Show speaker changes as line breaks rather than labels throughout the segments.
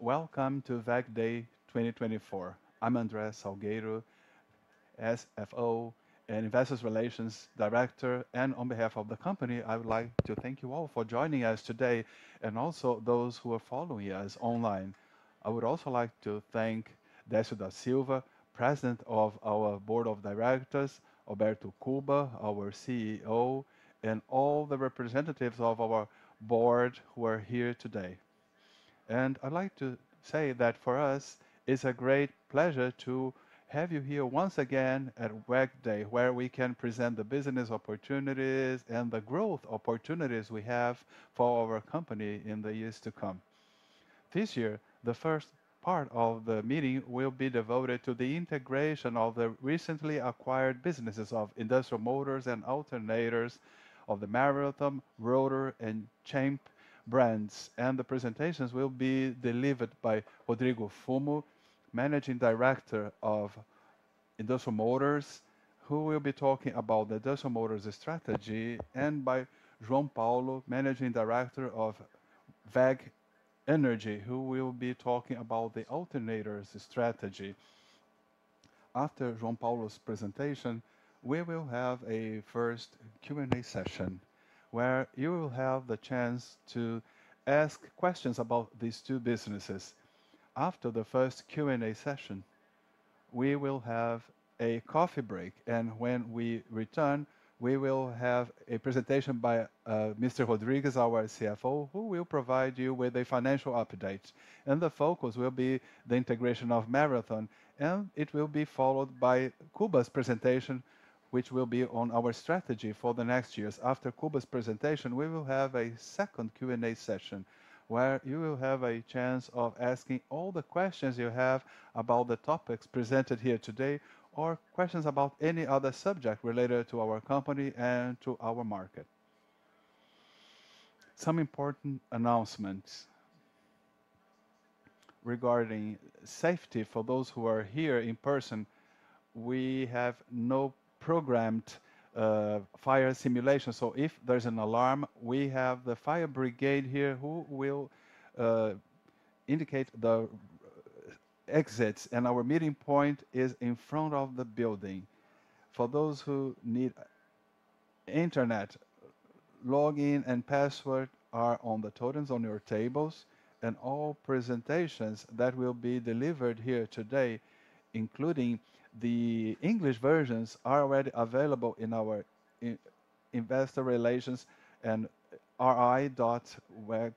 Welcome to WEG Day 2024. I'm André Salgueiro, SFO and Investor Relations Director, and on behalf of the company, I would like to thank you all for joining us today, and also those who are following us online. I would also like to thank Décio da Silva, President of our Board of Directors, Alberto Kuba, our CEO, and all the representatives of our board who are here today, and I'd like to say that for us, it's a great pleasure to have you here once again at WEG Day, where we can present the business opportunities and the growth opportunities we have for our company in the years to come. This year, the first part of the meeting will be devoted to the integration of the recently acquired businesses of industrial motors and alternators of the Marathon, Rotor, and Cemp brands, and the presentations will be delivered by Rodrigo Fumo, Managing Director of Industrial Motors, who will be talking about the Industrial Motors' strategy, and by João Paulo, Managing Director of WEG Energy, who will be talking about the alternators strategy. After João Paulo's presentation, we will have a first Q&A session, where you will have the chance to ask questions about these two businesses. After the first Q&A session, we will have a coffee break, and when we return, we will have a presentation by, Mr. Rodrigues, our CFO, who will provide you with a financial update, and the focus will be the integration of Marathon, and it will be followed by Kuba's presentation, which will be on our strategy for the next years. After Kuba's presentation, we will have a second Q&A session, where you will have a chance of asking all the questions you have about the topics presented here today, or questions about any other subject related to our company and to our market. Some important announcements regarding safety for those who are here in person. We have no programmed fire simulation, so if there's an alarm, we have the fire brigade here who will indicate the exits, and our meeting point is in front of the building. For those who need internet, login and password are on the totems on your tables, and all presentations that will be delivered here today, including the English versions, are already available in our Investor Relations and ri.weg.net.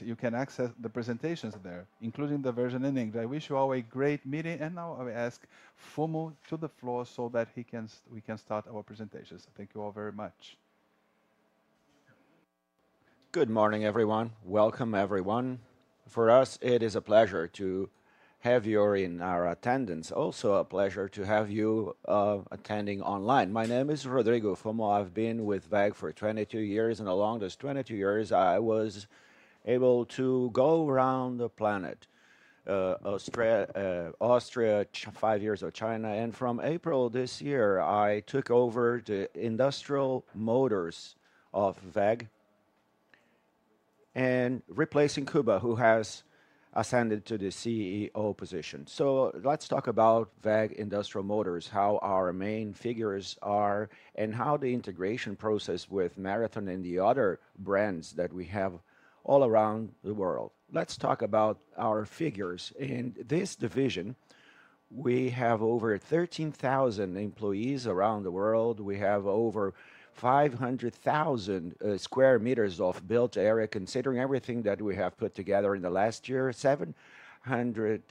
You can access the presentations there, including the version in English. I wish you all a great meeting, and now I ask Fumo to the floor so that we can start our presentations. Thank you all very much. Good morning, everyone. Welcome, everyone. For us, it is a pleasure to have you in our attendance. Also, a pleasure to have you, attending online. My name is Rodrigo Fumo. I've been with WEG for 22 years, and along those 22 years, I was able to go around the planet. Austria, five years of China, and from April this year, I took over the Industrial Motors of WEG, and replacing Kuba, who has ascended to the CEO position. So let's talk about WEG Industrial Motors, how our main figures are, and how the integration process with Marathon and the other brands that we have all around the world. Let's talk about our figures. In this division, we have over 13,000 employees around the world. We have over 500,000 sq m of built area, considering everything that we have put together in the last year. 710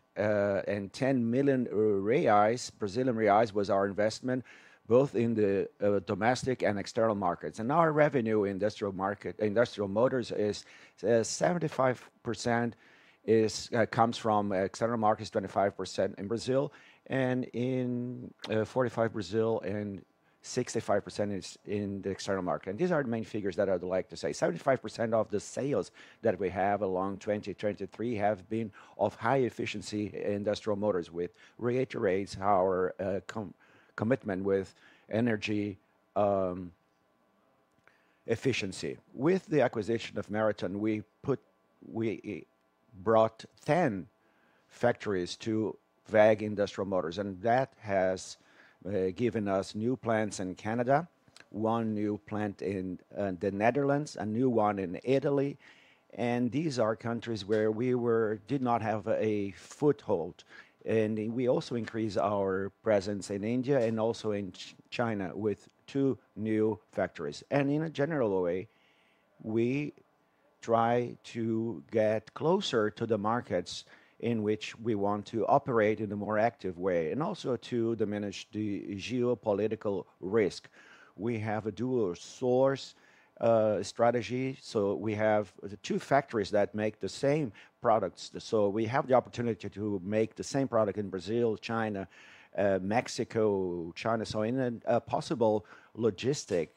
million reais was our investment, both in the domestic and external markets. Our revenue, industrial market, industrial motors is 75% comes from external markets, 25% in Brazil, and in 45 Brazil and 65% is in the external market. These are the main figures that I'd like to say. 75% of the sales that we have along 2023 have been of high efficiency industrial motors, which reiterates our commitment with energy efficiency. With the acquisition of Marathon, we put... We brought ten factories to WEG Industrial Motors, and that has given us new plants in Canada, one new plant in the Netherlands, a new one in Italy, and these are countries where we did not have a foothold. And we also increased our presence in India and also in China with two new factories. And in a general way, we try to get closer to the markets in which we want to operate in a more active way, and also to diminish the geopolitical risk. We have a dual source strategy, so we have the two factories that make the same products. So we have the opportunity to make the same product in Brazil, China, Mexico, China. So in a possible logistic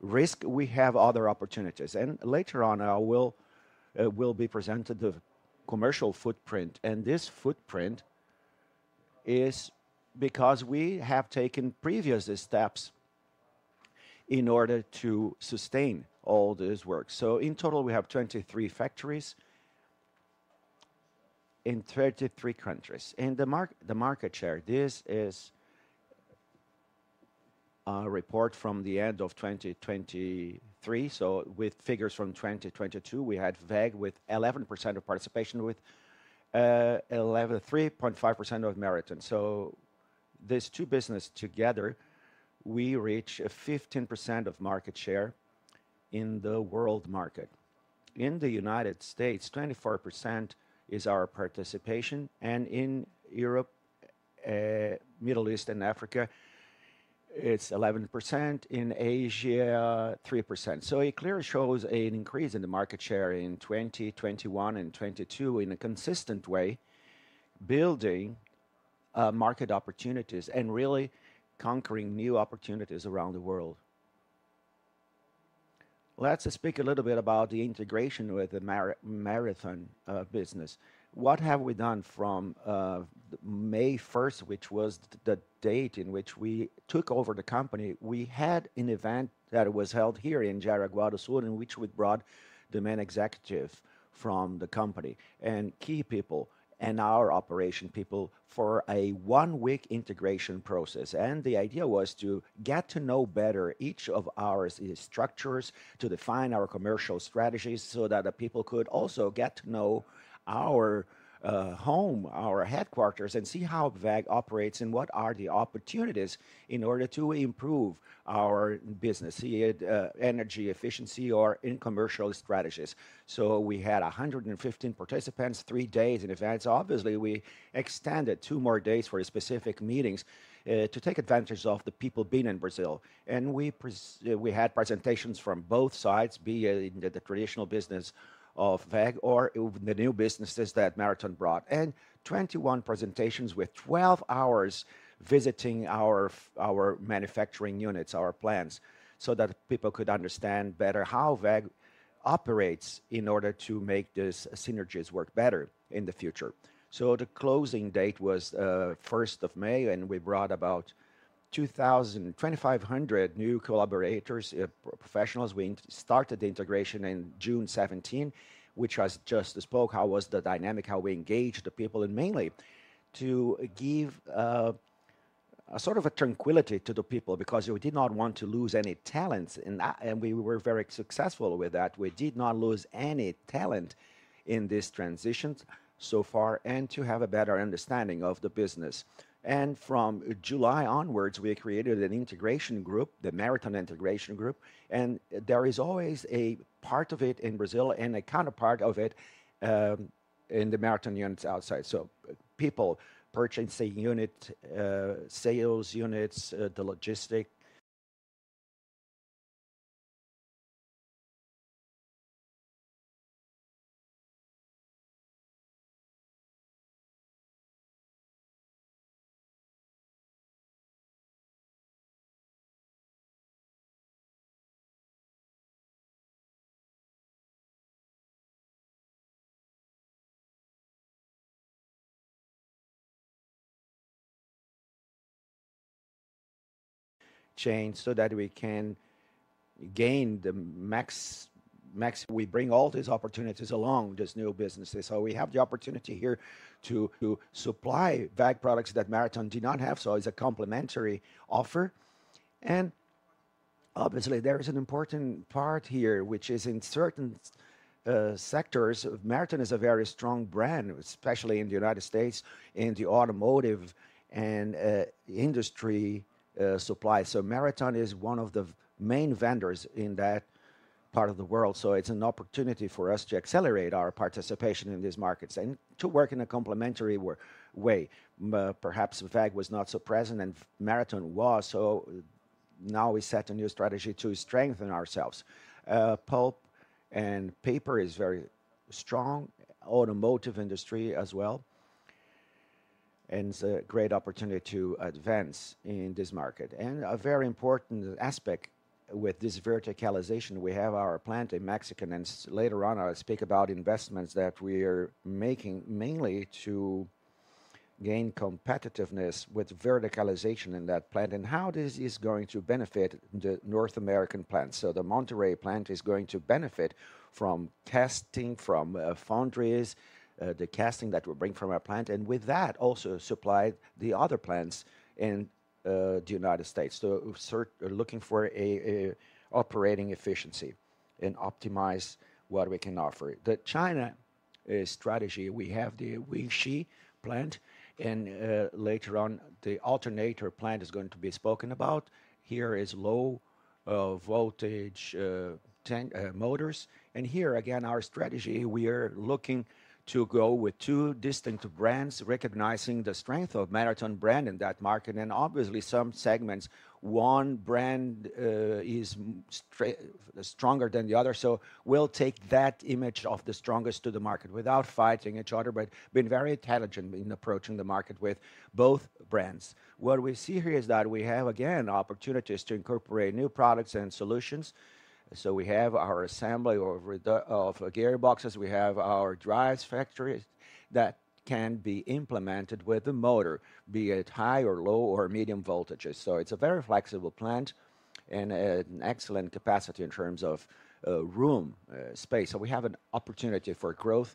risk, we have other opportunities. Later on, I will be presented the commercial footprint, and this footprint is because we have taken previous steps in order to sustain all this work. In total, we have 23 factories in 33 countries. The market share, this is a report from the end of 2023, so with figures from 2022. We had WEG with 11% of participation, with three point five percent of Marathon. These two business together, we reach a 15% of market share in the world market. In the U.S., 24% is our participation, and in Europe, Middle East, and Africa, it's 11%. In Asia, 3%. So it clearly shows an increase in the market share in twenty twenty-one and twenty two in a consistent way, building market opportunities and really conquering new opportunities around the world. Let's speak a little bit about the integration with the Mari-Marathon business. What have we done from May first, which was the date in which we took over the company? We had an event that was held here in Jaraguá do Sul, in which we brought the main executive from the company and key people and our operation people for a one-week integration process. The idea was to get to know better each of our structures, to define our commercial strategies, so that the people could also get to know our home, our headquarters, and see how WEG operates, and what are the opportunities in order to improve our business, be it energy efficiency or in commercial strategies. We had 115 participants, three days in events. Obviously, we extended two more days for specific meetings to take advantage of the people being in Brazil. We had presentations from both sides, be it the traditional business of WEG or the new businesses that Marathon brought, and 21 presentations with 12 hours visiting our manufacturing units, our plants, so that people could understand better how WEG operates in order to make these synergies work better in the future. So the closing date was first of May, and we brought about two thousand... twenty-five hundred new collaborators, professionals. We started the integration in June 2017, which I just spoke, how was the dynamic, how we engaged the people, and mainly to give a sort of a tranquility to the people, because we did not want to lose any talents in that, and we were very successful with that. We did not lose any talent in this transition so far, and to have a better understanding of the business. From July onwards, we created an integration group, the Marathon Integration Group, and there is always a part of it in Brazil and a counterpart of it in the Marathon units outside. People, purchasing unit, sales units, the logistic... chain, so that we can gain the max, we bring all these opportunities along, these new businesses. So we have the opportunity here to supply WEG products that Marathon do not have, so it's a complementary offer. And obviously, there is an important part here, which is in certain sectors, Marathon is a very strong brand, especially in the U.S., in the automotive and industry supply. So Marathon is one of the main vendors in that part of the world, so it's an opportunity for us to accelerate our participation in these markets and to work in a complementary way. Perhaps WEG was not so present and Marathon was, so now we set a new strategy to strengthen ourselves. Pulp and paper is very strong, automotive industry as well, and it's a great opportunity to advance in this market. A very important aspect with this verticalization, we have our plant in Mexico, and later on, I'll speak about investments that we are making, mainly to gain competitiveness with verticalization in that plant and how this is going to benefit the North American plant. The Monterrey plant is going to benefit from testing, from foundries, the casting that we bring from our plant, and with that, also supply the other plants in the U.S. Looking for operating efficiency and optimize what we can offer. The China strategy, we have the Wuxi plant, and later on, the alternator plant is going to be spoken about. Here is low voltage motors. Here, again, our strategy, we are looking to go with two distinct brands, recognizing the strength of Marathon brand in that market. Obviously, some segments, one brand is stronger than the other. We'll take that image of the strongest to the market without fighting each other, but being very intelligent in approaching the market with both brands. What we see here is that we have, again, opportunities to incorporate new products and solutions. We have our assembly of gearboxes, we have our drives factories that can be implemented with the motor, be it high or low or medium voltages. It's a very flexible plant and an excellent capacity in terms of room, space. We have an opportunity for growth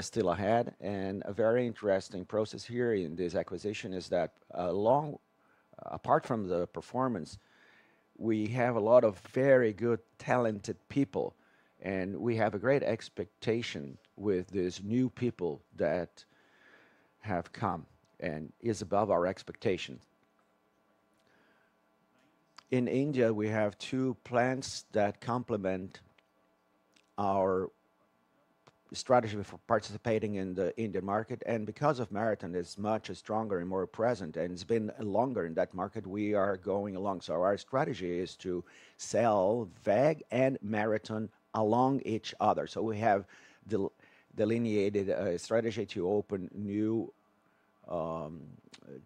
still ahead. A very interesting process here in this acquisition is that, apart from the performance, we have a lot of very good, talented people, and we have a great expectation with these new people that have come, and it is above our expectations. In India, we have two plants that complement our strategy for participating in the Indian market, and because of Marathon, it is much stronger and more present, and it has been longer in that market, we are going along. Our strategy is to sell WEG and Marathon along each other. We have delineated a strategy to open new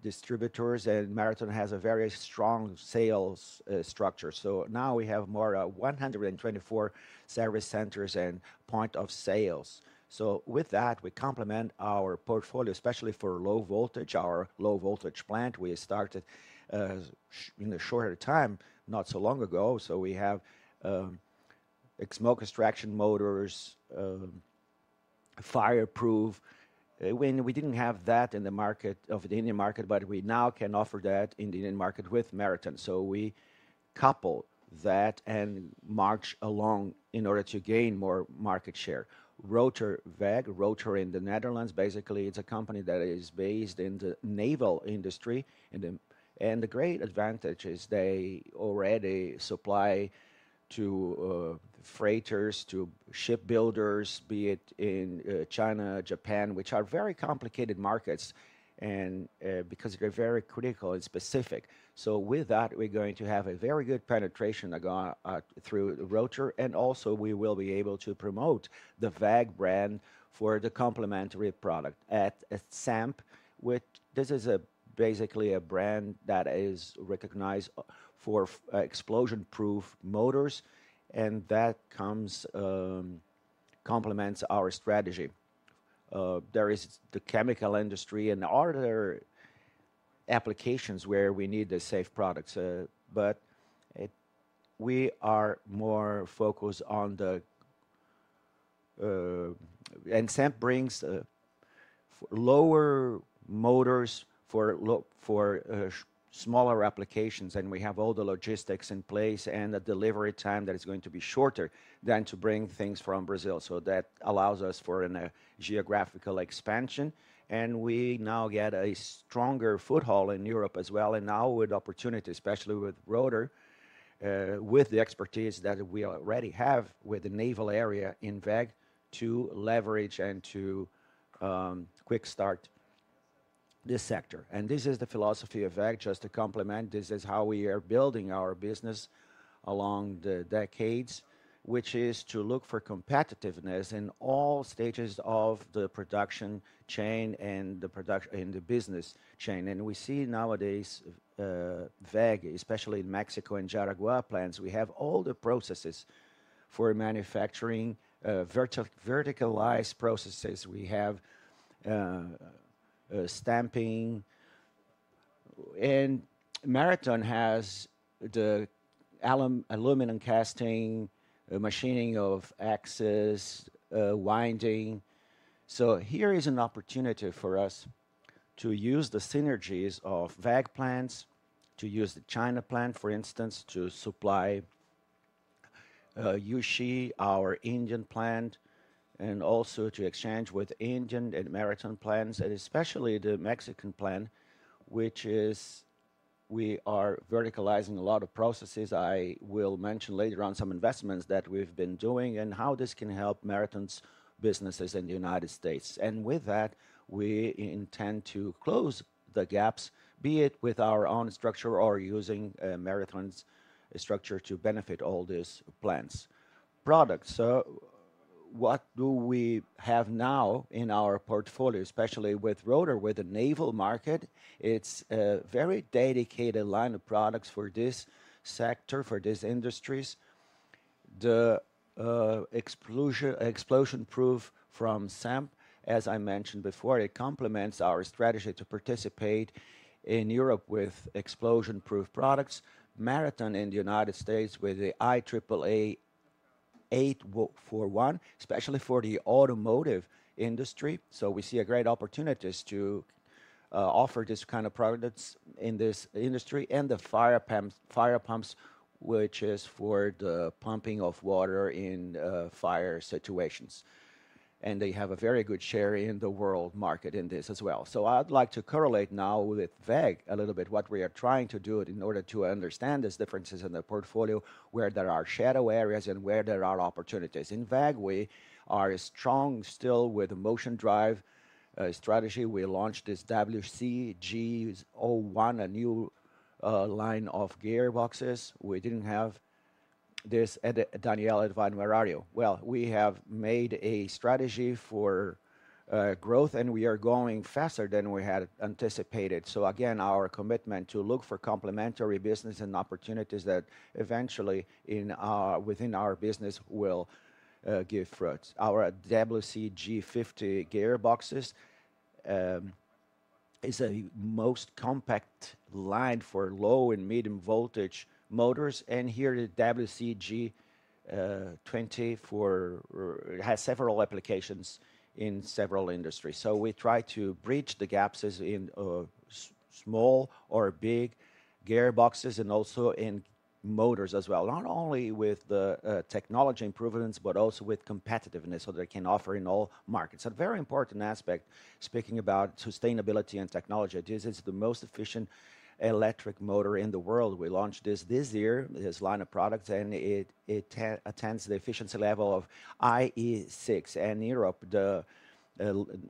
distributors, and Marathon has a very strong sales structure. Now we have more than 124 service centers and points of sale. With that, we complement our portfolio, especially for low voltage, our low-voltage plant. We started in a shorter time, not so long ago, so we have smoke extraction motors, fireproof. When we didn't have that in the Indian market, but we now can offer that in the Indian market with Marathon, so we couple that and march along in order to gain more market share. Rotor WEG, Rotor in the Netherlands, basically. It's a company that is based in the naval industry, and the great advantage is they already supply to freighters, to shipbuilders, be it in China, Japan, which are very complicated markets, and because they're very critical and specific. So with that, we're going to have a very good penetration in Asia through Rotor, and also we will be able to promote the WEG brand for the complementary product. At Cemp, which this is basically a brand that is recognized for explosion-proof motors, and that complements our strategy. There is the chemical industry and other applications where we need the safe products, but we are more focused on the. And Cemp brings lower motors for smaller applications, and we have all the logistics in place and the delivery time that is going to be shorter than to bring things from Brazil. So that allows us for a geographical expansion, and we now get a stronger foothold in Europe as well, and now with opportunity, especially with Rotor, with the expertise that we already have with the naval area in WEG, to leverage and to quick start this sector. This is the philosophy of WEG, just to complement. This is how we are building our business along the decades, which is to look for competitiveness in all stages of the production chain and the product in the business chain. And we see nowadays, WEG, especially in Mexico and Jaraguá plants, we have all the processes for manufacturing, verticalized processes. We have stamping. And Marathon has the aluminum casting, machining of axes, winding. So here is an opportunity for us to use the synergies of WEG plants, to use the China plant, for instance, to supply Wuxi, our Indian plant, and also to exchange with Indian and Marathon plants, and especially the Mexican plant, which is, we are verticalizing a lot of processes. I will mention later on some investments that we've been doing and how this can help Marathon's businesses in the U.S. And with that, we intend to close the gaps, be it with our own structure or using Marathon's structure to benefit all these plants. Products. What do we have now in our portfolio, especially with Rotor, with the naval market? It's a very dedicated line of products for this sector, for these industries. The explosion-proof from Cemp, as I mentioned before, it complements our strategy to participate in Europe with explosion-proof products. Marathon in the U.S., with the IEEE 841, especially for the automotive industry, so we see a great opportunities to offer this kind of products in this industry, and the fire pumps, which is for the pumping of water in fire situations. And they have a very good share in the world market in this as well. I'd like to correlate now with WEG a little bit, what we are trying to do in order to understand these differences in the portfolio, where there are shadow areas and where there are opportunities. In WEG, we are strong still with the Motion Drive strategy. We launched this WCG01, a new line of gearboxes we didn't have. We have made a strategy for growth, and we are growing faster than we had anticipated. Again, our commitment to look for complementary business and opportunities that eventually in our, within our business will give fruits. Our WCG 50 gearboxes is a most compact line for low and medium voltage motors, and here, the WCG 24 has several applications in several industries. We try to bridge the gaps as in small or big gearboxes and also in motors as well, not only with the technology improvements, but also with competitiveness, so they can offer in all markets. A very important aspect, speaking about sustainability and technology, this is the most efficient electric motor in the world. We launched this year this line of products, and it attains the efficiency level of IE6. In Europe, the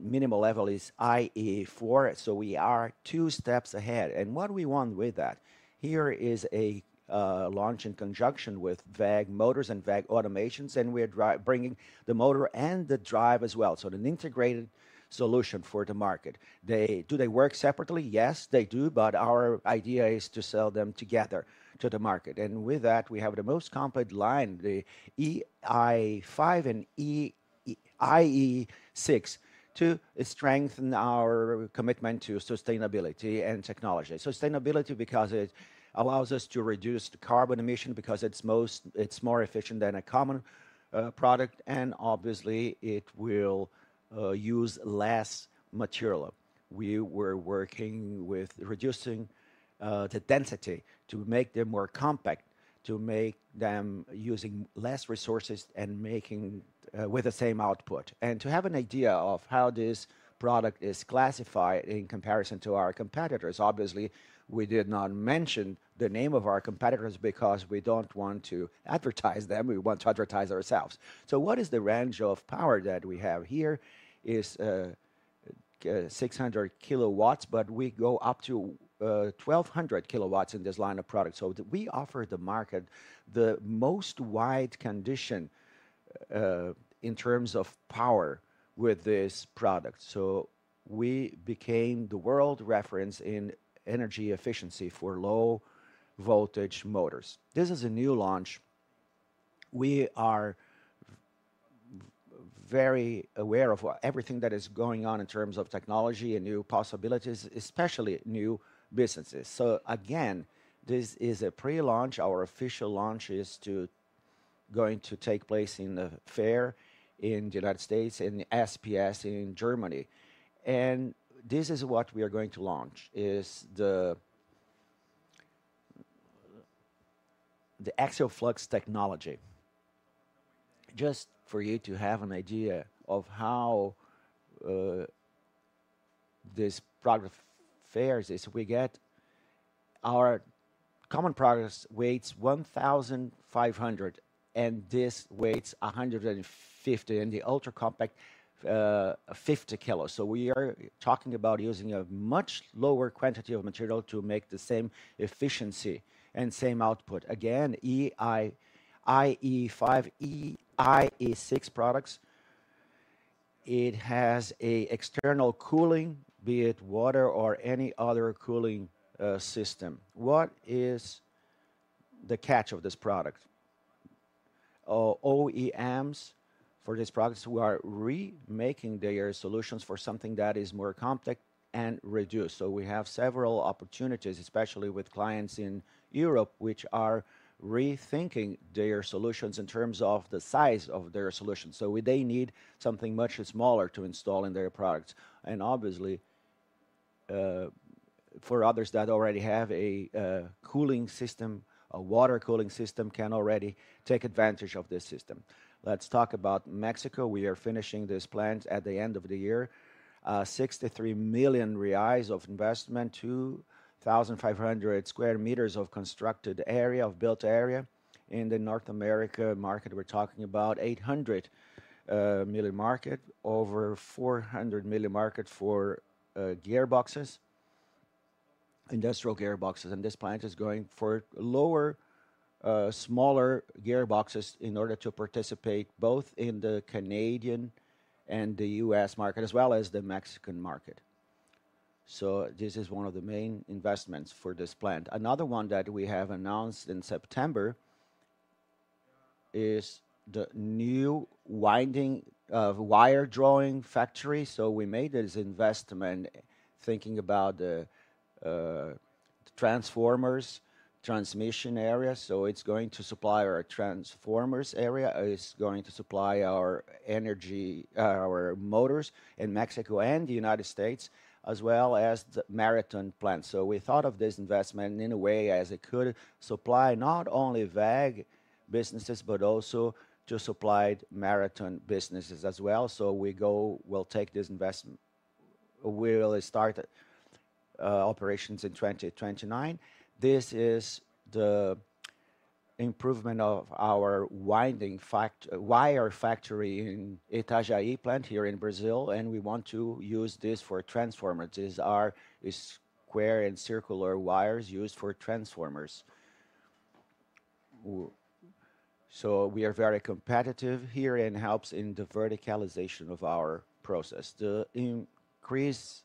minimal level is IE4, so we are two steps ahead. What do we want with that? Here is a launch in conjunction with WEG Motors and WEG Automations, and we are bringing the motor and the drive as well, so an integrated solution for the market. They do they work separately? Yes, they do, but our idea is to sell them together to the market, and with that, we have the most compact line, the IE5 and IE6, to strengthen our commitment to sustainability and technology. Sustainability, because it allows us to reduce the carbon emission, because it's more efficient than a common product, and obviously, it will use less material. We were working with reducing the density to make them more compact, to make them using less resources and making with the same output. And to have an idea of how this product is classified in comparison to our competitors, obviously, we did not mention the name of our competitors because we don't want to advertise them, we want to advertise ourselves, so what is the range of power that we have here? It's 600 kilowatts, but we go up to 1,200 kilowatts in this line of products. So we offer the market the most wide condition in terms of power with this product. So we became the world reference in energy efficiency for low-voltage motors. This is a new launch. We are very aware of what everything that is going on in terms of technology and new possibilities, especially new businesses. So again, this is a pre-launch. Our official launch is going to take place in the fair in the U.S., in the SPS, in Germany. And this is what we are going to launch, is the Axial Flux technology. Just for you to have an idea of how this product fares is, we get our common products weighs 1,500, and this weighs 150, and the ultra-compact 50 kilos. So we are talking about using a much lower quantity of material to make the same efficiency and same output. Again, IE5, IE6 products. It has a external cooling, be it water or any other cooling system. What is the catch of this product? OEMs for these products who are re-making their solutions for something that is more compact and reduced. So we have several opportunities, especially with clients in Europe, which are rethinking their solutions in terms of the size of their solutions. So they need something much smaller to install in their products. And obviously, for others that already have a cooling system, a water cooling system can already take advantage of this system. Let's talk about Mexico. We are finishing this plant at the end of the year, 63 million reais of investment, 2,500 sq m of constructed area, of built area. In the North America market, we're talking about $800 million market, over $400 million market for gearboxes, industrial gearboxes. And this plant is going for lower, smaller gearboxes in order to participate both in the Canadian and the US market, as well as the Mexican market. So this is one of the main investments for this plant. Another one that we have announced in September is the new winding wire drawing factory. So we made this investment thinking about the transformers, transmission area, so it's going to supply our transformers area, it's going to supply our energy, our motors in Mexico and the U.S., as well as the Marathon plant. So we thought of this investment in a way as it could supply not only WEG businesses, but also to supply Marathon businesses as well. So we'll take this investment. We will start operations in twenty twenty-nine. This is the improvement of our winding wire factory in Itajaí plant here in Brazil, and we want to use this for transformers. These are the square and circular wires used for transformers. So we are very competitive here and helps in the verticalization of our process. The increase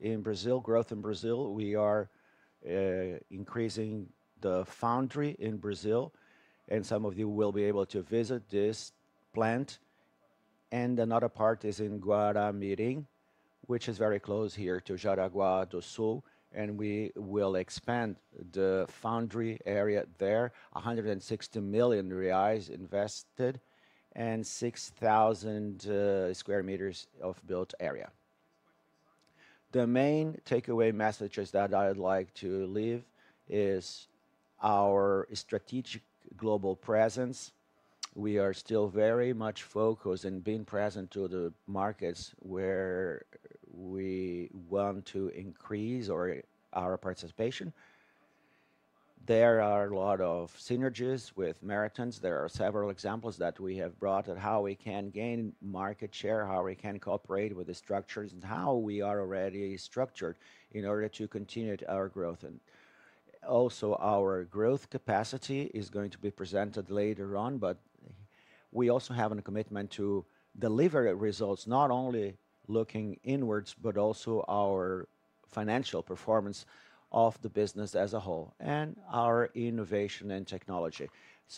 in Brazil, growth in Brazil, we are increasing the foundry in Brazil, and some of you will be able to visit this plant. Another part is in Guaramirim, which is very close here to Jaraguá do Sul, and we will expand the foundry area there, 160 million reais invested, and 6,000 sq m of built area. The main takeaway messages that I'd like to leave is our strategic global presence. We are still very much focused in being present to the markets where we want to increase our participation. There are a lot of synergies with Marathon's. There are several examples that we have brought on how we can gain market share, how we can cooperate with the structures, and how we are already structured in order to continue our growth. Also, our growth capacity is going to be presented later on, but we also have a commitment to deliver results, not only looking inwards, but also our financial performance of the business as a whole, and our innovation and technology.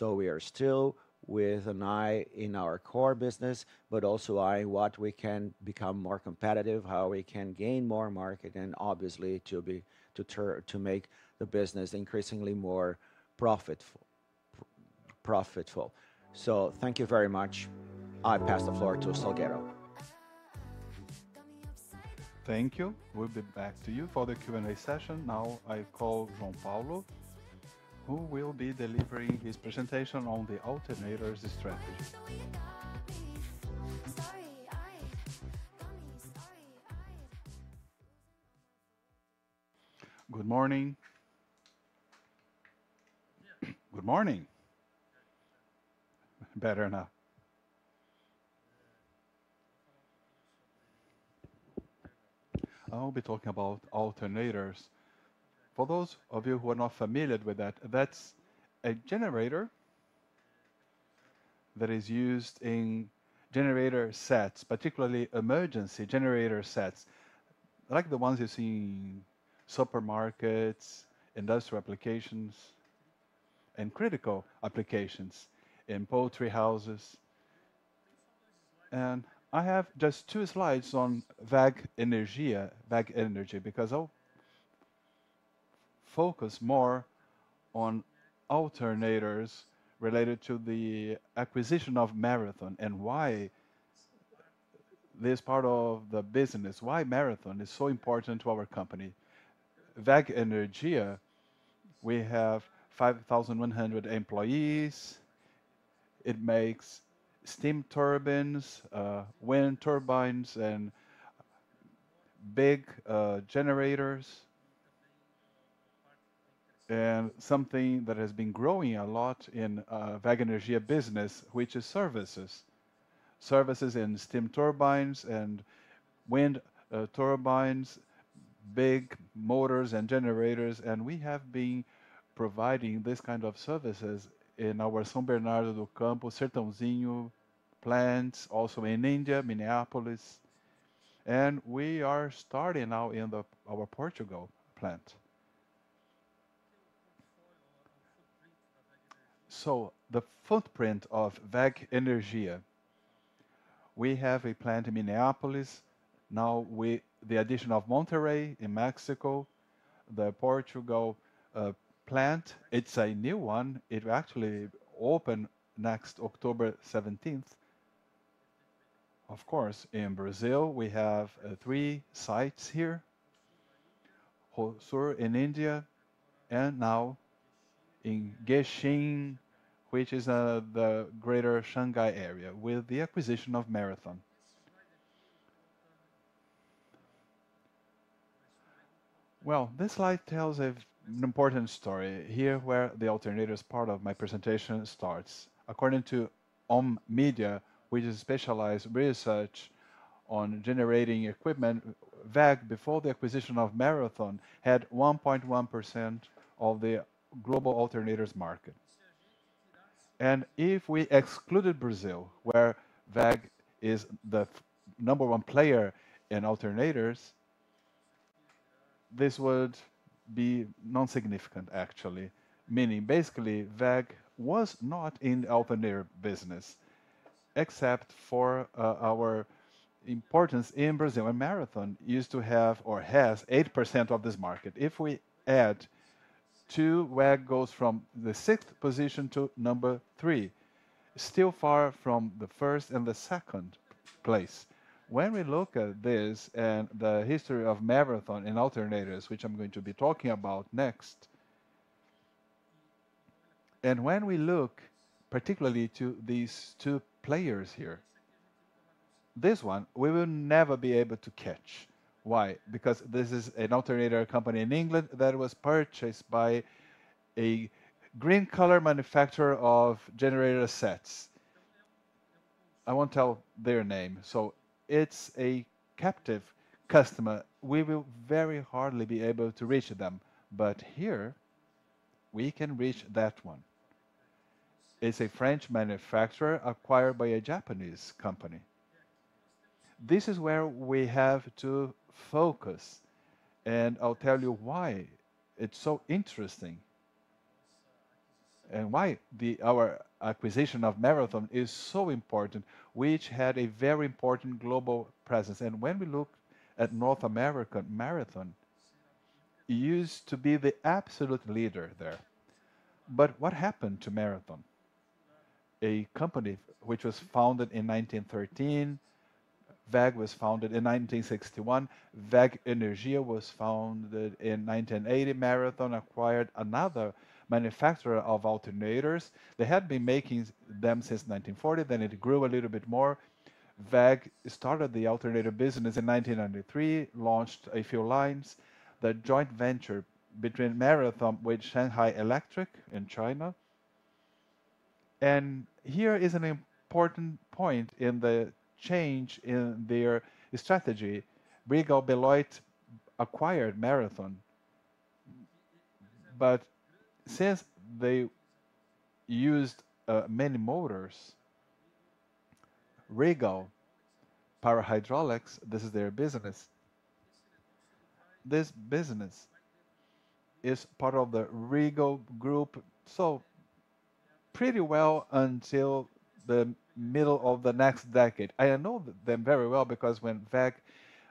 We are still with an eye on our core business, but also an eye on what we can become more competitive, how we can gain more market, and obviously, to make the business increasingly more profitable. Thank you very much. I pass the floor to Salgueiro. Thank you. We'll be back to you for the Q&A session. Now, I call João Paulo, who will be delivering his presentation on the alternators strategy. Good morning. Good morning! Better now. I will be talking about alternators. For those of you who are not familiar with that, that's a generator that is used in generator sets, particularly emergency generator sets, like the ones you see in supermarkets, industrial applications, and critical applications, in poultry houses. And I have just two slides on WEG Energia, WEG Energy, because I'll focus more on alternators related to the acquisition of Marathon and why this part of the business, why Marathon is so important to our company. WEG Energia, we have five thousand one hundred employees. It makes steam turbines, wind turbines, and big, generators, and something that has been growing a lot in, WEG Energia business, which is services. Services in steam turbines and wind, turbines, big motors and generators, and we have been providing this kind of services in our São Bernardo do Campo, Sertãozinho plants, also in India, Minneapolis, and we are starting now in our Portugal plant. The footprint of WEG Energia, we have a plant in Minneapolis. Now, we... The addition of Monterrey in Mexico, the Portugal plant, it's a new one. It will actually open next October 17th. Of course, in Brazil, we have three sites here. Hosur in India, and now in Jiaxing, which is the Greater Shanghai area, with the acquisition of Marathon. Well, this slide tells an important story, here where the alternators part of my presentation starts. According to Omdia, which is specialized research on generating equipment, WEG, before the acquisition of Marathon, had 1.1% of the global alternators market. If we excluded Brazil, where WEG is the number one player in alternators, this would be non-significant, actually. Meaning, basically, WEG was not in the alternator business, except for our importance in Brazil, where Marathon used to have, or has, 8% of this market. If we add to WEG, goes from the sixth position to number three, still far from the first and the second place. When we look at this and the history of Marathon in alternators, which I'm going to be talking about next, and when we look particularly to these two players here, this one, we will never be able to catch. Why? Because this is an alternator company in England that was purchased by a green color manufacturer of generator sets. I won't tell their name, so it's a captive customer. We will very hardly be able to reach them, but here, we can reach that one. It's a French manufacturer acquired by a Japanese company. This is where we have to focus, and I'll tell you why it's so interesting and why our acquisition of Marathon is so important, which had a very important global presence. When we look at North America, Marathon used to be the absolute leader there. What happened to Marathon? A company which was founded in 1913. WEG was founded in 1961. WEG Energia was founded in 1980. Marathon acquired another manufacturer of alternators. They had been making them since 1940, then it grew a little bit more. WEG started the alternator business in 1993, launched a few lines. The joint venture between Marathon with Shanghai Electric in China. And here is an important point in the change in their strategy: Regal Beloit acquired Marathon. But since they used many motors, Regal Power Hydraulics, this is their business. This business is part of the Regal Group, so pretty well until the middle of the next decade. I know them very well because when WEG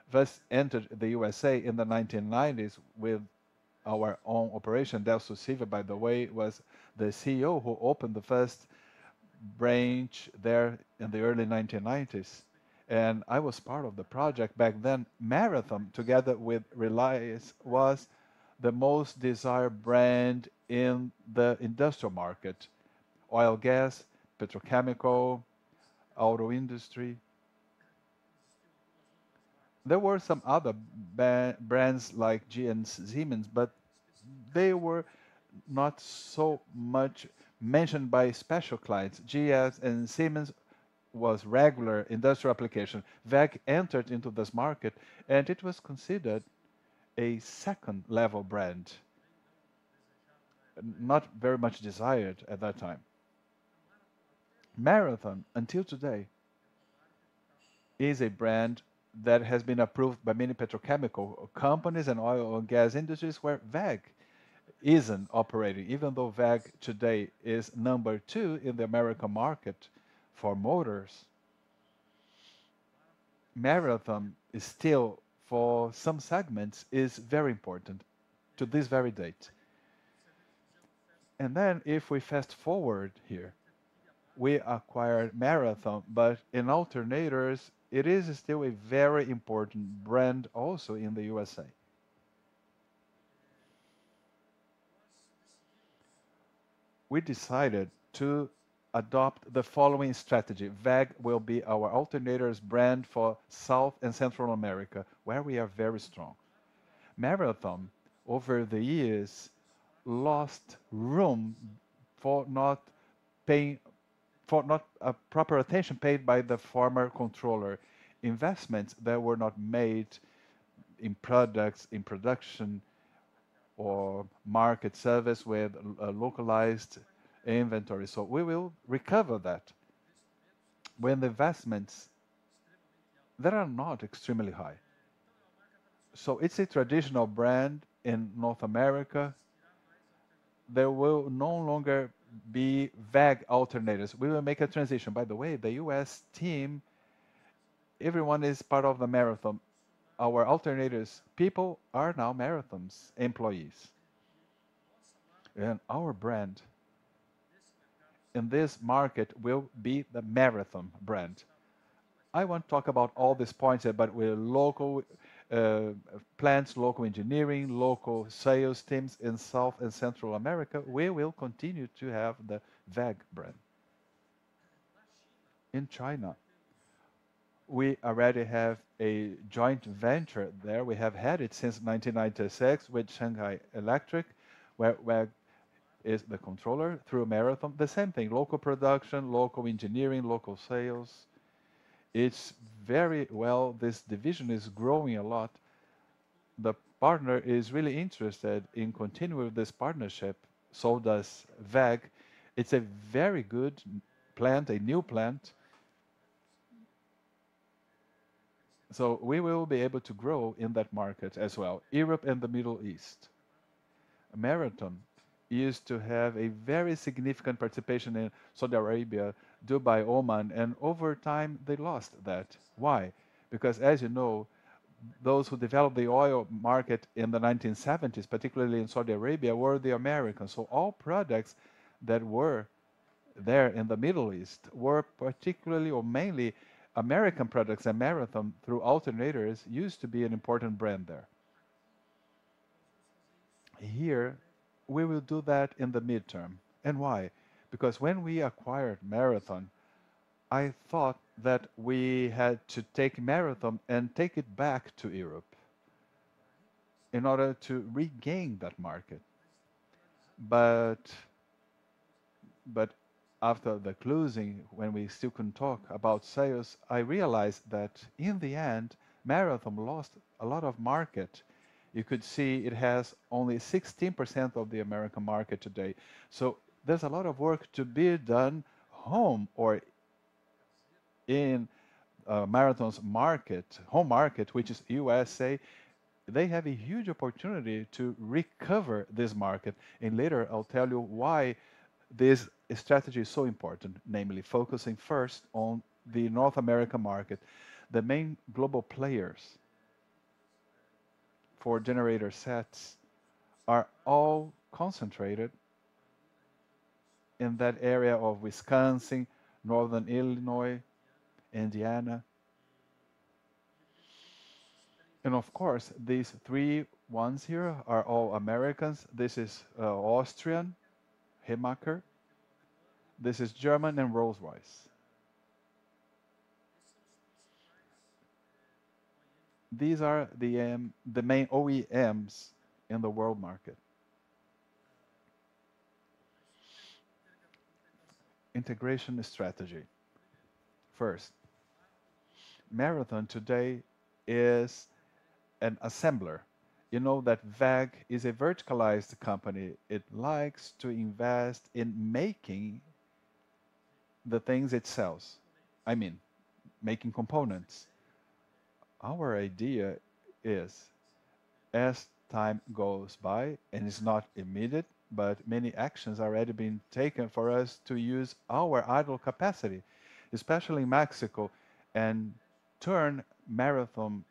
first entered the USA in the 1990s with our own operation, Décio da Silva, by the way, was the CEO who opened the first branch there in the early 1990s, and I was part of the project back then. Marathon, together with Reliance, was the most desired brand in the industrial market: oil and gas, petrochemical, auto industry. There were some other brands like GE and Siemens, but they were not so much mentioned by special clients. GE and Siemens was regular industrial application. WEG entered into this market, and it was considered a second-level brand, not very much desired at that time. Marathon, until today, is a brand that has been approved by many petrochemical companies and oil and gas industries where WEG isn't operating. Even though WEG today is number two in the American market for motors, Marathon is still, for some segments, very important to this very date. And then, if we fast-forward here, we acquired Marathon, but in alternators, it is still a very important brand also in the USA. We decided to adopt the following strategy: WEG will be our alternators brand for South and Central America, where we are very strong. Marathon, over the years, lost room for not paying proper attention by the former controller. Investments that were not made in products, in production or market service with a localized inventory, so we will recover that. When the investments, they are not extremely high, so it's a traditional brand in North America. There will no longer be WEG alternators. We will make a transition. By the way, the U.S. team, everyone is part of the Marathon. Our alternators people are now Marathon's employees, and our brand in this market will be the Marathon brand. I won't talk about all these points here, but we're local plants, local engineering, local sales teams in South and Central America. We will continue to have the WEG brand. In China, we already have a joint venture there. We have had it since 1996 with Shanghai Electric, where is the controller through Marathon. The same thing, local production, local engineering, local sales. It's very well. This division is growing a lot. The partner is really interested in continuing this partnership, so does WEG. It's a very good plant, a new plant, so we will be able to grow in that market as well. Europe and the Middle East. Marathon used to have a very significant participation in Saudi Arabia, Dubai, Oman, and over time, they lost that. Why? Because as you know, those who developed the oil market in the 1970s, particularly in Saudi Arabia, were the Americans. So all products that were there in the Middle East were particularly or mainly American products, and Marathon, through alternators, used to be an important brand there. Here, we will do that in the medium term, and why? Because when we acquired Marathon, I thought that we had to take Marathon and take it back to Europe... in order to regain that market. But after the closing, when we still can talk about sales, I realized that in the end, Marathon lost a lot of market. You could see it has only 16% of the American market today. So there's a lot of work to be done home or in Marathon's market, home market, which is USA. They have a huge opportunity to recover this market, and later I'll tell you why this strategy is so important, namely, focusing first on the North American market. The main global players for generator sets are all concentrated in that area of Wisconsin, Northern Illinois, Indiana. And of course, these three ones here are all Americans. This is Austrian, Jenbacher, this is German, and Rolls-Royce. These are the main OEMs in the world market. Integration strategy. First, Marathon today is an assembler. You know that WEG is a verticalized company. It likes to invest in making the things it sells. I mean, making components. Our idea is, as time goes by, and it's not immediate, but many actions are already being taken for us to use our idle capacity, especially in Mexico, and turn Marathon,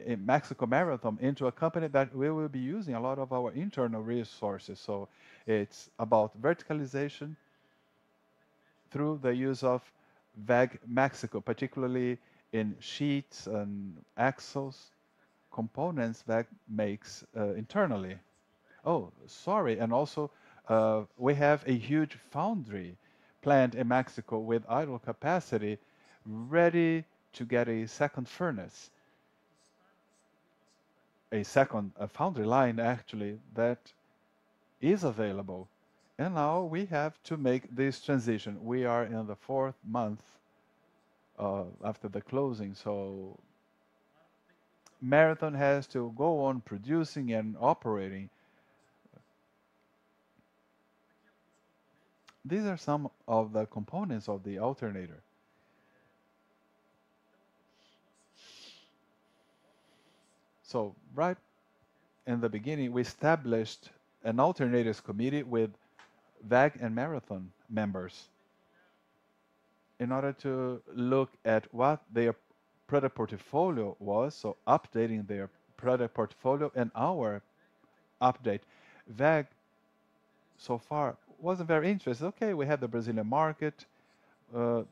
in Mexico Marathon, into a company that we will be using a lot of our internal resources. So it's about verticalization through the use of WEG Mexico, particularly in sheets and axles, components that makes internally. Oh, sorry, and also, we have a huge foundry plant in Mexico with idle capacity, ready to get a second furnace. A foundry line, actually, that is available, and now we have to make this transition. We are in the fourth month after the closing, so Marathon has to go on producing and operating. These are some of the components of the alternator. So right in the beginning, we established an alternators committee with WEG and Marathon members in order to look at what their product portfolio was, so updating their product portfolio and our update. WEG, so far, wasn't very interested. Okay, we had the Brazilian market,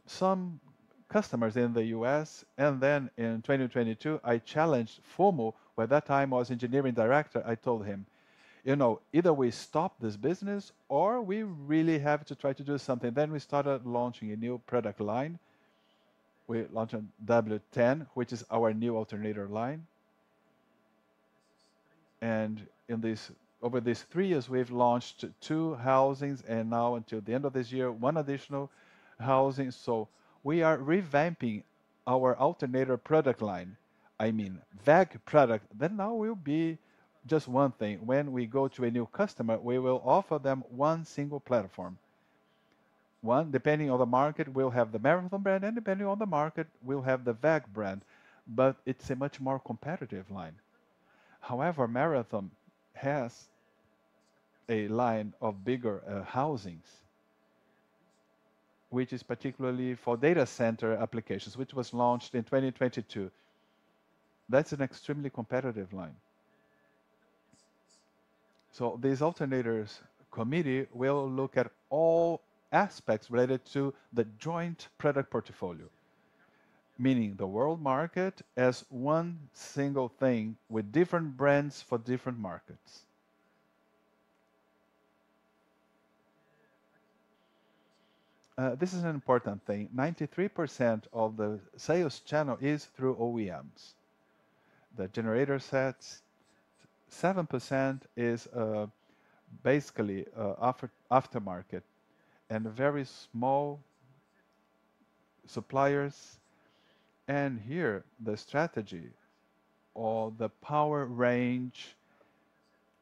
some customers in the U.S., and then in 2022, I challenged Fumo, by that time was engineering director. I told him: "You know, either we stop this business or we really have to try to do something." Then we started launching a new product line. We launched a W10, which is our new alternator line. Over these three years, we've launched two housings, and now until the end of this year, one additional housing. We are revamping our alternator product line. I mean, WEG product. Then now will be just one thing. When we go to a new customer, we will offer them one single platform. One, depending on the market, we'll have the Marathon brand, and depending on the market, we'll have the WEG brand, but it's a much more competitive line. However, Marathon has a line of bigger housings, which is particularly for data center applications, which was launched in 2022. That's an extremely competitive line. This alternators committee will look at all aspects related to the joint product portfolio, meaning the world market as one single thing with different brands for different markets. This is an important thing. 93% of the sales channel is through OEMs. The generator sets, 7% is basically aftermarket and very small suppliers. Here, the strategy or the power range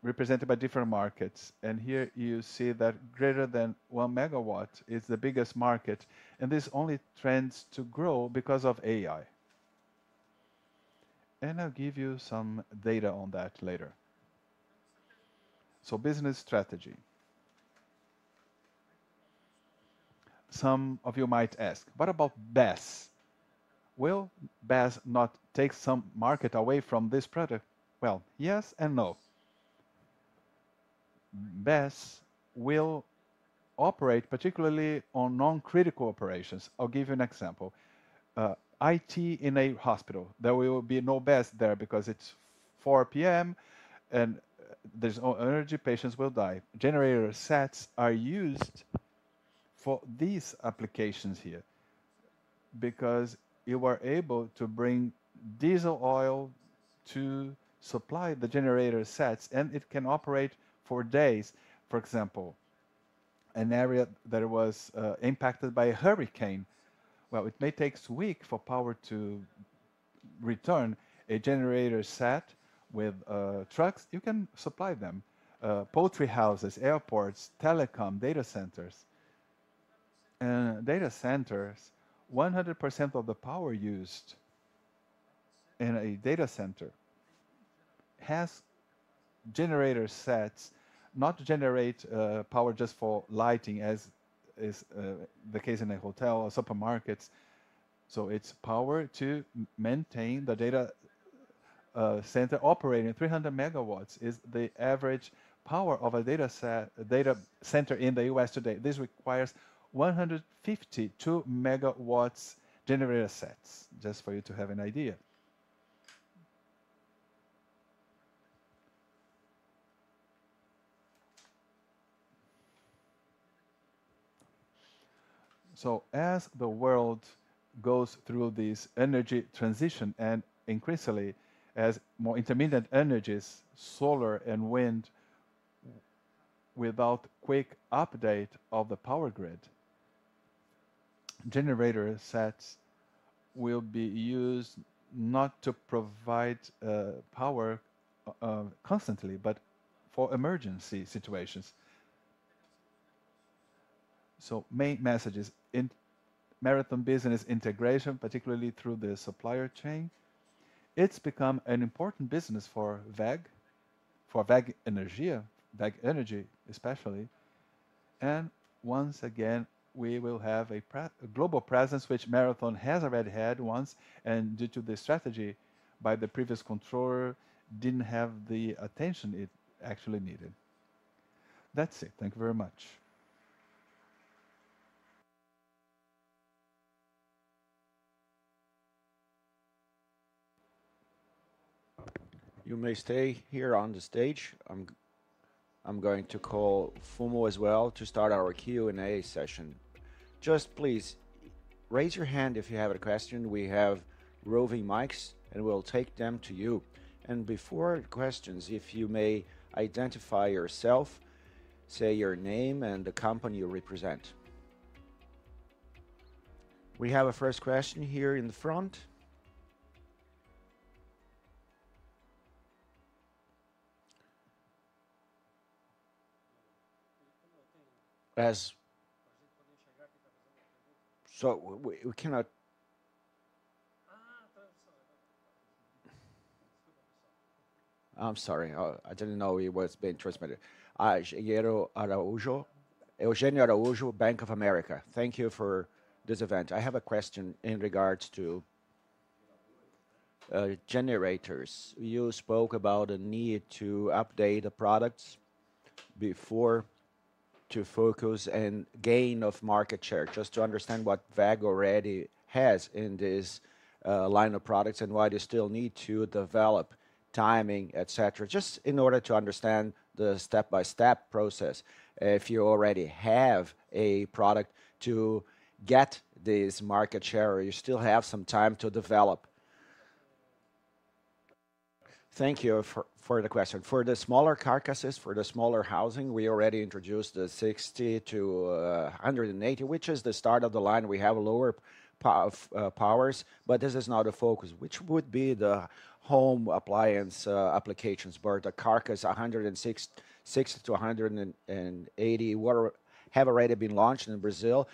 represented by different markets, and here you see that greater than 1 MW is the biggest market, and this only trends to grow because of AI. I'll give you some data on that later. Business strategy. Some of you might ask: What about BESS? Will BESS not take some market away from this product? Well, yes and no. BESS will operate particularly on non-critical operations. I'll give you an example. IT in a hospital, there will be no BESS there because it's 4:00 P.M., and there's no energy, patients will die. Generator sets are used for these applications here.... because you are able to bring diesel oil to supply the generator sets, and it can operate for days. For example, an area that was impacted by a hurricane, well, it may takes weeks for power to return. A generator set with trucks, you can supply them. Poultry houses, airports, telecom, data centers. Data centers, 100% of the power used in a data center has generator sets, not to generate power just for lighting, as is the case in a hotel or supermarkets, so it's power to maintain the data center operating. 300 MW is the average power of a data center in the U.S. today. This requires 152 MW generator sets, just for you to have an idea. So as the world goes through this energy transition, and increasingly, as more intermittent energies, solar and wind, without quick update of the power grid, generator sets will be used not to provide power constantly, but for emergency situations. The main message is in Marathon business integration, particularly through the supply chain, it's become an important business for WEG, for WEG Energia, WEG Energy, especially, and once again, we will have a global presence, which Marathon has already had once, and due to the strategy by the previous owner, didn't have the attention it actually needed. That's it. Thank you very much. You may stay here on the stage. I'm going to call Fumo as well to start our Q&A session. Just please, raise your hand if you have a question. We have roving mics, and we'll take them to you. Before questions, if you may identify yourself, say your name and the company you represent. We have a first question here in the front. So we cannot- Ah, translation! I'm sorry. I didn't know it was being transmitted. Hi, Eugenio Araujo. Eugenio Araujo, Bank of America. Thank you for this event. I have a question in regards to generators. You spoke about a need to update the products before to focus and gain of market share, just to understand what WEG already has in this line of products and why they still need to develop, timing, et cetera. Just in order to understand the step-by-step process, if you already have a product to get this market share, or you still have some time to develop. Thank you for the question. For the smaller carcasses, for the smaller housing, we already introduced the 60-180, which is the start of the line. We have lower powers, but this is not a focus, which would be the home appliance applications, where the carcass 160-180 have already been launched in Brazil,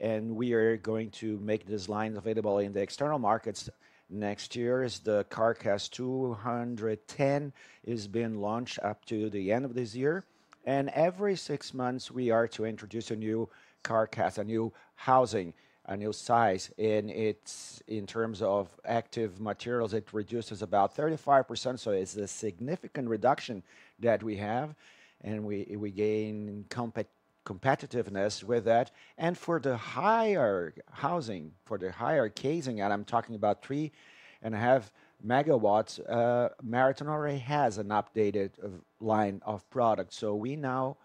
and we are going to make this line available in the external markets next year, as the carcass 210 is being launched up to the end of this year. Every six months, we are to introduce a new carcass, a new housing, a new size, and it's, in terms of active materials, it reduces about 35%, so it's a significant reduction that we have, and we gain competitiveness with that. For the higher housing, for the higher casing, and I'm talking about 3.5 MW, Marathon already has an updated line of products. So we now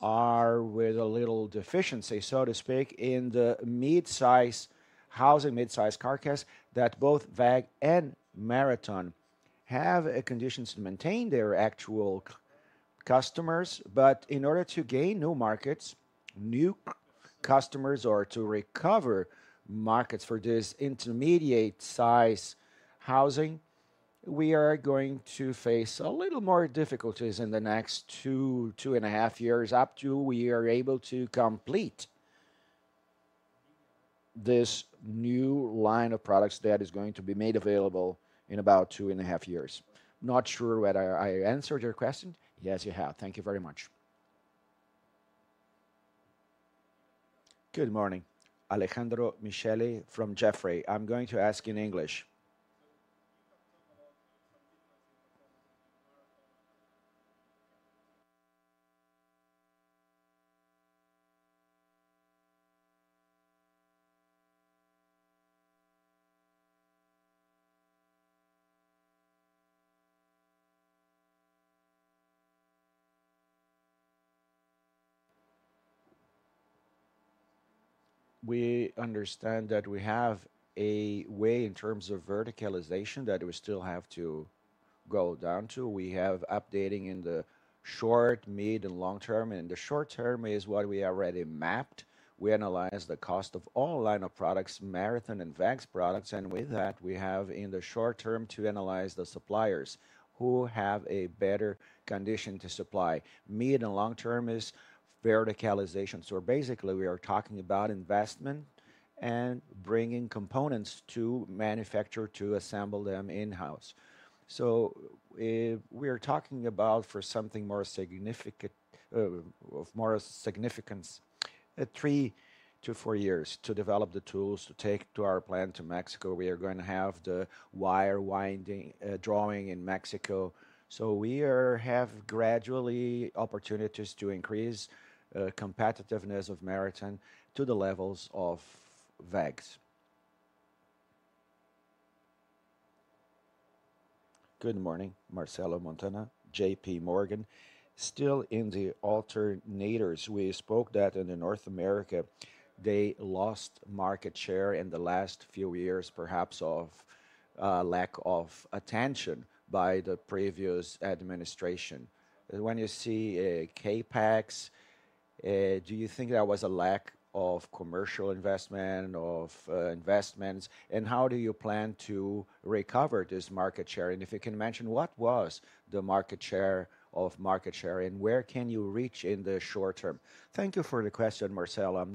are with a little deficiency, so to speak, in the mid-size housing, mid-size carcass, that both WEG and Marathon have a conditions to maintain their actual customers. But in order to gain new markets, new customers, or to recover markets for this intermediate size housing, we are going to face a little more difficulties in the next two and a half years, up to we are able to complete this new line of products that is going to be made available in about two and a half years. Not sure whether I answered your question? Yes, you have. Thank you very much. Good morning. Alejandro Michele from Jefferies. I'm going to ask in English. So you have talked about some differences in the process of Marathon- We understand that we have a way in terms of verticalization that we still have to go down to. We have updates in the short, mid, and long term. In the short term is what we already mapped. We analyze the cost of all lines of products, Marathon and WEG's products, and with that, we have in the short term to analyze the suppliers who have a better condition to supply. Mid and long term is verticalization. So basically, we are talking about investment and bringing components to manufacture, to assemble them in-house. We are talking about for something more significant of more significance, three to four years to develop the tools to take to our plant to Mexico. We are going to have the wire winding, drawing in Mexico. So we have gradually opportunities to increase competitiveness of Marathon to the levels of WEG's. Good morning, Marcelo Montana, JPMorgan. Still in the alternators, we spoke that in North America, they lost market share in the last few years, perhaps of lack of attention by the previous administration. When you see CapEx, do you think there was a lack of commercial investment, of investments? And how do you plan to recover this market share? And if you can mention, what was the market share, and where can you reach in the short term? Thank you for the question, Marcelo.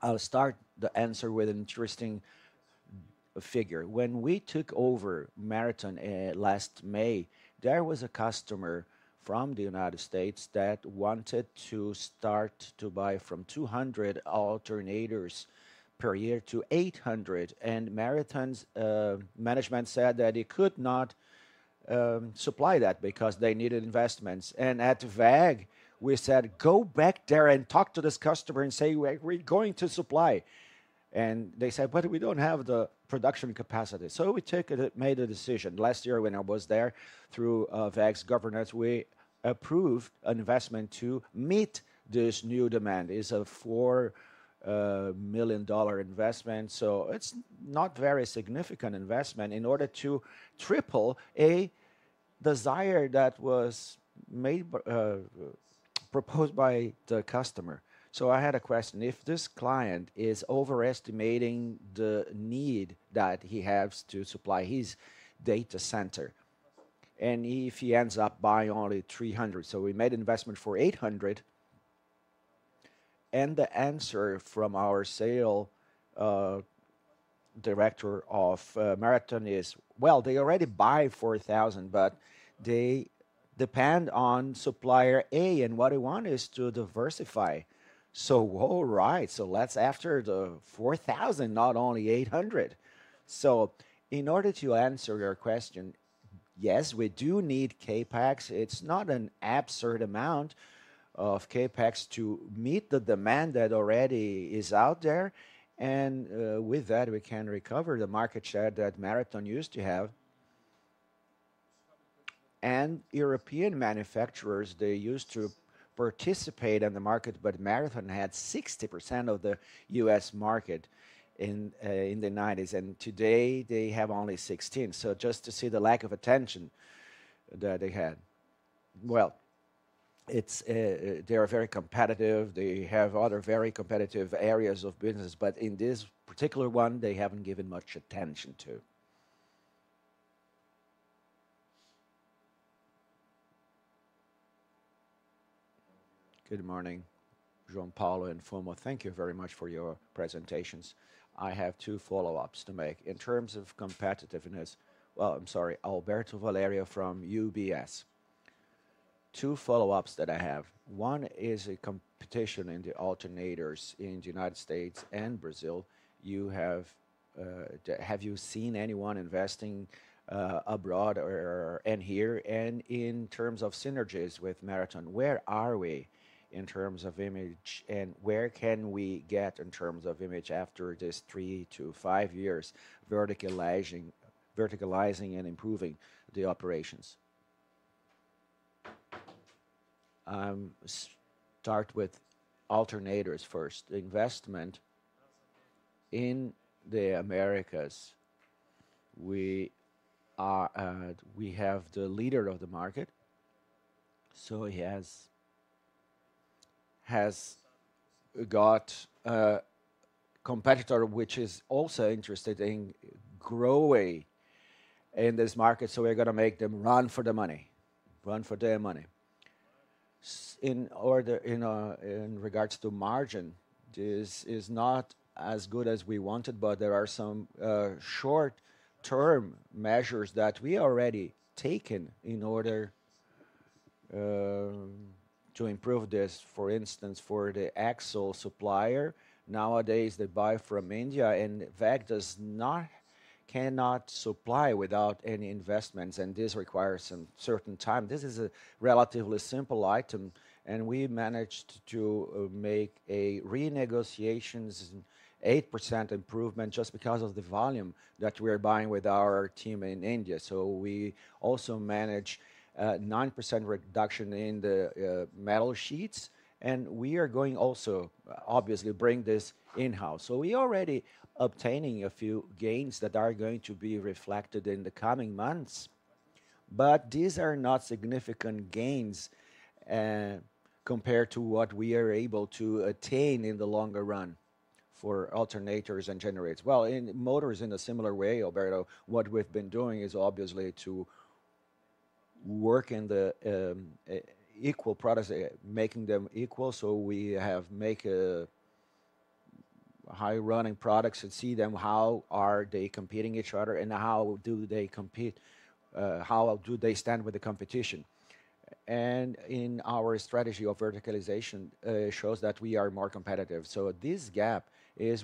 I'll start the answer with an interesting figure. When we took over Marathon last May, there was a customer from the U.S. that wanted to start to buy from 200 alternators per year to 800, and Marathon's management said that they could not supply that because they needed investments. At WEG, we said: "Go back there and talk to this customer and say, 'We're going to supply.'" They said: "But we don't have the production capacity." So we took it and made a decision. Last year, when I was there, through WEG's governance, we approved an investment to meet this new demand. It's a $4 million investment, so it's not very significant investment in order to triple the size that was proposed by the customer. I had a question: If this client is overestimating the need that he has to supply his data center, and if he ends up buying only three hundred, so we made investment for eight hundred. And the answer from our sales director of Marathon is, "Well, they already buy four thousand, but they depend on supplier A, and what we want is to diversify." All right, so let's after the four thousand, not only eight hundred. In order to answer your question, yes, we do need CapEx. It's not an absurd amount of CapEx to meet the demand that already is out there, and with that, we can recover the market share that Marathon used to have. European manufacturers, they used to participate in the market, but Marathon had 60% of the U.S. market in the 1990s, and today they have only 16%. So just to see the lack of attention that they had. It's. They are very competitive. They have other very competitive areas of business, but in this particular one, they haven't given much attention to. Good morning, João Paulo and Paulo. Thank you very much for your presentations. I have two follow-ups to make. In terms of competitiveness. I'm sorry. Alberto Valerio from UBS. Two follow-ups that I have. One is a competition in the alternators in the U.S. and Brazil. You have, have you seen anyone investing, abroad or and here? In terms of synergies with Marathon, where are we in terms of margin, and where can we get in terms of margin after this three to five years, verticalizing, verticalizing and improving the operations? Start with alternators first. In the Americas, we are, we have the leader of the market, so he has got a competitor which is also interested in growing in this market, so we're gonna make them run for the money, run for their money. In regards to margin, this is not as good as we wanted, but there are some short-term measures that we already taken in order to improve this. For instance, for the axle supplier, nowadays, they buy from India, and WEG cannot supply without any investments, and this requires some certain time. This is a relatively simple item, and we managed to make a renegotiations, 8% improvement just because of the volume that we are buying with our team in India. So we also manage 9% reduction in the metal sheets, and we are going also, obviously, bring this in-house. So we already obtaining a few gains that are going to be reflected in the coming months, but these are not significant gains compared to what we are able to attain in the longer run for alternators and generators. Well, in motors, in a similar way, Alberto, what we've been doing is obviously to work in the e-equal products, making them equal. So we have make a high running products and see them, how are they competing each other and how do they compete, how do they stand with the competition? And in our strategy of verticalization shows that we are more competitive. So this gap is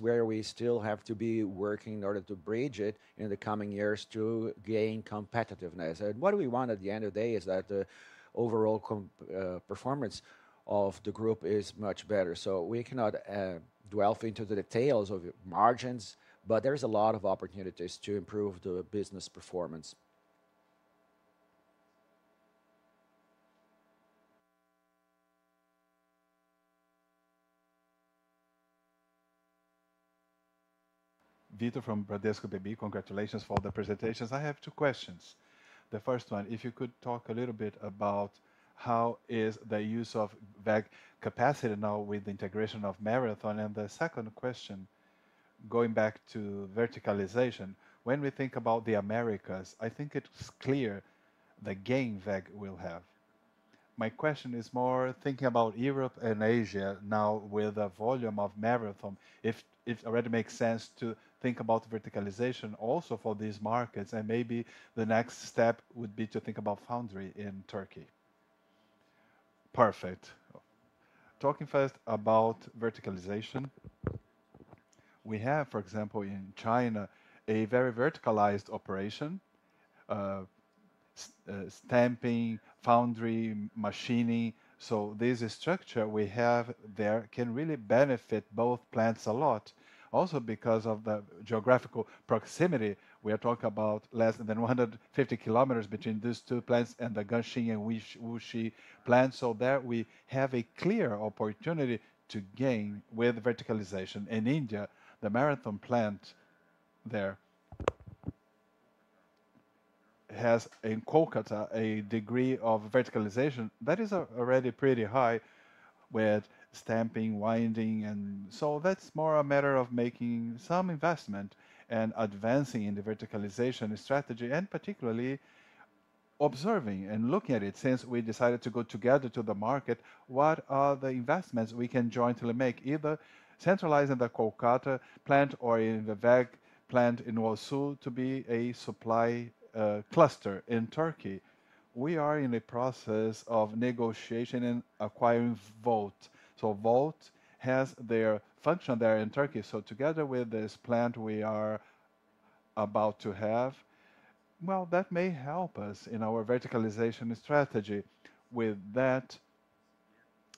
where we still have to be working in order to bridge it in the coming years to gain competitiveness. And what we want at the end of the day is that the overall company performance of the group is much better. So we cannot dwell into the details of margins, but there is a lot of opportunities to improve the business performance. Vito from Bradesco BBI. Congratulations for the presentations. I have two questions. The first one, if you could talk a little bit about how is the use of WEG capacity now with the integration of Marathon? And the second question, going back to verticalization, when we think about the Americas, I think it's clear the gain WEG will have. My question is more thinking about Europe and Asia now, with the volume of Marathon, if already makes sense to think about verticalization also for these markets, and maybe the next step would be to think about foundry in Turkey. Perfect. Talking first about verticalization, we have, for example, in China, a very verticalized operation, stamping, foundry, machining. So this structure we have there can really benefit both plants a lot. Also, because of the geographical proximity, we are talking about less than 150 kilometers between these two plants and the Nantong and Wuxi plants, so there we have a clear opportunity to gain with verticalization. In India, the Marathon plant there has, in Kolkata, a degree of verticalization that is already pretty high with stamping, winding. And so that's more a matter of making some investment and advancing in the verticalization strategy, and particularly observing and looking at it, since we decided to go together to the market, what are the investments we can jointly make, either centralizing the Kolkata plant or in the WEG plant in Hosur to be a supply cluster. In Turkey, we are in a process of negotiation and acquiring Volt. So Volt has their function there in Turkey. So together with this plant we are about to have, well, that may help us in our verticalization strategy. With that,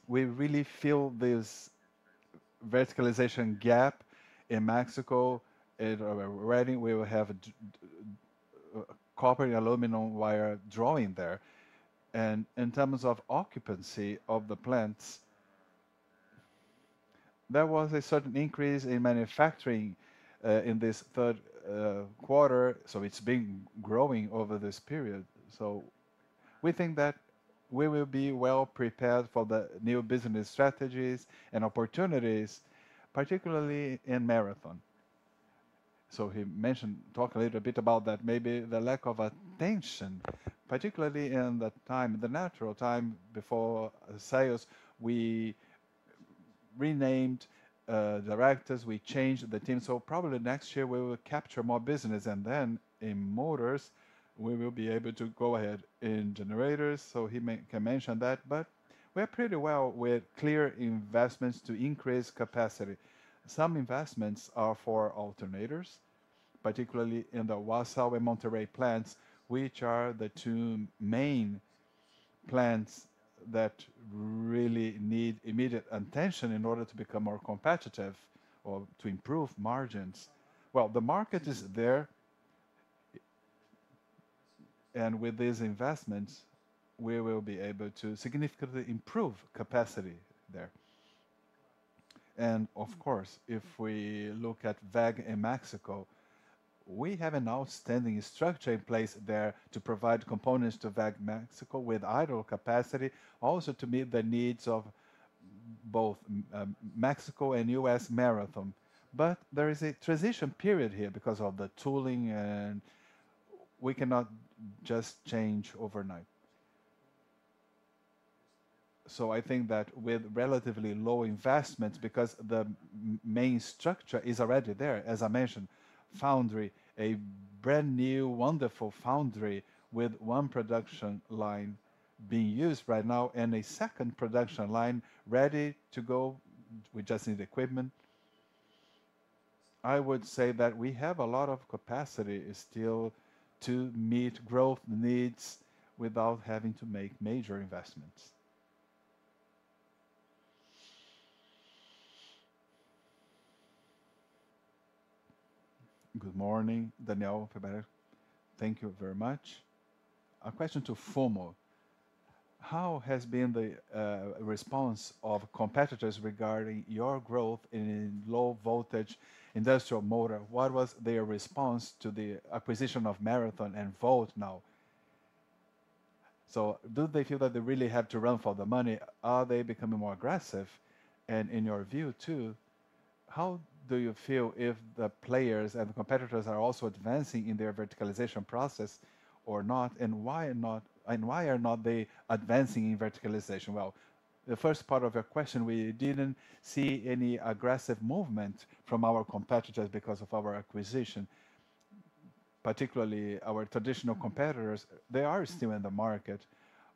we really fill this verticalization gap in Mexico. In winding, we will have copper and aluminum wire drawing there. And in terms of occupancy of the plants, there was a certain increase in manufacturing in this third quarter, so it's been growing over this period. So we think that we will be well prepared for the new business strategies and opportunities, particularly in Marathon. So he talked a little bit about that maybe the lack of attention, particularly in the time, the natural time before sales, we renamed directors, we changed the team. So probably next year we will capture more business, and then in motors, we will be able to go ahead in generators, so he can mention that. We are pretty well with clear investments to increase capacity. Some investments are for alternators, particularly in the Wausau and Monterrey plants, which are the two main plants that really need immediate attention in order to become more competitive or to improve margins. The market is there, and with these investments, we will be able to significantly improve capacity there. Of course, if we look at WEG in Mexico, we have an outstanding structure in place there to provide components to WEG Mexico with idle capacity, also to meet the needs of both Mexico and U.S. Marathon. There is a transition period here because of the tooling, and we cannot just change overnight. I think that with relatively low investments, because the main structure is already there, as I mentioned, foundry, a brand-new, wonderful foundry with one production line.... being used right now, and a second production line ready to go. We just need the equipment. I would say that we have a lot of capacity still to meet growth needs without having to make major investments. Good morning, Daniel Federle. Thank you very much. A question to Fumo: How has been the response of competitors regarding your growth in low voltage industrial motor? What was their response to the acquisition of Marathon and Volt now? So do they feel that they really have to run for the money? Are they becoming more aggressive? And in your view, too, how do you feel if the players and the competitors are also advancing in their verticalization process or not, and why not, and why are not they advancing in verticalization? The first part of your question, we didn't see any aggressive movement from our competitors because of our acquisition. Particularly, our traditional competitors, they are still in the market.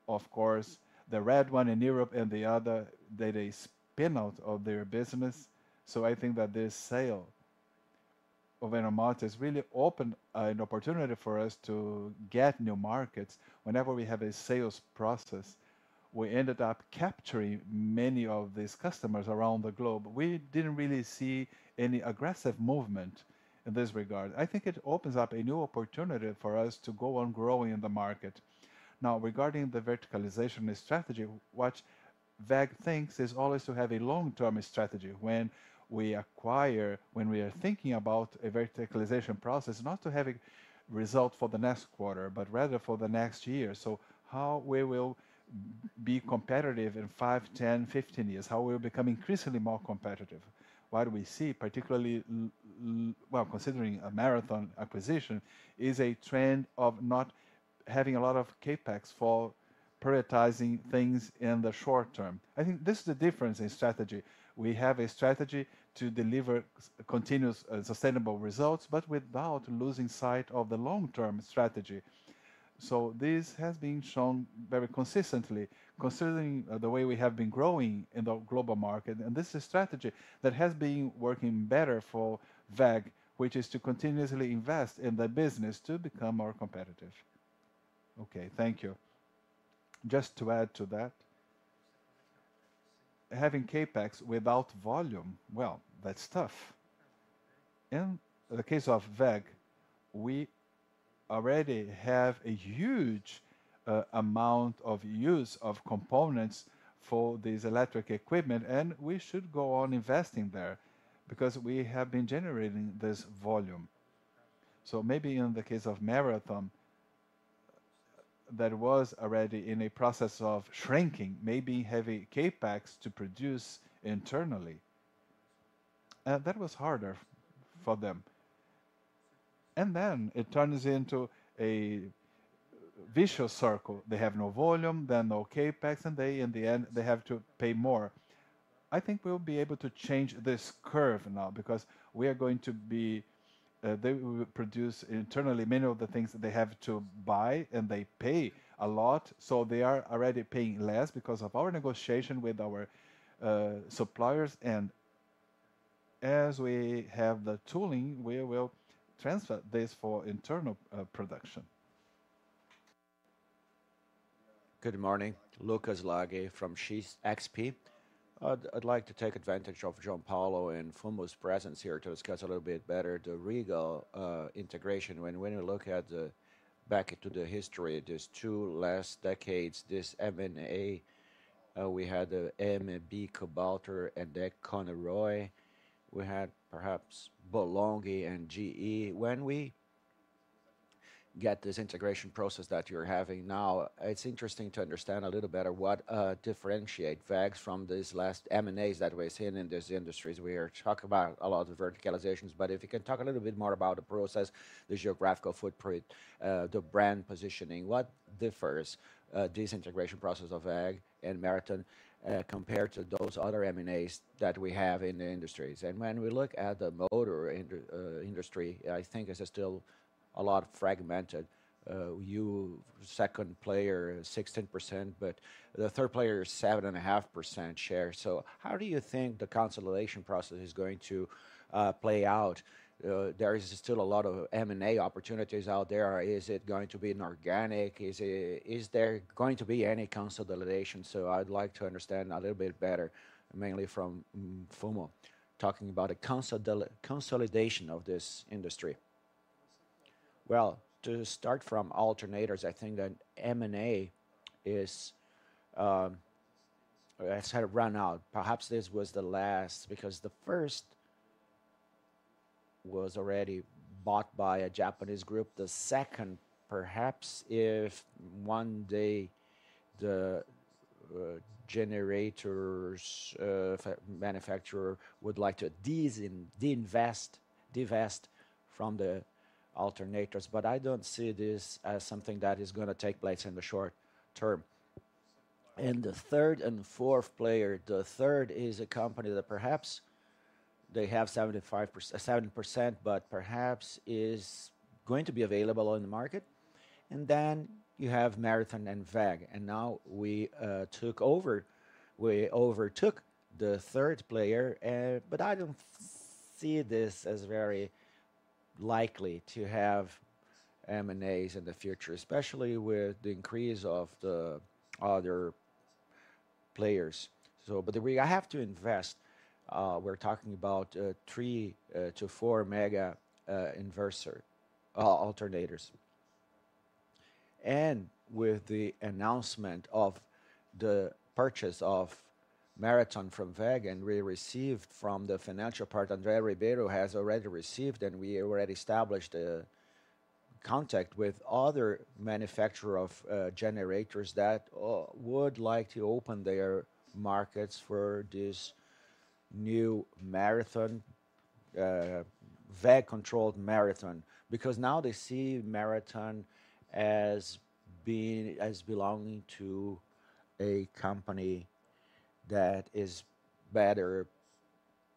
Of course, The red one in Europe and the other, they spin out of their business, so I think that this sale of Innomotics has really opened an opportunity for us to get new markets. Whenever we have a sales process, we ended up capturing many of these customers around the globe. We didn't really see any aggressive movement in this regard. I think it opens up a new opportunity for us to go on growing in the market. Now, regarding the verticalization strategy, what WEG thinks is always to have a long-term strategy. When we acquire, when we are thinking about a verticalization process, not to have a result for the next quarter, but rather for the next year. So how we will be competitive in five, 10, 15 years? How we'll become increasingly more competitive? What we see, particularly well, considering a Marathon acquisition, is a trend of not having a lot of CapEx for prioritizing things in the short term. I think this is the difference in strategy. We have a strategy to deliver continuous, sustainable results, but without losing sight of the long-term strategy. So this has been shown very consistently, considering the way we have been growing in the global market, and this is a strategy that has been working better for WEG, which is to continuously invest in the business to become more competitive. Okay, thank you. Just to add to that, having CapEx without volume, well, that's tough. In the case of WEG, we already have a huge amount of use of components for these electric equipment, and we should go on investing there because we have been generating this volume. So maybe in the case of Marathon, that was already in a process of shrinking, maybe having CapEx to produce internally, that was harder for them, and then it turns into a vicious circle. They have no volume, then no CapEx, and they, in the end, they have to pay more. I think we'll be able to change this curve now, because we are going to be... They will produce internally many of the things that they have to buy, and they pay a lot, so they are already paying less because of our negotiation with our suppliers. And as we have the tooling, we will transfer this for internal production. Good morning. Lucas Laghi from XP. I'd like to take advantage of João Paulo and Fumo's presence here to discuss a little bit better the Regal integration. When you look back into the history, these two last decades, this M&A, we had the M&A Cemp and then Rotor. We had perhaps Volt and GE. When we get this integration process that you're having now, it's interesting to understand a little better what differentiating factors from these last M&As that we're seeing in these industries. We are talking about a lot of verticalizations, but if you can talk a little bit more about the process, the geographical footprint, the brand positioning. What differs this integration process of WEG and Marathon compared to those other M&As that we have in the industries? When we look at the motor industry, I think it's still a lot fragmented. You, second player, 16%, but the third player is 7.5% share. So how do you think the consolidation process is going to play out? There is still a lot of M&A opportunities out there. Is it going to be inorganic? Is there going to be any consolidation? So I'd like to understand a little bit better, mainly from Fumo, talking about a consolidation of this industry. To start from alternators, I think that M&A is. It's kind of run out. Perhaps this was the last, because the first was already bought by a Japanese group. The second, perhaps, if one day the generator manufacturer would like to divest from the alternators, but I don't see this as something that is gonna take place in the short term. And the third and fourth player, the third is a company that perhaps-... they have 75%, 70%, but perhaps is going to be available on the market. And then you have Marathon and WEG, and now we took over, we overtook the third player, but I don't see this as very likely to have M&As in the future, especially with the increase of the other players. So but we, I have to invest, we're talking about three to four mega inverter alternators. And with the announcement of the purchase of Marathon by WEG, and we received from the financial part, André Rodrigues has already received, and we already established a contact with other manufacturer of generators that would like to open their markets for this new Marathon, WEG-controlled Marathon. Because now they see Marathon as being... as belonging to a company that is better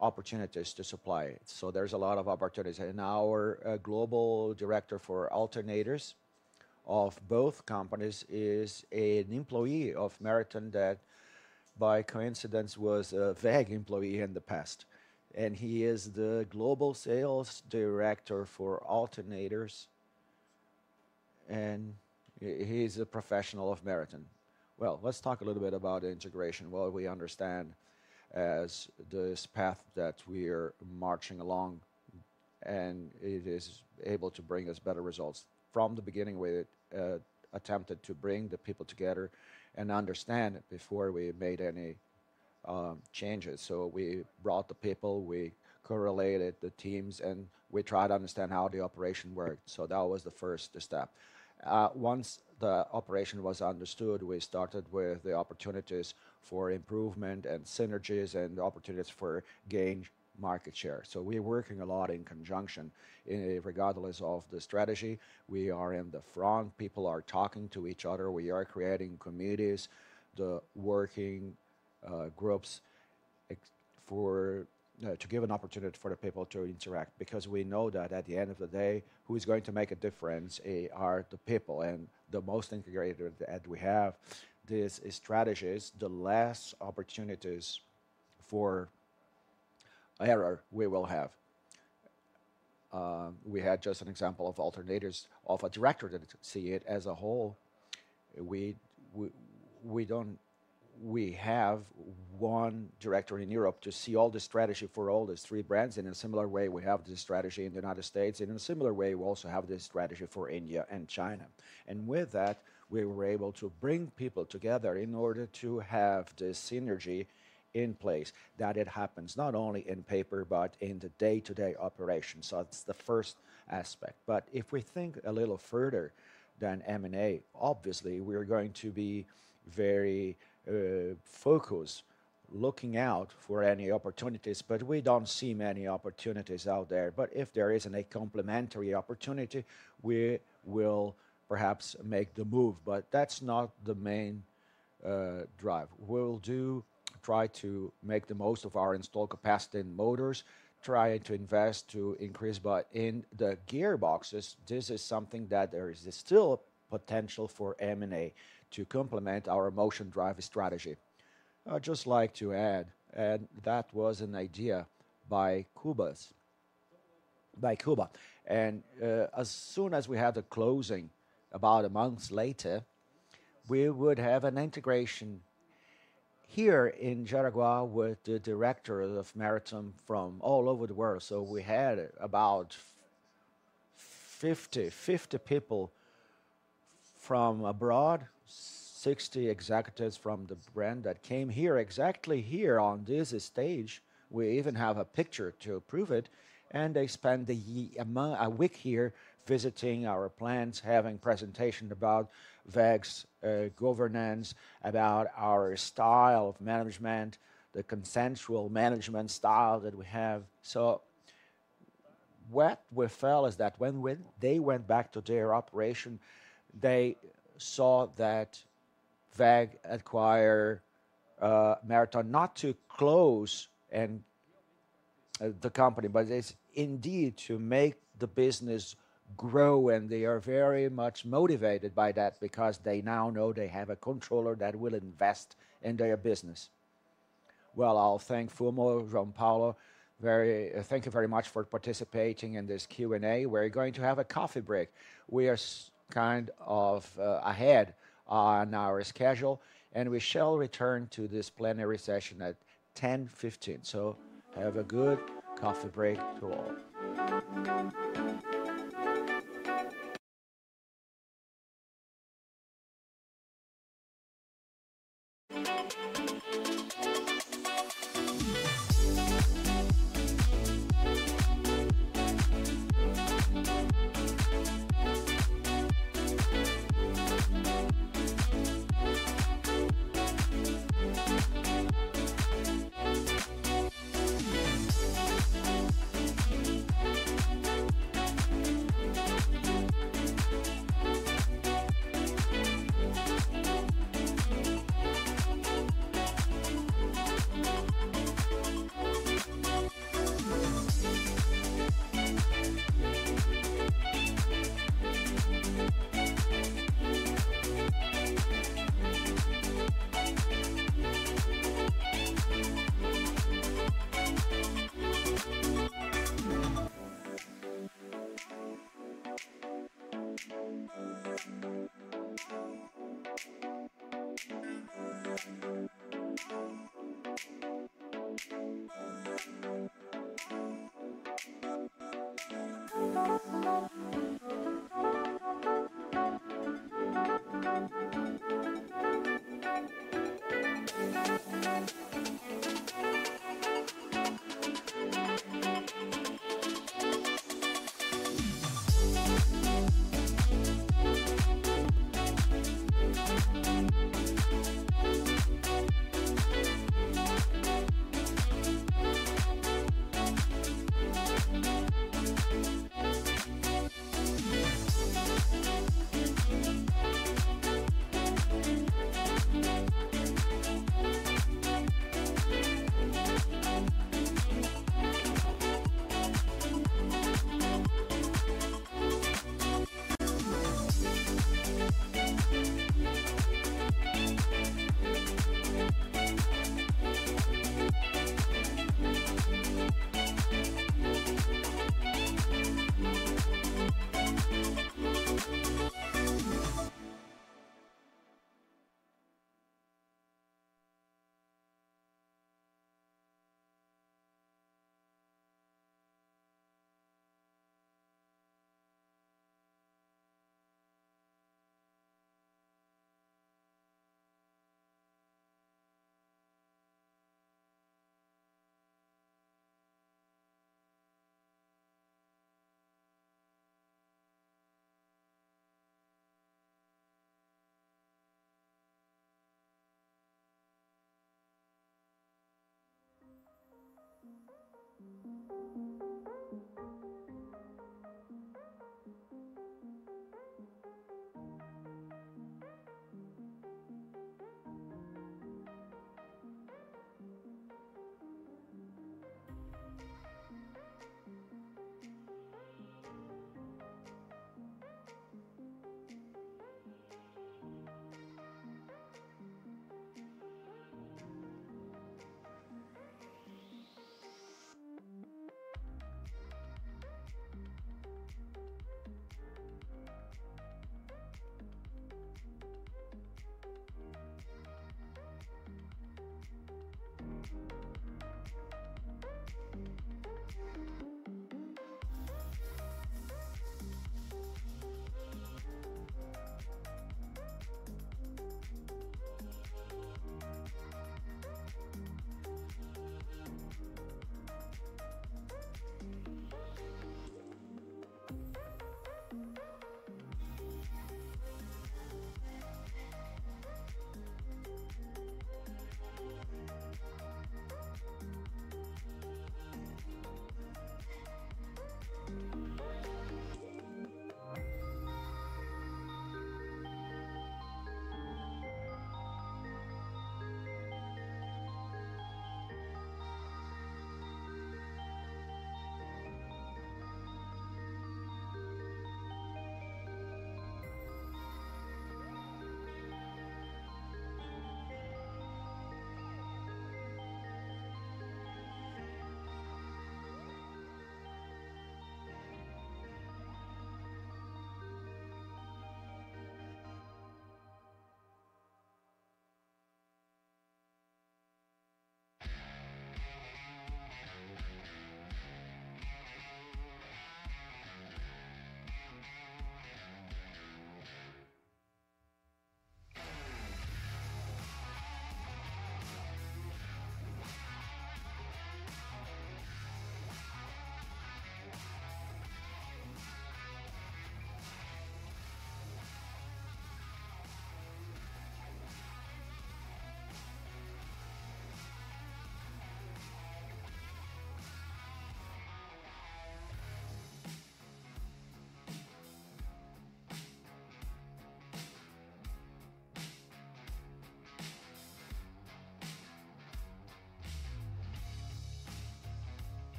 opportunities to supply it, so there's a lot of opportunities. And our global director for alternators of both companies is an employee of Marathon that, by coincidence, was a WEG employee in the past, and he is the global sales director for alternators, and he, he's a professional of Marathon. Well, let's talk a little bit about integration. Well, we understand as this path that we are marching along, and it is able to bring us better results. From the beginning, we attempted to bring the people together and understand it before we made any changes. So we brought the people, we correlated the teams, and we tried to understand how the operation worked, so that was the first step. Once the operation was understood, we started with the opportunities for improvement and synergies and opportunities for gain market share, so we're working a lot in conjunction. Irregardless of the strategy, we are in the front. People are talking to each other. We are creating committees, the working groups to give an opportunity for the people to interact, because we know that at the end of the day, who is going to make a difference are the people, and the most integrated that we have this strategies, the less opportunities for error we will have. We had just an example of alternators, of a director that see it as a whole. We have one director in Europe to see all the strategy for all these three brands. In a similar way, we have the strategy in the U.S., and in a similar way, we also have the strategy for India and China. And with that, we were able to bring people together in order to have this synergy in place, that it happens not only on paper, but in the day-to-day operations. So that's the first aspect. But if we think a little further than M&A, obviously, we're going to be very focused, looking out for any opportunities, but we don't see many opportunities out there. But if there is any complementary opportunity, we will perhaps make the move, but that's not the main drive. We'll try to make the most of our installed capacity in motors, trying to invest to increase. But in the gearboxes, this is something that there is still potential for M&A to complement our Motion Drive strategy. I'd just like to add, and that was an idea by Kubas, by Kuba. As soon as we had the closing, about a month later, we would have an integration here in Jaraguá with the director of Marathon from all over the world. So we had about 50 people from abroad, 60 executives from the brand that came here, exactly here on this stage. We even have a picture to prove it, and they spent a week here, visiting our plants, having presentation about WEG's governance, about our style of management, the consensual management style that we have. What we felt is that when they went back to their operation, they saw that WEG acquired Marathon, not to close the company, but it's indeed to make the business grow, and they are very much motivated by that because they now know they have a controller that will invest in their business. I'll thank Fumo, João Paulo very much, thank you very much for participating in this Q&A. We're going to have a coffee break. We are kind of ahead on our schedule, and we shall return to this plenary session at 10:15 A.M. Have a good coffee break to all. ...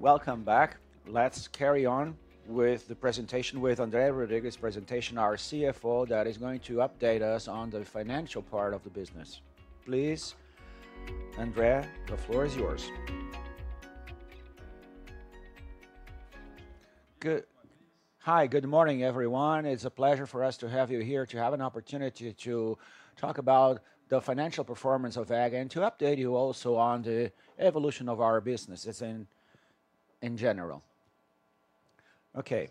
Welcome back. Let's carry on with the presentation, with André Rodrigues' presentation, our CFO, that is going to update us on the financial part of the business. Please, André, the floor is yours. Good morning, everyone. It's a pleasure for us to have you here, to have an opportunity to talk about the financial performance of WEG, and to update you also on the evolution of our businesses in general. Okay,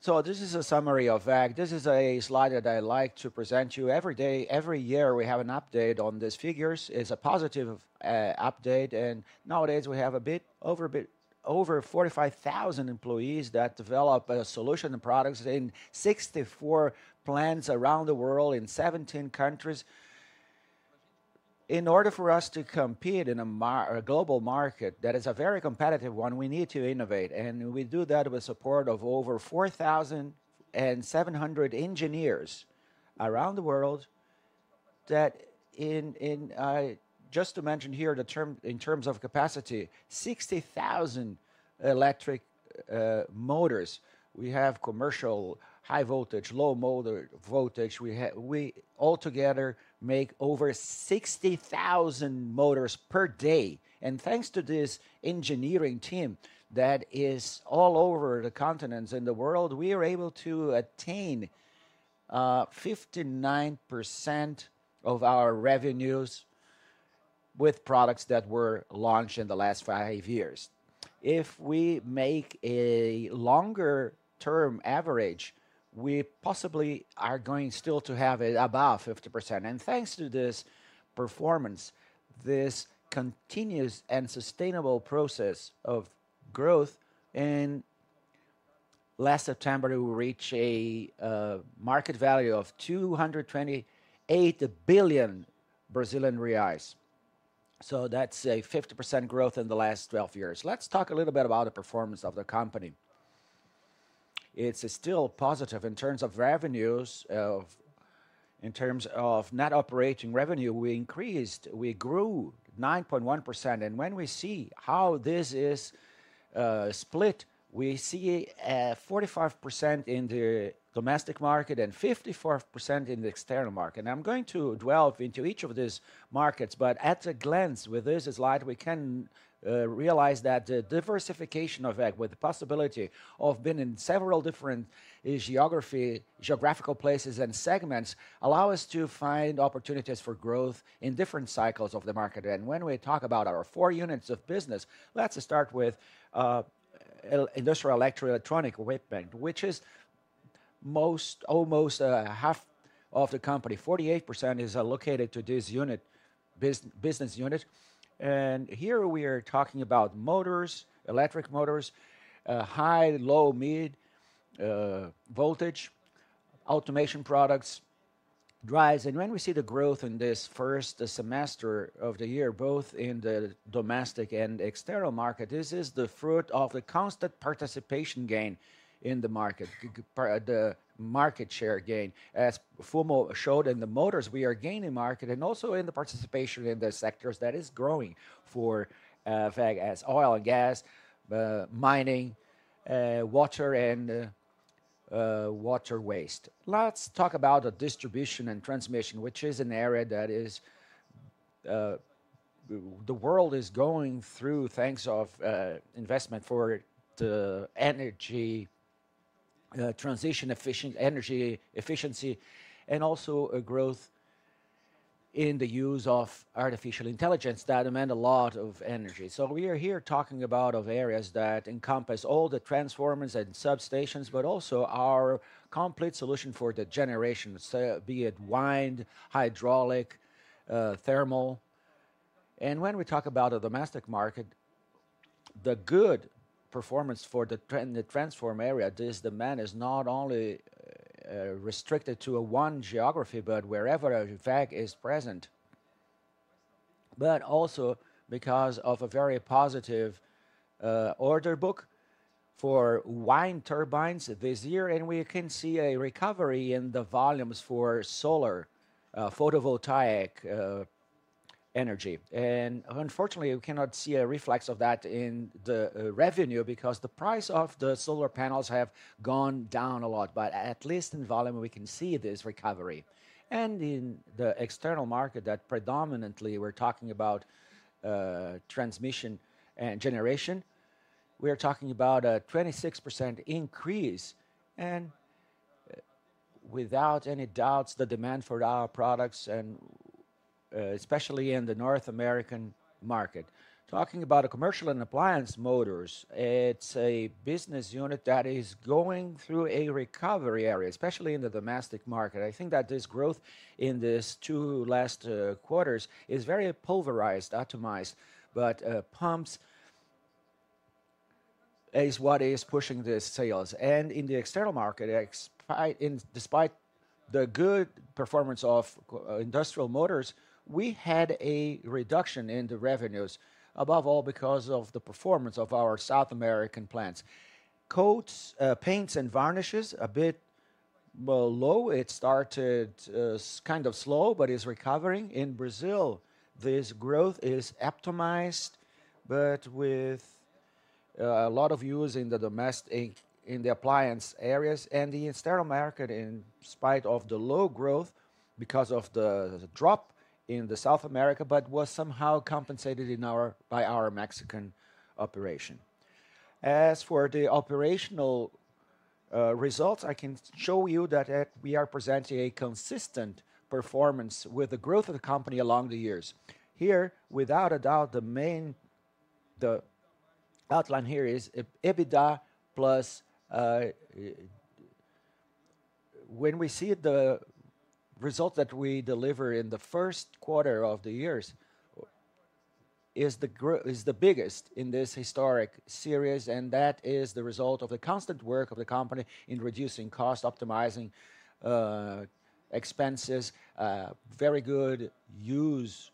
so this is a summary of WEG. This is a slide that I like to present to you. Every day, every year, we have an update on these figures. It's a positive update, and nowadays we have a bit over 45,000 employees that develop solution and products in 64 plants around the world, in 17 countries. In order for us to compete in a global market that is a very competitive one, we need to innovate, and we do that with support of over 4,700 engineers around the world, that in... Just to mention here, in terms of capacity, 60,000 electric motors. We have commercial, high voltage, low voltage motors. We altogether make over 60,000 motors per day, and thanks to this engineering team that is all over the continents in the world, we are able to attain 59% of our revenues with products that were launched in the last five years. If we make a longer term average, we possibly are going still to have it above 50%. And thanks to this performance, this continuous and sustainable process of growth, in last September, we reach a market value of 228 billion Brazilian reais. So that's a 50% growth in the last 12 years. Let's talk a little bit about the performance of the company. It's still positive in terms of revenues, of... In terms of net operating revenue, we increased, we grew 9.1%, and when we see how this is split, we see 45% in the domestic market and 54% in the external market. And I'm going to delve into each of these markets, but at a glance, with this slide, we can realize that the diversification of WEG, with the possibility of being in several different geography, geographical places and segments, allow us to find opportunities for growth in different cycles of the market. And when we talk about our four units of business, let's start with Industrial Electroelectronic Equipment, which is almost half of the company. 48% is allocated to this business unit. And here we are talking about motors, electric motors, high, low, medium voltage, automation products, drives. When we see the growth in this first semester of the year, both in the domestic and external market, this is the fruit of the constant participation gain in the market, the market share gain. As Fumo showed in the motors, we are gaining market, and also in the participation in the sectors that is growing for WEG, as oil and gas, mining, water, and water waste. Let's talk about the distribution and transmission, which is an area that is the world is going through, thanks of investment for the energy transition energy efficiency, and also a growth in the use of artificial intelligence that demand a lot of energy. We are here talking about the areas that encompass all the transformers and substations, but also our complete solution for the generation, so be it wind, hydraulic, thermal. When we talk about the domestic market, the good performance for the transformer area, this demand is not only restricted to one geography, but wherever WEG is present, but also because of a very positive order book for wind turbines this year, and we can see a recovery in the volumes for solar photovoltaic park energy. Unfortunately, we cannot see a reflection of that in the revenue, because the price of the solar panels have gone down a lot. But at least in volume, we can see this recovery. In the external market that predominantly we're talking about, transmission and generation, we are talking about a 26% increase, and without any doubts, the demand for our products and especially in the North American market. Talking about commercial and appliance motors, it's a business unit that is going through a recovery area, especially in the domestic market. I think that this growth in this two last quarters is very pulverized, atomized, but pumps is what is pushing the sales. In the external market, despite the good performance of industrial motors, we had a reduction in the revenues, above all, because of the performance of our South American plants. Coatings, paints, and varnishes, a bit below. It started kind of slow, but is recovering. In Brazil, this growth is optimized, but with a lot of use in the domestic, in the appliance areas, and the external market, in spite of the low growth because of the drop in South America, but was somehow compensated by our Mexican operation. As for the operational results, I can show you that we are presenting a consistent performance with the growth of the company along the years. Here, without a doubt, the main... The outline here is EBITDA plus, when we see the result that we deliver in the first quarter of the years, is the biggest in this historic series, and that is the result of the constant work of the company in reducing cost, optimizing expenses, very good use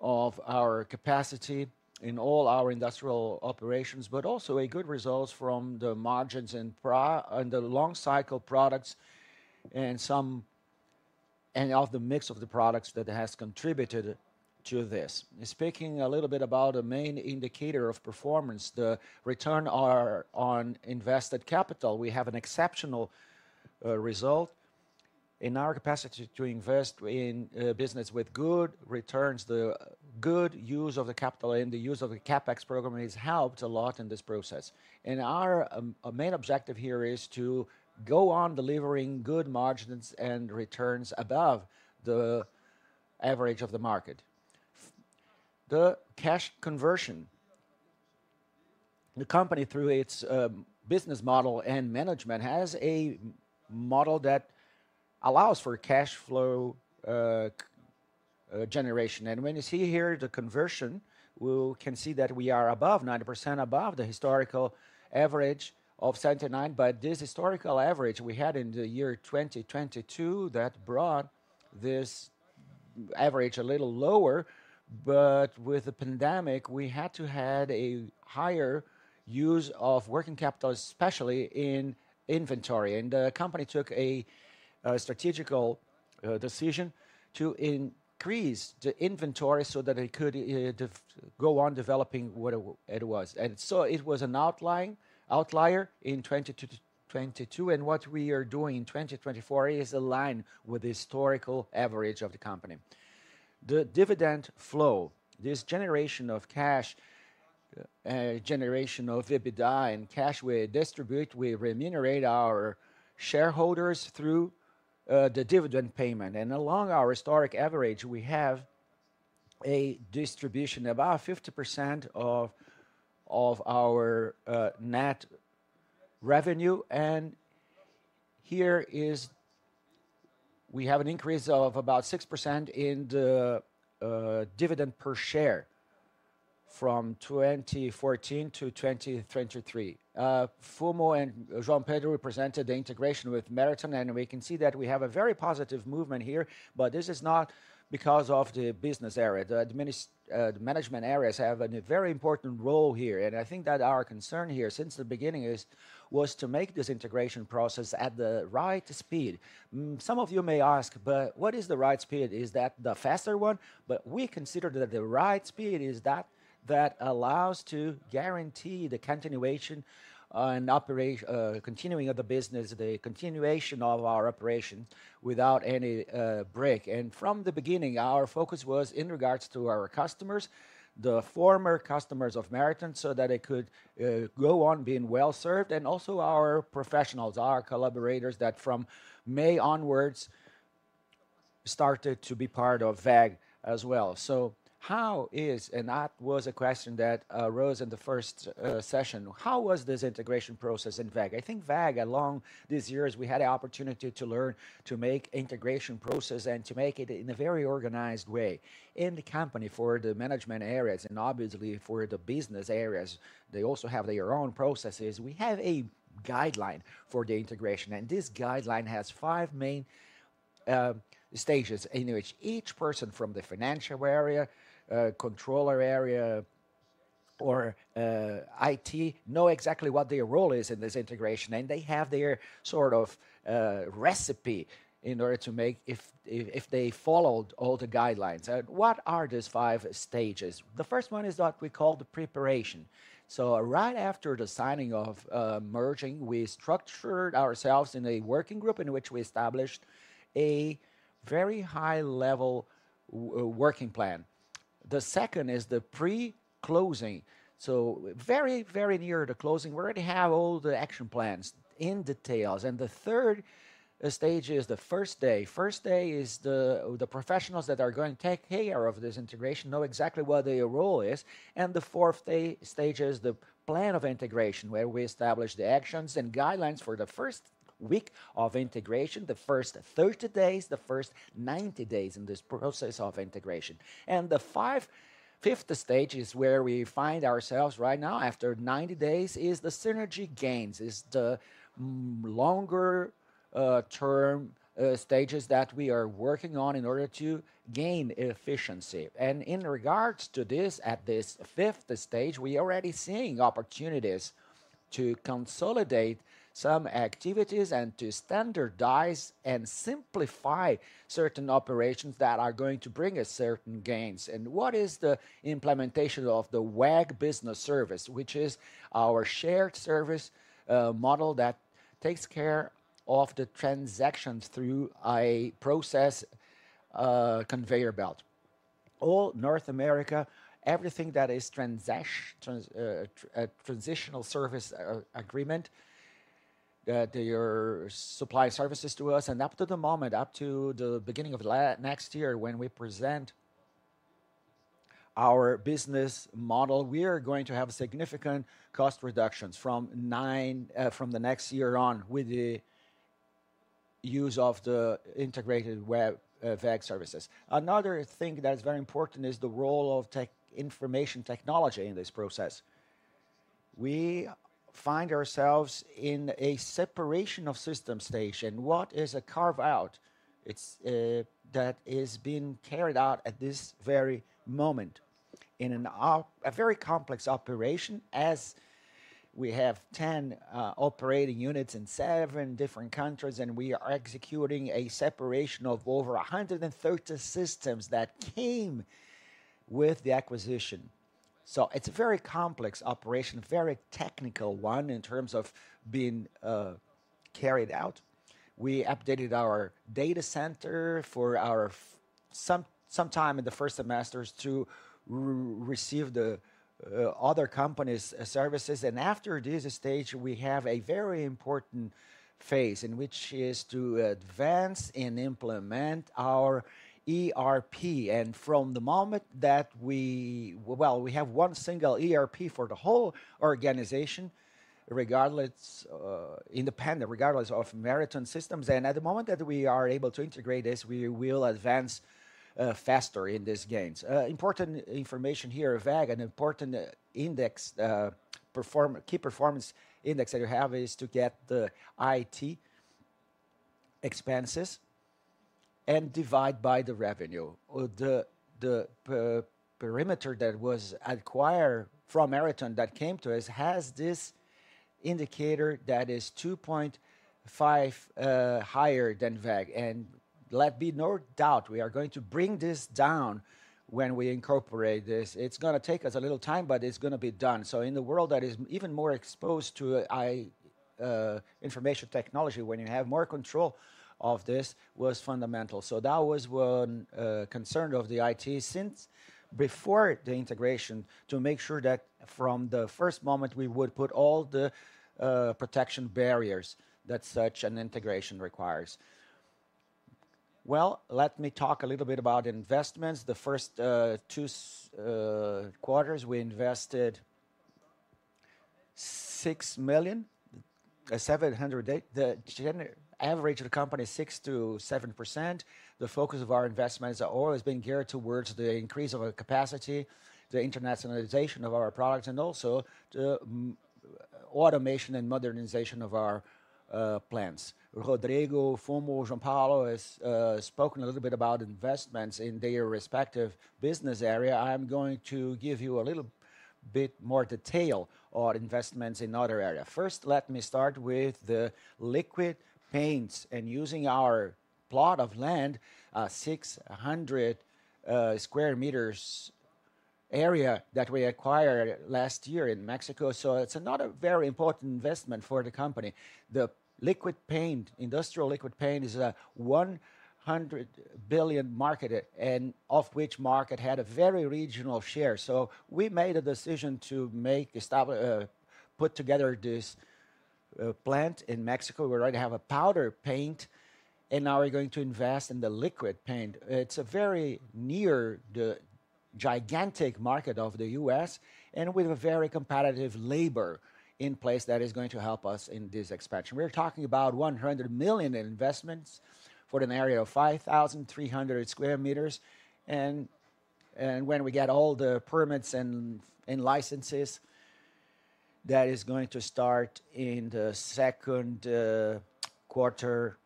of our capacity in all our industrial operations, but also good results from the margins and the long cycle products and some of the mix of the products that has contributed to this. Speaking a little bit about the main indicator of performance, the return on invested capital. We have an exceptional result in our capacity to invest in business with good returns. The good use of the capital and the use of the CapEx program has helped a lot in this process. And our main objective here is to go on delivering good margins and returns above the average of the market. For the cash conversion. The company, through its business model and management, has a model that allows for cash flow generation. And when you see here the conversion, we can see that we are above 90%, above the historical average of 79. But this historical average we had in the year 2022, that brought this average a little lower, but with the pandemic, we had to had a higher use of working capital, especially in inventory. And the company took a strategic decision to increase the inventory so that it could go on developing what it was. It was an outlier in 2022, and what we are doing in 2024 is align with the historical average of the company. The dividend flow, this generation of cash, generation of EBITDA and cash we distribute, we remunerate our shareholders through the dividend payment. In line with our historical average, we have a distribution of about 50% of our net revenue. We have an increase of about 6% in the dividend per share from 2014-2023. Fumo and João Paulo represented the integration with Marathon, and we can see that we have a very positive movement here. But this is not because of the business area. The management areas have a very important role here, and I think that our concern here, since the beginning, was to make this integration process at the right speed. Some of you may ask, "But what is the right speed? Is that the faster one?", but we consider that the right speed is that that allows to guarantee the continuation and the continuing operation of the business, the continuation of our operations without any break, and from the beginning, our focus was in regards to our customers, the former customers of Marathon, so that they could go on being well-served, and also our professionals, our collaborators, that from May onwards started to be part of WEG as well, and that was a question that rose in the first session. How was this integration process in WEG? I think WEG, along these years, we had the opportunity to learn to make integration process and to make it in a very organized way. In the company, for the management areas and obviously for the business areas, they also have their own processes. We have a guideline for the integration, and this guideline has five main stages, in which each person from the financial area, controller area or IT know exactly what their role is in this integration, and they have their sort of recipe in order to make it, if they followed all the guidelines. What are these five stages? The first one is what we call the preparation. So right after the signing of merging, we structured ourselves in a working group in which we established a very high-level working plan. The second is the pre-closing, so very, very near to closing. We already have all the action plans in detail. The third stage is the first day. First day is the professionals that are going to take care of this integration know exactly what their role is. The fourth stage is the plan of integration, where we establish the actions and guidelines for the first week of integration, the first thirty days, the first ninety days in this process of integration. The fifth stage is where we find ourselves right now, after ninety days, is the synergy gains, is the longer term stages that we are working on in order to gain efficiency. In regards to this, at this fifth stage, we are already seeing opportunities to consolidate some activities and to standardize and simplify certain operations that are going to bring us certain gains. What is the implementation of the WEG Business Services, which is our shared service model that takes care of the transactions through a process conveyor belt. All North America, everything that is transitional service agreement, that they are supply services to us. Up to the moment, up to the beginning of next year, when we present our business model, we are going to have significant cost reductions from nine, from the next year on, with the use of the integrated WEG services. Another thing that is very important is the role of information technology in this process. We find ourselves in a separation or systems integration. What is a carve-out? It's that is being carried out at this very moment in a very complex operation, as we have 10 operating units in seven different countries, and we are executing a separation of over 130 systems that came with the acquisition. So it's a very complex operation, very technical one, in terms of being carried out. We updated our data center for our systems sometime in the first semester to receive the other company's services. After this stage, we have a very important phase, in which is to advance and implement our ERP. From the moment that we well, we have one single ERP for the whole organization, regardless, independent, regardless of Marathon systems. At the moment that we are able to integrate this, we will advance faster in these gains. Important information here, WEG, an important index, a key performance index that you have is to get the IT expenses and divide by the revenue, or the perimeter that was acquired from Marathon that came to us, has this indicator that is 2.5 higher than WEG. Let be no doubt, we are going to bring this down when we incorporate this. It's gonna take us a little time, but it's gonna be done. In a world that is even more exposed to information technology, when you have more control of this, is fundamental. So that was one concern of the IT since before the integration, to make sure that from the first moment, we would put all the protection barriers that such an integration requires. Well, let me talk a little bit about investments. The first two quarters, we invested 678 million. The general average of the company is 6%-7%. The focus of our investments are always been geared towards the increase of our capacity, the internationalization of our products, and also the automation and modernization of our plants. Rodrigo Fumo, João Paulo has spoken a little bit about investments in their respective business area. I'm going to give you a little bit more detail on investments in other area. First, let me start with the liquid paints and using our plot of land, 600 sq m area that we acquired last year in Mexico, so it's another very important investment for the company. The liquid paint, industrial liquid paint, is a $100 billion market, and of which market had a very regional share. So we made a decision to make, put together this, plant in Mexico. We already have a powder paint, and now we're going to invest in the liquid paint. It's very near the gigantic market of the US, and with a very competitive labor in place that is going to help us in this expansion. We're talking about $100 million investments for an area of 5,300 sq m. When we get all the permits and licenses... that is going to start in the second quarter,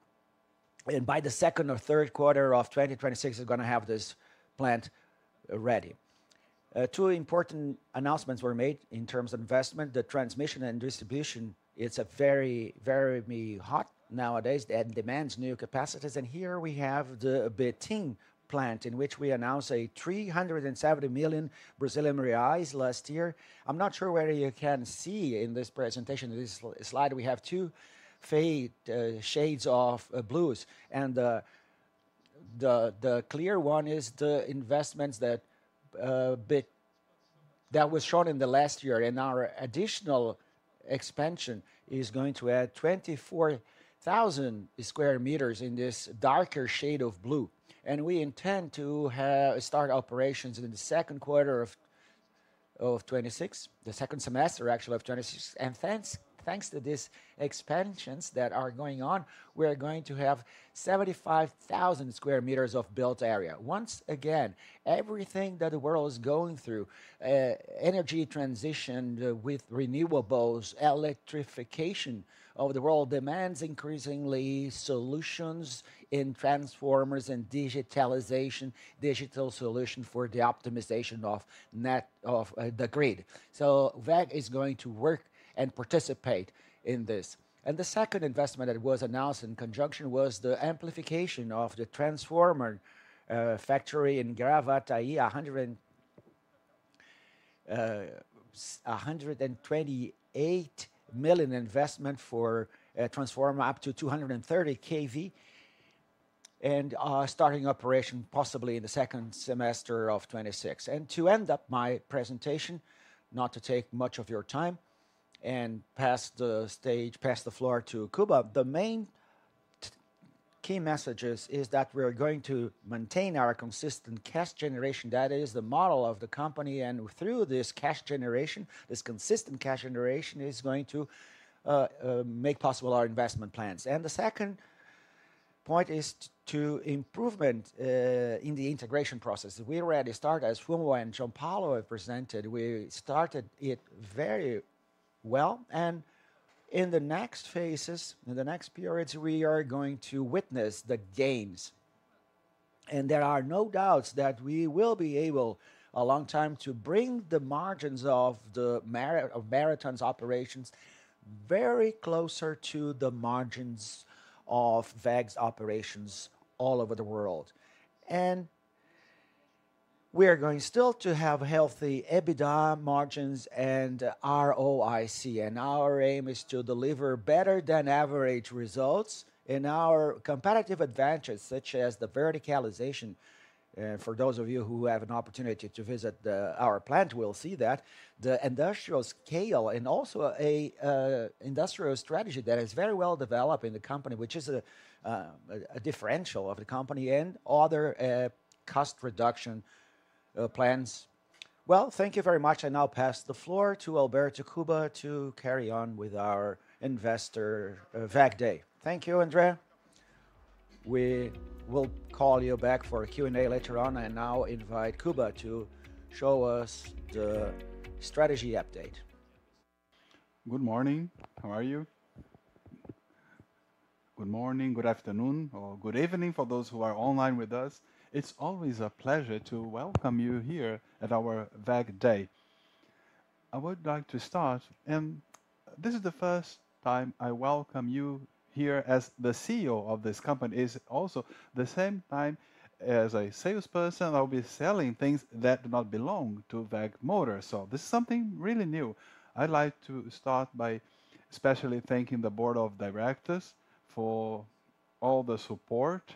and by the second or third quarter of twenty twenty-six, is gonna have this plant ready. Two important announcements were made in terms of investment. The transmission and distribution, it's a very, very hot nowadays, that demands new capacities, and here we have the Betim plant, in which we announce a 370 million Brazilian reais last year. I'm not sure whether you can see in this presentation, this slide, we have two faded shades of blues, and the clear one is the investments that was shown in the last year, and our additional expansion is going to add 24,000 sq m in this darker shade of blue. We intend to start operations in the second quarter of 2026, the second semester, actually, of 2026. Thanks to these expansions that are going on, we are going to have 75,000 sq m of built area. Once again, everything that the world is going through, energy transition with renewables, electrification of the world, demands increasingly solutions in transformers and digitalization, digital solution for the optimization of net... of the grid. WEG is going to work and participate in this. The second investment that was announced in conjunction was the amplification of the transformer factory in Gravataí, a 128 million investment for a transformer up to 230 kV. Starting operation possibly in the second semester of 2026. To end up my presentation, not to take much of your time, and pass the stage, pass the floor to Kuba, the main key messages is that we are going to maintain our consistent cash generation. That is the model of the company, and through this cash generation, this consistent cash generation, is going to make possible our investment plans. The second point is to improvement in the integration process. We already started, as Fumo and João Paulo have presented, we started it very well, and in the next phases, in the next periods, we are going to witness the gains. There are no doubts that we will be able, along time, to bring the margins of the Marathon's operations very closer to the margins of WEG's operations all over the world. And we are going still to have healthy EBITDA margins and ROIC, and our aim is to deliver better than average results in our competitive advantages, such as the verticalization. For those of you who have an opportunity to visit our plant, will see that. The industrial scale, and also a industrial strategy that is very well developed in the company, which is a a differential of the company, and other cost reduction plans. Well, thank you very much. I now pass the floor to Alberto Kuba to carry on with our Investor WEG Day. Thank you, André. We will call you back for a Q&A later on. I now invite Kuba to show us the strategy update. Good morning. How are you? Good morning, good afternoon, or good evening for those who are online with us. It's always a pleasure to welcome you here at our WEG Day. I would like to start, and this is the first time I welcome you here as the CEO of this company. It's also the same time as a salesperson, I'll be selling things that do not belong to WEG Motor, so this is something really new. I'd like to start by specially thanking the board of directors for all the support.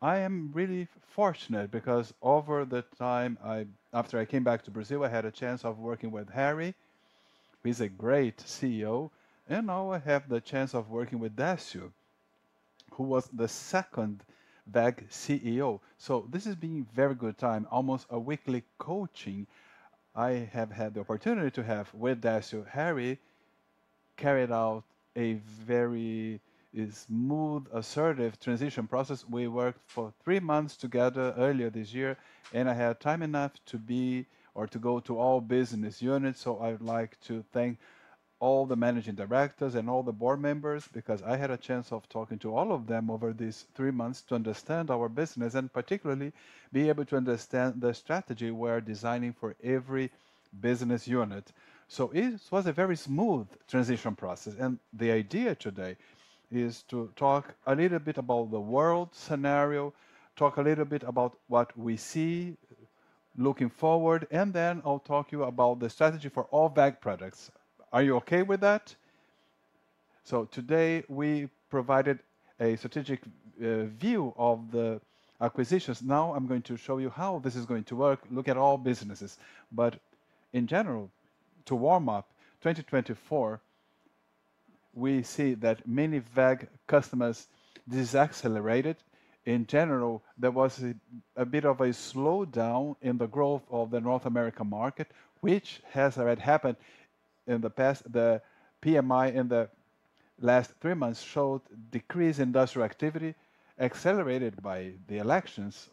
I am really fortunate, because over the time, after I came back to Brazil, I had a chance of working with Harry, who is a great CEO, and now I have the chance of working with Décio, who was the second WEG CEO. So this has been very good time. Almost a weekly coaching I have had the opportunity to have with Décio. Harry carried out a very smooth, assertive transition process. We worked for three months together earlier this year, and I had time enough to be, or to go to all business units, so I would like to thank all the managing directors and all the board members, because I had a chance of talking to all of them over these three months to understand our business, and particularly be able to understand the strategy we're designing for every business unit. So it was a very smooth transition process, and the idea today is to talk a little bit about the world scenario, talk a little bit about what we see looking forward, and then I'll talk to you about the strategy for all WEG products. Are you okay with that? So today, we provided a strategic view of the acquisitions. Now I'm going to show you how this is going to work, look at all businesses. But in general, to warm up, 2024, we see that many WEG customers decelerated. In general, there was a bit of a slowdown in the growth of the North American market, which has already happened in the past. The PMI in the last three months showed decreased industrial activity, accelerated by the elections,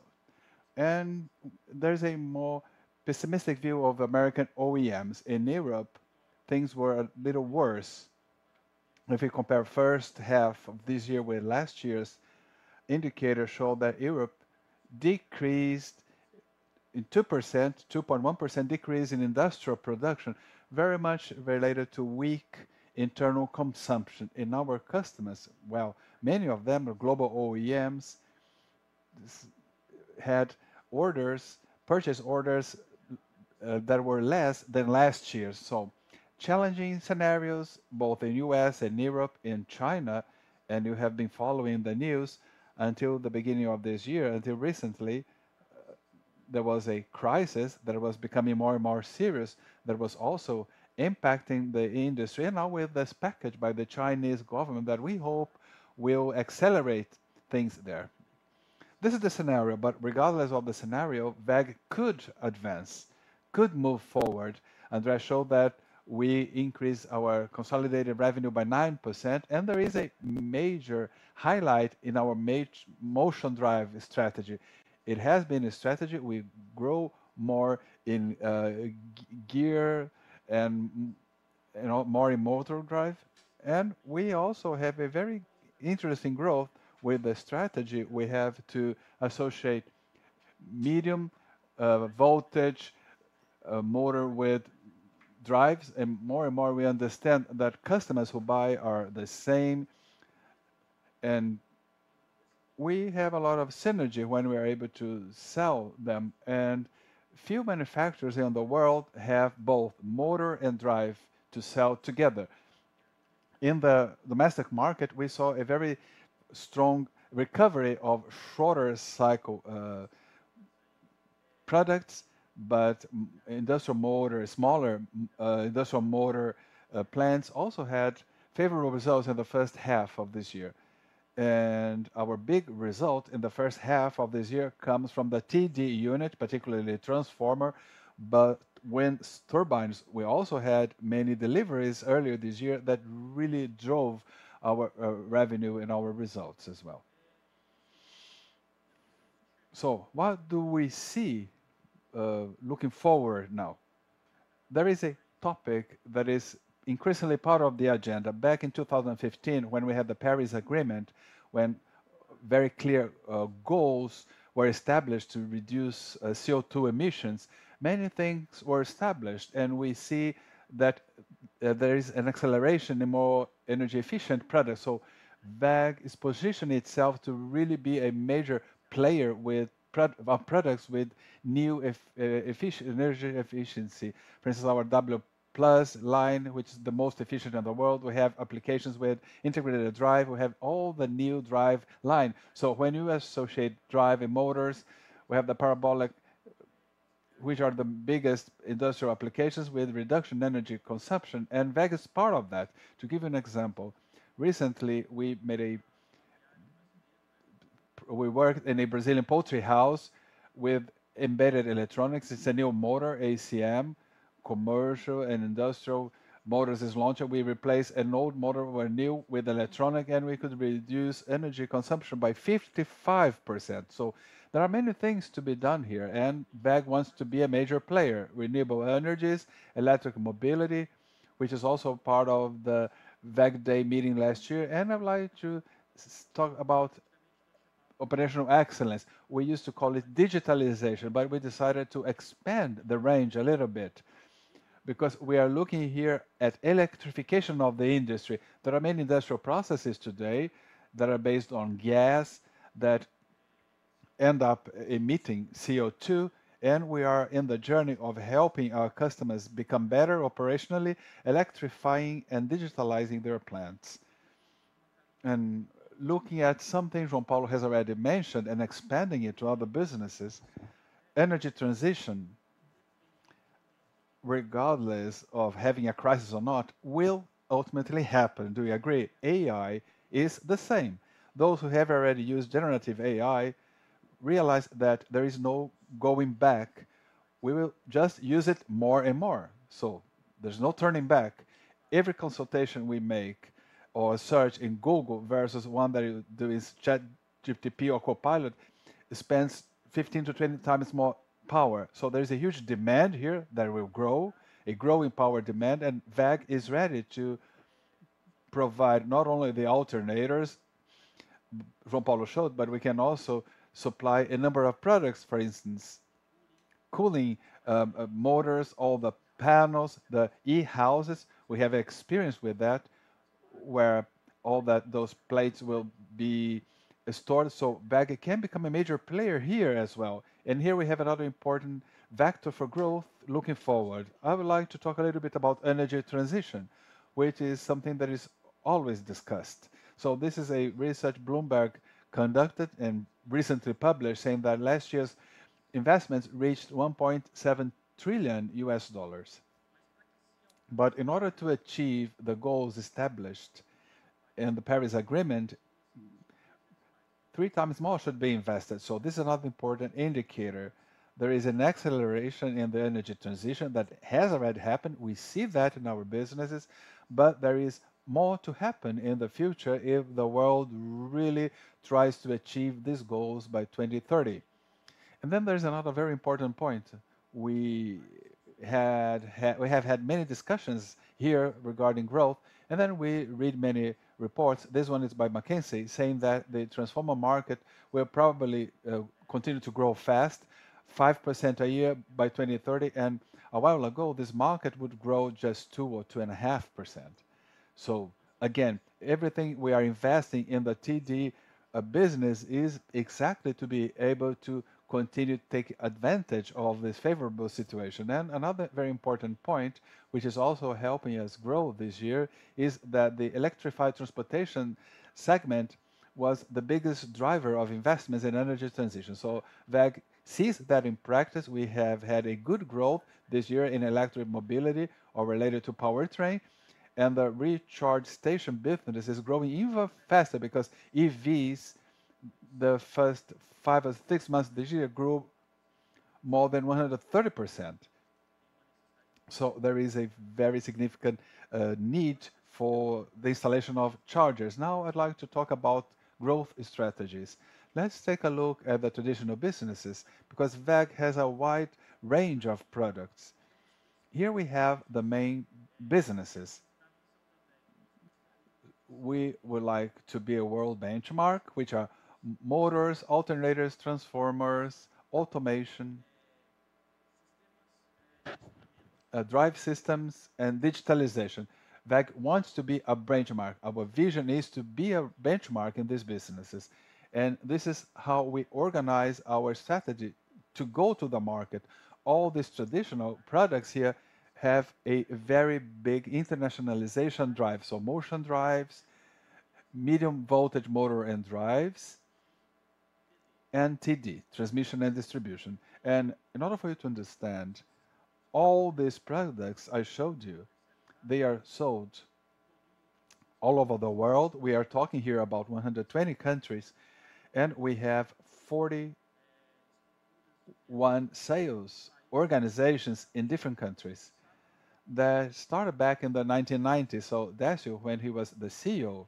and there's a more pessimistic view of American OEMs. In Europe, things were a little worse. If you compare first half of this year with last year's, indicators show that Europe decreased in 2%, 2.1% decrease in industrial production, very much related to weak internal consumption in our customers. Well, many of them are global OEMs. Sales had orders, purchase orders, that were less than last year. There were challenging scenarios both in the U.S. and Europe, in China, and you have been following the news until the beginning of this year, until recently, there was a crisis that was becoming more and more serious, that was also impacting the industry. Now with this package by the Chinese government that we hope will accelerate things there. This is the scenario, but regardless of the scenario, WEG could advance, could move forward. André showed that we increased our consolidated revenue by 9%, and there is a major highlight in our Motion Drive strategy. It has been a strategy. We grow more in gear and more in motor drive, and we also have a very interesting growth with the strategy. We have to associate medium voltage motor with drives, and more and more we understand that customers who buy are the same. And we have a lot of synergy when we are able to sell them, and few manufacturers in the world have both motor and drive to sell together. In the domestic market, we saw a very strong recovery of shorter cycle products, but industrial motor, smaller industrial motor plants also had favorable results in the first half of this year. And our big result in the first half of this year comes from the TD unit, particularly transformer, but wind turbines, we also had many deliveries earlier this year that really drove our revenue and our results as well. So what do we see looking forward now? There is a topic that is increasingly part of the agenda. Back in two thousand and fifteen, when we had the Paris Agreement, when very clear goals were established to reduce CO₂ emissions, many things were established, and we see that there is an acceleration in more energy-efficient products. WEG is positioning itself to really be a major player with our products, with new efficient energy efficiency. For instance, our W22 line, which is the most efficient in the world. We have applications with integrated drive. We have all the new drive line. When you associate drive and motors, we have the variable, which are the biggest industrial applications with reduction energy consumption, and WEG is part of that. To give you an example, recently we worked in a Brazilian poultry house with embedded electronics. It's a new motor, ECM, commercial and industrial motors is launched, and we replaced an old motor with new, with electronic, and we could reduce energy consumption by 55%. So there are many things to be done here, and WEG wants to be a major player. Renewable energies, electric mobility, which is also part of the WEG Day meeting last year. And I'd like to talk about operational excellence. We used to call it digitalization, but we decided to expand the range a little bit because we are looking here at electrification of the industry. There are many industrial processes today that are based on gas, that end up emitting CO₂, and we are in the journey of helping our customers become better operationally, electrifying and digitalizing their plants. Looking at some things João Paulo has already mentioned and expanding it to other businesses, energy transition, regardless of having a crisis or not, will ultimately happen. Do we agree? AI is the same. Those who have already used generative AI realize that there is no going back. We will just use it more and more, so there's no turning back. Every consultation we make or a search in Google versus one that you do in ChatGPT or Copilot spends 15-20 times more power. So there is a huge demand here that will grow, a growing power demand, and WEG is ready to provide not only the alternators, João Paulo showed, but we can also supply a number of products. For instance, cooling, motors, all the panels, the e-houses. We have experience with that, where all that, those plates will be stored. WEG can become a major player here as well, and here we have another important vector for growth looking forward. I would like to talk a little bit about energy transition, which is something that is always discussed. This is a research Bloomberg conducted and recently published, saying that last year's investments reached $1.7 trillion. But in order to achieve the goals established in the Paris Agreement, three times more should be invested. This is another important indicator. There is an acceleration in the energy transition that has already happened. We see that in our businesses, but there is more to happen in the future if the world really tries to achieve these goals by twenty-thirty. And then there's another very important point. We have had many discussions here regarding growth, and then we read many reports. This one is by McKinsey, saying that the transformer market will probably continue to grow fast, 5% a year by 2030, and a while ago, this market would grow just 2% or 2.5%. So again, everything we are investing in the TD business is exactly to be able to continue to take advantage of this favorable situation. And another very important point, which is also helping us grow this year, is that the electrified transportation segment was the biggest driver of investments in energy transition. So WEG sees that in practice, we have had a good growth this year in electric mobility or related to powertrain, and the recharge station business is growing even faster because EVs, the first five or six months this year, grew more than 130%. There is a very significant need for the installation of chargers. Now, I'd like to talk about growth strategies. Let's take a look at the traditional businesses, because WEG has a wide range of products. Here we have the main businesses. We would like to be a world benchmark, which are motors, alternators, transformers, automation, drive systems, and digitalization. WEG wants to be a benchmark. Our vision is to be a benchmark in these businesses, and this is how we organize our strategy to go to the market. All these traditional products here have a very big internationalization drive, so Motion Drives, medium-voltage motor and drives, and TD, transmission and distribution. In order for you to understand, all these products I showed you, they are sold all over the world. We are talking here about 120 countries, and we have 41 sales organizations in different countries. That started back in the 1990s, so Décio, when he was the CEO,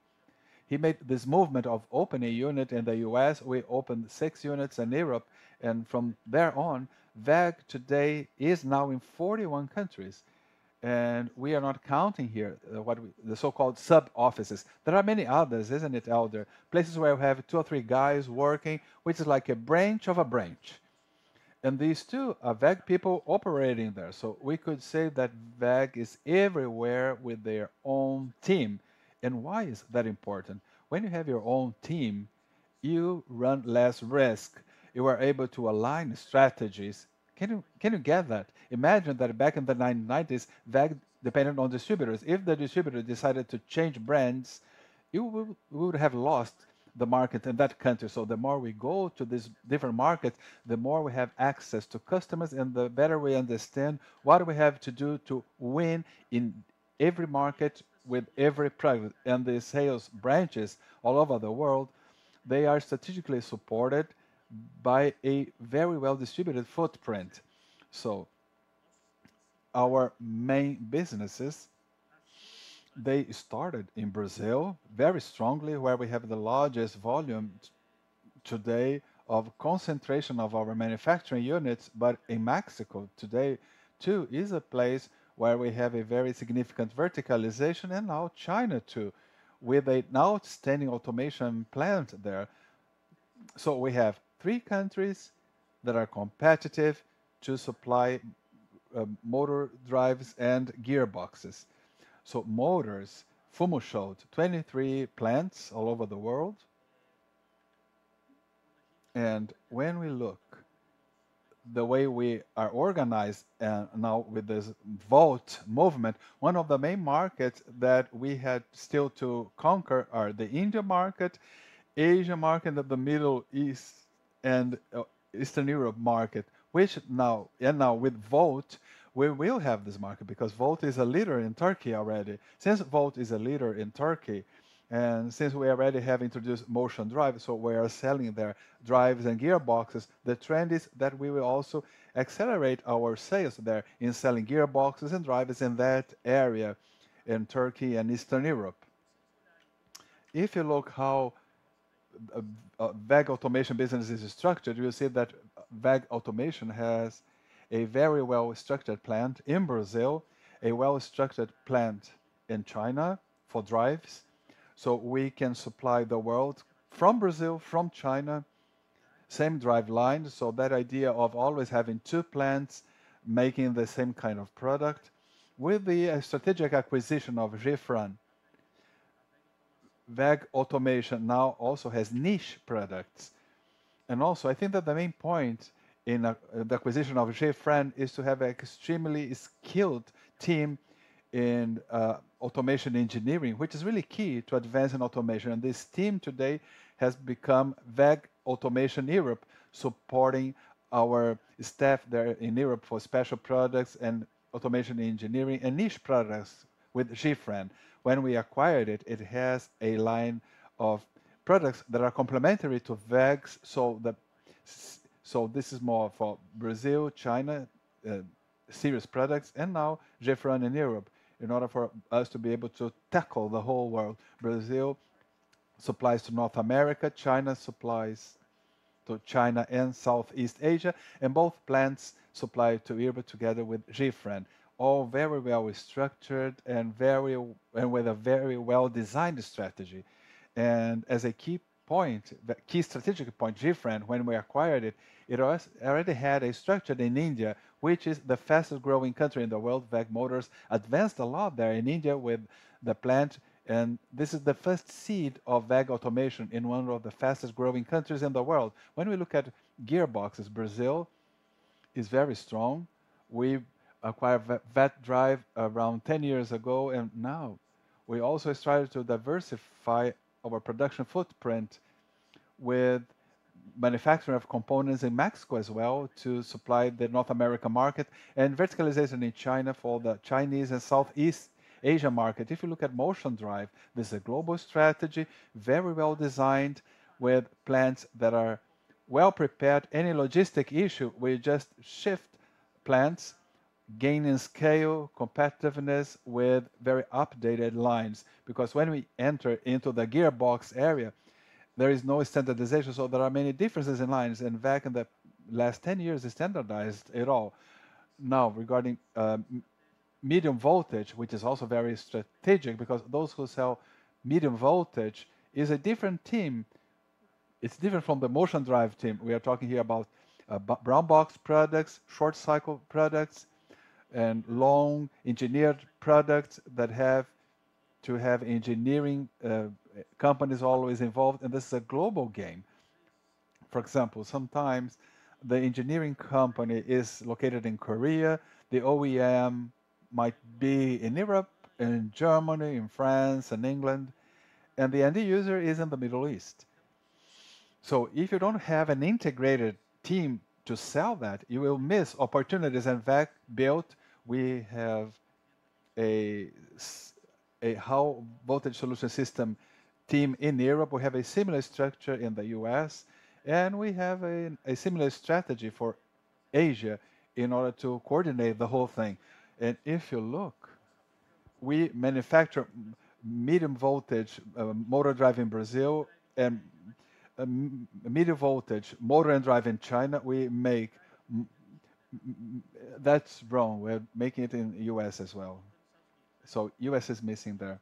he made this movement of opening a unit in the U.S. We opened six units in Europe, and from there on, WEG today is now in 41 countries, and we are not counting here the so-called sub-offices. There are many others, isn't it, Alder? Places where we have two or three guys working, which is like a branch of a branch, and these, too, are WEG people operating there. So we could say that WEG is everywhere with their own team. And why is that important? When you have your own team, you run less risk. You are able to align strategies. Can you get that? Imagine that back in the nineteen nineties, WEG depended on distributors. If the distributor decided to change brands, you would have lost the market in that country. So the more we go to these different markets, the more we have access to customers, and the better we understand what do we have to do to win in every market with every product. And the sales branches all over the world, they are strategically supported by a very well-distributed footprint. So our main businesses, they started in Brazil, very strongly, where we have the largest volume today of concentration of our manufacturing units. But in Mexico today, too, is a place where we have a very significant verticalization, and now China, too, with an outstanding automation plant there. So we have three countries that are competitive to supply motor drives and gearboxes. Motors. Fumo showed 23 plants all over the world. When we look the way we are organized, now with this Volt movement, one of the main markets that we had still to conquer are the India market, Asia market, and the Middle East and Eastern Europe market, which now with Volt, we will have this market because Volt is a leader in Turkey already. Since Volt is a leader in Turkey, and since we already have introduced Motion Drive, so we are selling their drives and gearboxes, the trend is that we will also accelerate our sales there in selling gearboxes and drives in that area, in Turkey and Eastern Europe. If you look how a WEG Automation business is structured, you will see that WEG Automation has a very well-structured plant in Brazil, a well-structured plant in China for drives. We can supply the world from Brazil, from China, same drive line, so that idea of always having two plants making the same kind of product. With the strategic acquisition of Gefran, WEG Automation now also has niche products. And also, I think that the main point in the acquisition of Gefran is to have an extremely skilled team in automation engineering, which is really key to advancing automation. And this team today has become WEG Automation Europe, supporting our staff there in Europe for special products and automation engineering and niche products with Gefran. When we acquired it, it has a line of products that are complementary to WEG's, so this is more for Brazil, China, serious products, and now Gefran in Europe, in order for us to be able to tackle the whole world. Brazil... Supplies to North America, China supplies to China and Southeast Asia, and both plants supply to Europe together with Gefran. All very well structured and very, and with a very well-designed strategy. And as a key point, the key strategic point, Gefran, when we acquired it, it already had a structure in India, which is the fastest growing country in the world. WEG Motors advanced a lot there in India with the plant, and this is the first seed of WEG Automation in one of the fastest growing countries in the world. When we look at gearboxes, Brazil is very strong. We acquired Watt Drive around 10 years ago, and now we also strive to diversify our production footprint with manufacturing of components in Mexico as well, to supply the North American market, and verticalization in China for the Chinese and Southeast Asia market. If you look at Motion Drive, this is a global strategy, very well designed, with plants that are well prepared. Any logistic issue, we just shift plants, gaining scale, competitiveness, with very updated lines. Because when we enter into the gearbox area, there is no standardization, so there are many differences in lines, and WEG, in the last ten years, has standardized it all. Now, regarding medium voltage, which is also very strategic, because those who sell medium voltage is a different team. It's different from the Motion Drive team. We are talking here about brown box products, short cycle products, and long engineered products that have to have engineering companies always involved, and this is a global game. For example, sometimes the engineering company is located in Korea, the OEM might be in Europe, in Germany, in France, and England, and the end user is in the Middle East. So if you don't have an integrated team to sell that, you will miss opportunities, and WEG built. We have a High Voltage Solutions system team in Europe. We have a similar structure in the US, and we have a similar strategy for Asia in order to coordinate the whole thing. And if you look, we manufacture medium voltage motor drive in Brazil, and medium voltage motor and drive in China. We make that's wrong. We're making it in the US as well. So US is missing there.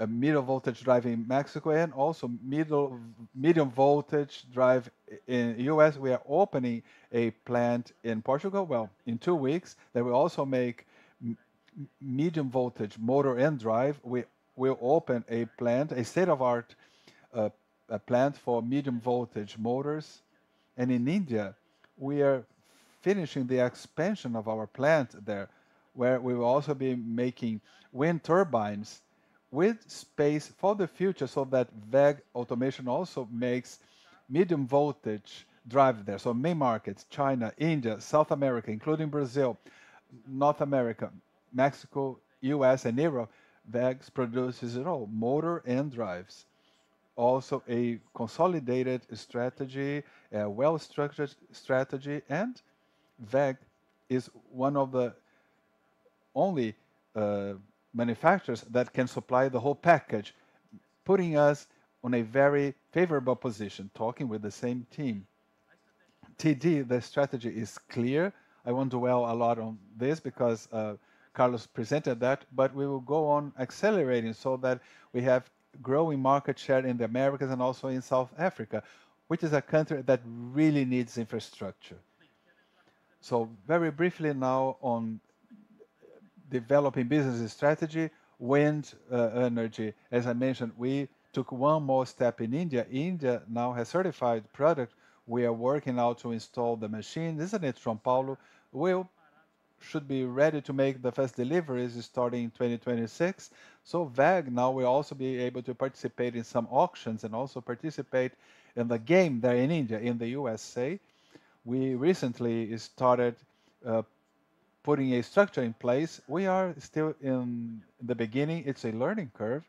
A medium voltage drive in Mexico, and also medium voltage drive in US. We are opening a plant in Portugal, well, in two weeks, that will also make medium voltage motor and drive. We'll open a plant, a state-of-the-art plant for medium voltage motors. In India, we are finishing the expansion of our plant there, where we will also be making wind turbines with space for the future, so that WEG Automation also makes medium voltage drive there. Main markets: China, India, South America, including Brazil, North America, Mexico, US, and Europe. WEG produces it all, motor and drives. Also, a consolidated strategy, a well-structured strategy, and WEG is one of the only manufacturers that can supply the whole package, putting us on a very favorable position, talking with the same team. T&D, the strategy is clear. I won't dwell a lot on this, because, Carlos presented that, but we will go on accelerating so that we have growing market share in the Americas and also in South Africa, which is a country that really needs infrastructure. So very briefly now on developing business strategy. Wind, energy. As I mentioned, we took one more step in India. India now has certified product. We are working now to install the machine. Isn't it, João Paulo? We should be ready to make the first deliveries starting in twenty twenty-six. So WEG now will also be able to participate in some auctions and also participate in the game there in India. In the USA, we recently started, putting a structure in place. We are still in the beginning. It's a learning curve.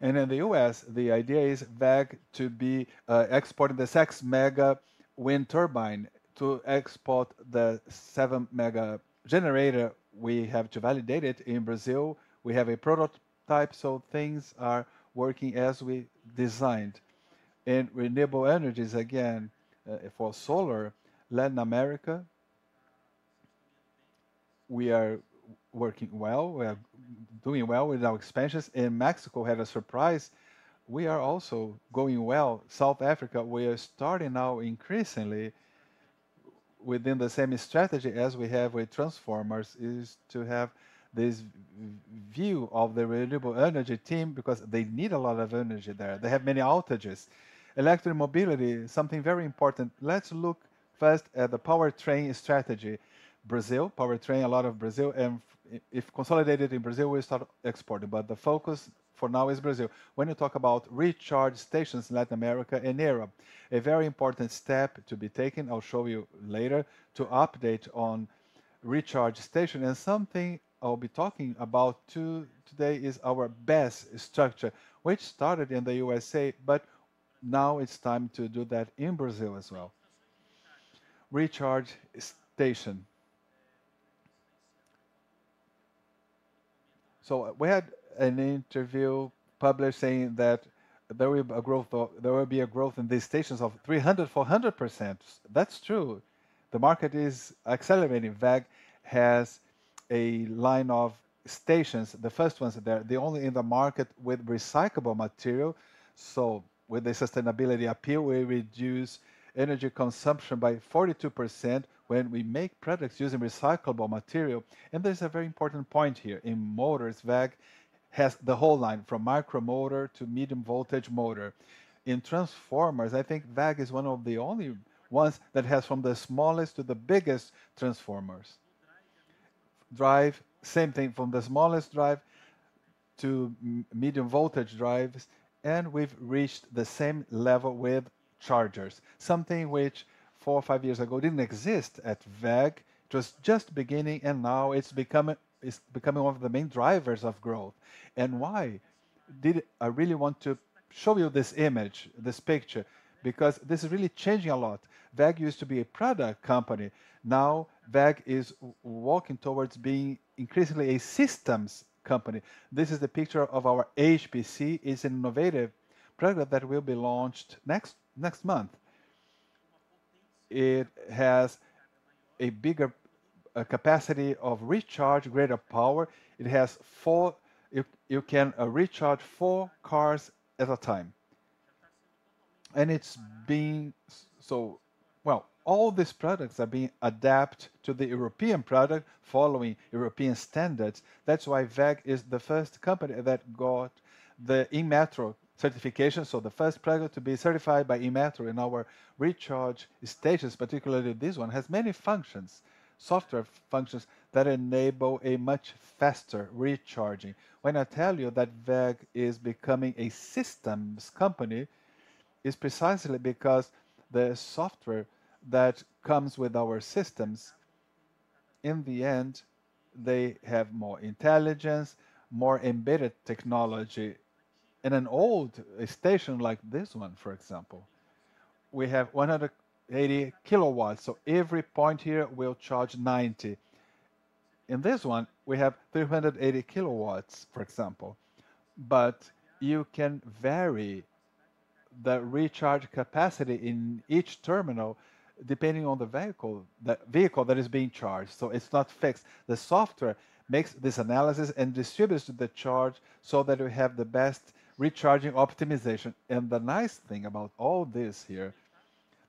In the US, the idea is WEG to be exporting this 6-MW wind turbine. To export the 7-MW generator, we have to validate it in Brazil. We have a prototype, so things are working as we designed. In renewable energies, again, for solar, Latin America, we are working well. We are doing well with our expansions. In Mexico, we had a surprise: we are also going well. South Africa, we are starting now increasingly within the same strategy as we have with transformers: to have this view of the renewable energy team because they need a lot of energy there. They have many outages. Electric mobility, something very important. Let's look first at the powertrain strategy. Brazil, powertrain, a lot in Brazil, and if consolidated in Brazil, we start exporting, but the focus for now is Brazil. When you talk about recharge stations, Latin America and Europe, a very important step to be taken. I'll show you later to update on recharge station. Something I'll be talking about too today is our BESS structure, which started in the USA, but now it's time to do that in Brazil as well. We had an interview published saying that there will be a growth in the stations of 300%-400%. That's true. The market is accelerating. WEG has a line of stations, the first ones there. The only in the market with recyclable material, so with a sustainability appeal, we reduce energy consumption by 42% when we make products using recyclable material. There's a very important point here: in motors, WEG has the whole line, from micro motor to medium-voltage motor. In transformers, I think WEG is one of the only ones that has from the smallest to the biggest transformers. Drive, same thing, from the smallest drive to medium-voltage drives, and we've reached the same level with chargers. Something which four or five years ago didn't exist at WEG, it was just beginning, and now it's becoming one of the main drivers of growth, and why did I really want to show you this image, this picture? Because this is really changing a lot. WEG used to be a product company; now, WEG is walking towards being increasingly a systems company. This is the picture of our HPC. It's an innovative product that will be launched next month. It has a bigger capacity of recharge, greater power. It has four. You can recharge four cars at a time, and it's being so... All these products are being adapted to the European product, following European standards. That's why WEG is the first company that got the Inmetro certification, so the first product to be certified by Inmetro in our recharge stations. Particularly, this one has many functions, software functions, that enable a much faster recharging. When I tell you that WEG is becoming a systems company, it's precisely because the software that comes with our systems, in the end, they have more intelligence, more embedded technology. In an old station, like this one, for example, we have 180 kilowatts, so every point here will charge 90. In this one, we have 380 kilowatts, for example, but you can vary the recharge capacity in each terminal depending on the vehicle, the vehicle that is being charged, so it's not fixed. The software makes this analysis and distributes the charge so that we have the best recharging optimization. And the nice thing about all this here,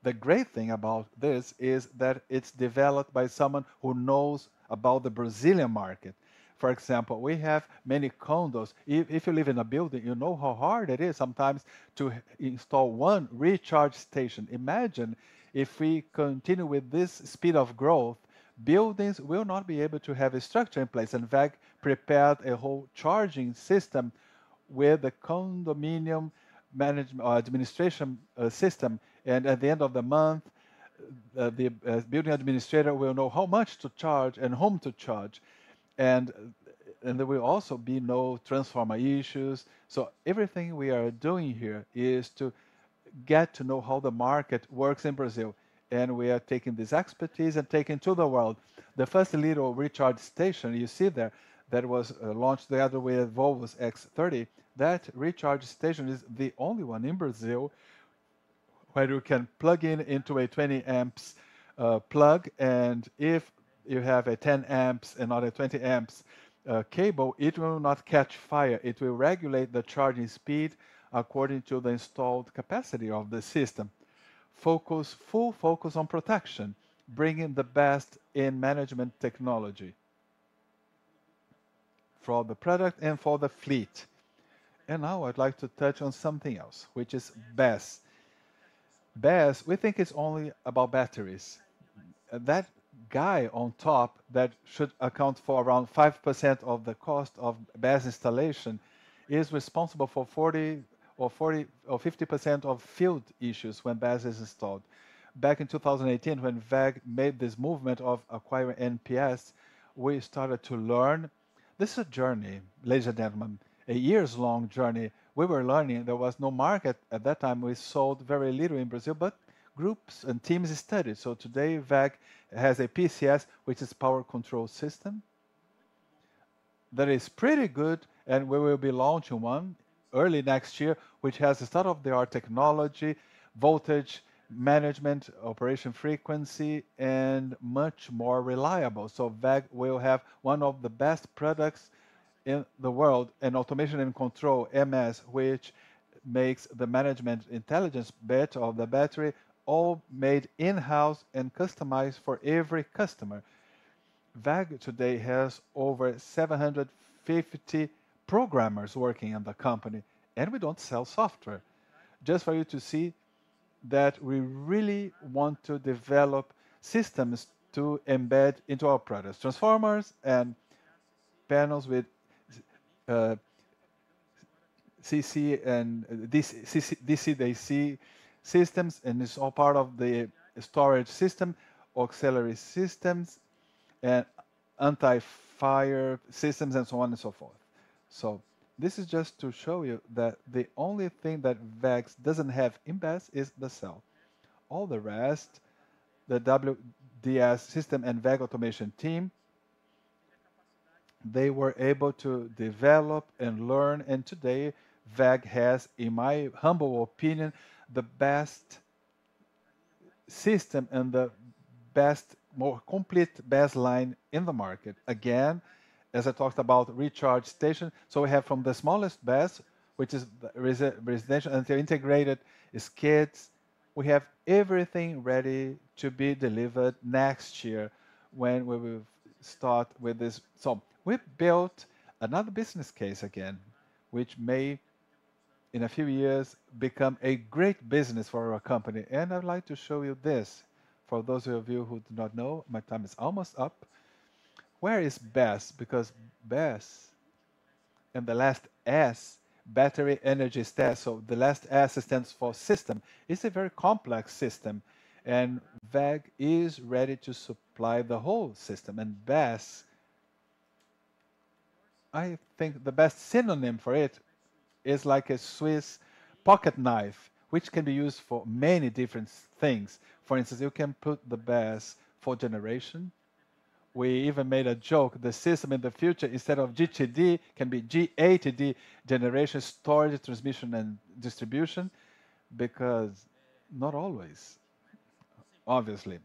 the great thing about this, is that it's developed by someone who knows about the Brazilian market. For example, we have many condos. If you live in a building, you know how hard it is sometimes to install one recharge station. Imagine if we continue with this speed of growth, buildings will not be able to have a structure in place, and WEG prepared a whole charging system with a condominium management administration system, and at the end of the month, the building administrator will know how much to charge and whom to charge. And there will also be no transformer issues. Everything we are doing here is to get to know how the market works in Brazil, and we are taking this expertise and taking to the world. The first little recharge station you see there, that was launched the other way with Volvo's EX30, that recharge station is the only one in Brazil where you can plug in into a twenty amps plug, and if you have a ten amps another twenty amps cable, it will not catch fire. It will regulate the charging speed according to the installed capacity of the system. Focus, full focus on protection, bringing the best in management technology for the product and for the fleet. Now I'd like to touch on something else, which is BESS. BESS, we think it's only about batteries. That guy on top, that should account for around 5% of the cost of BESS installation, is responsible for 40 or 40 or 50% of field issues when BESS is installed. Back in 2018, when WEG made this movement of acquiring NPS, we started to learn. This is a journey, ladies and gentlemen, a years-long journey. We were learning. There was no market at that time. We sold very little in Brazil, but groups and teams studied. So today, WEG has a PCS, which is power control system, that is pretty good, and we will be launching one early next year, which has a state-of-the-art technology, voltage management, operation frequency, and much more reliable. So WEG will have one of the best products in the world, an automation and control EMS, which makes the management intelligence better of the battery, all made in-house and customized for every customer. WEG today has over 750 programmers working in the company, and we don't sell software. Just for you to see that we really want to develop systems to embed into our products. Transformers and panels with AC and DC, PCS, DC to AC systems, and it's all part of the storage system, auxiliary systems, anti-fire systems, and so on and so forth. This is just to show you that the only thing that WEG doesn't have in BESS is the cell. All the rest, the WEMS system and WEG automation team, they were able to develop and learn, and today, WEG has, in my humble opinion, the best system and the best, more complete BESS line in the market. Again, as I talked about recharge station, we have from the smallest BESS, which is residential, until integrated skids. We have everything ready to be delivered next year, when we will start with this, so we built another business case again, which may, in a few years, become a great business for our company, and I'd like to show you this, for those of you who do not know, my time is almost up. Where is BESS? Because BESS, and the last S, battery, energy, S, so the last S stands for system. It's a very complex system, and WEG is ready to supply the whole system, and BESS, I think the best synonym for it is like a Swiss pocket knife, which can be used for many different things. For instance, you can put the BESS for generation. We even made a joke: the system in the future, instead of GTD, can be GATD, generation, storage, transmission, and distribution, because not always, obviously,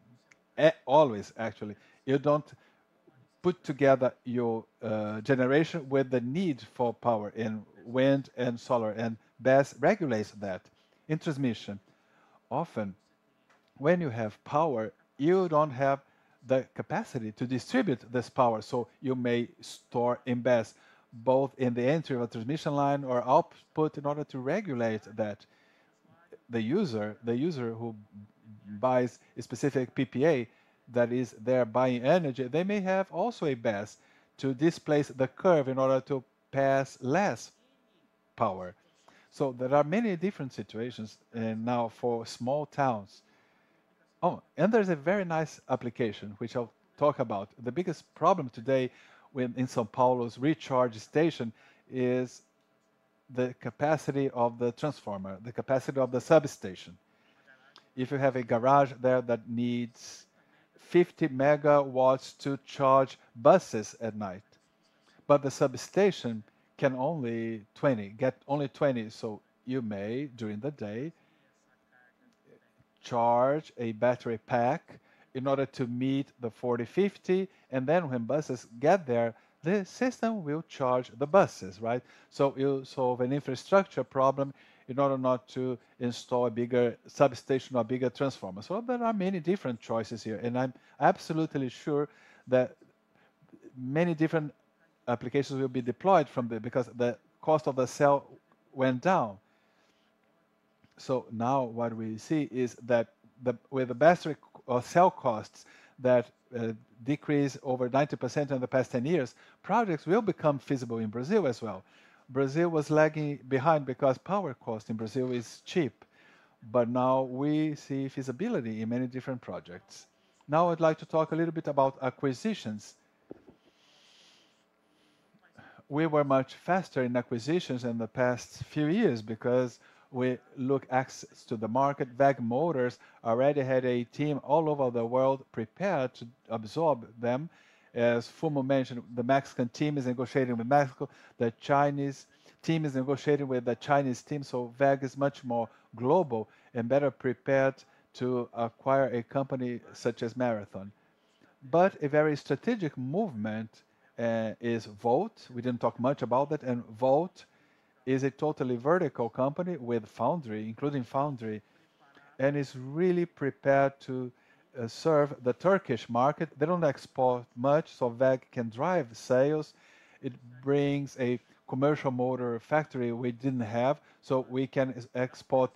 always, actually, you don't put together your, generation with the need for power in wind and solar, and BESS regulates that. In transmission, often, when you have power, you don't have the capacity to distribute this power, so you may store in BESS, both in the entry of a transmission line or output in order to regulate that. The user, the user who buys a specific PPA, that is, they are buying energy, they may have also a BESS to displace the curve in order to pass less power. So there are many different situations, and now for small towns... Oh, and there's a very nice application, which I'll talk about. The biggest problem today within São Paulo's recharge station is the capacity of the transformer, the capacity of the substation. If you have a garage there that needs 50 MW to charge buses at night, but the substation can only get 20, so you may, during the day, charge a battery pack in order to meet the 40-50, and then when buses get there, the system will charge the buses, right, so you solve an infrastructure problem in order not to install a bigger substation or a bigger transformer, so there are many different choices here, and I'm absolutely sure that many different applications will be deployed from there, because the cost of the cell went down, so now what we see is that the... with the battery or cell costs that decreased over 90% in the past 10 years, projects will become feasible in Brazil as well. Brazil was lagging behind because power cost in Brazil is cheap, but now we see feasibility in many different projects. Now, I'd like to talk a little bit about acquisitions. We were much faster in acquisitions in the past few years because we look access to the market. WEG Motors already had a team all over the world prepared to absorb them. As Fumo mentioned, the Mexican team is negotiating with Mexico, the Chinese team is negotiating with the Chinese team, so WEG is much more global and better prepared to acquire a company such as Marathon. But a very strategic movement is Volt. We didn't talk much about that, and Volt is a totally vertical company with foundry, and is really prepared to serve the Turkish market. They don't export much, so WEG can drive sales. It brings a commercial motor factory we didn't have, so we can export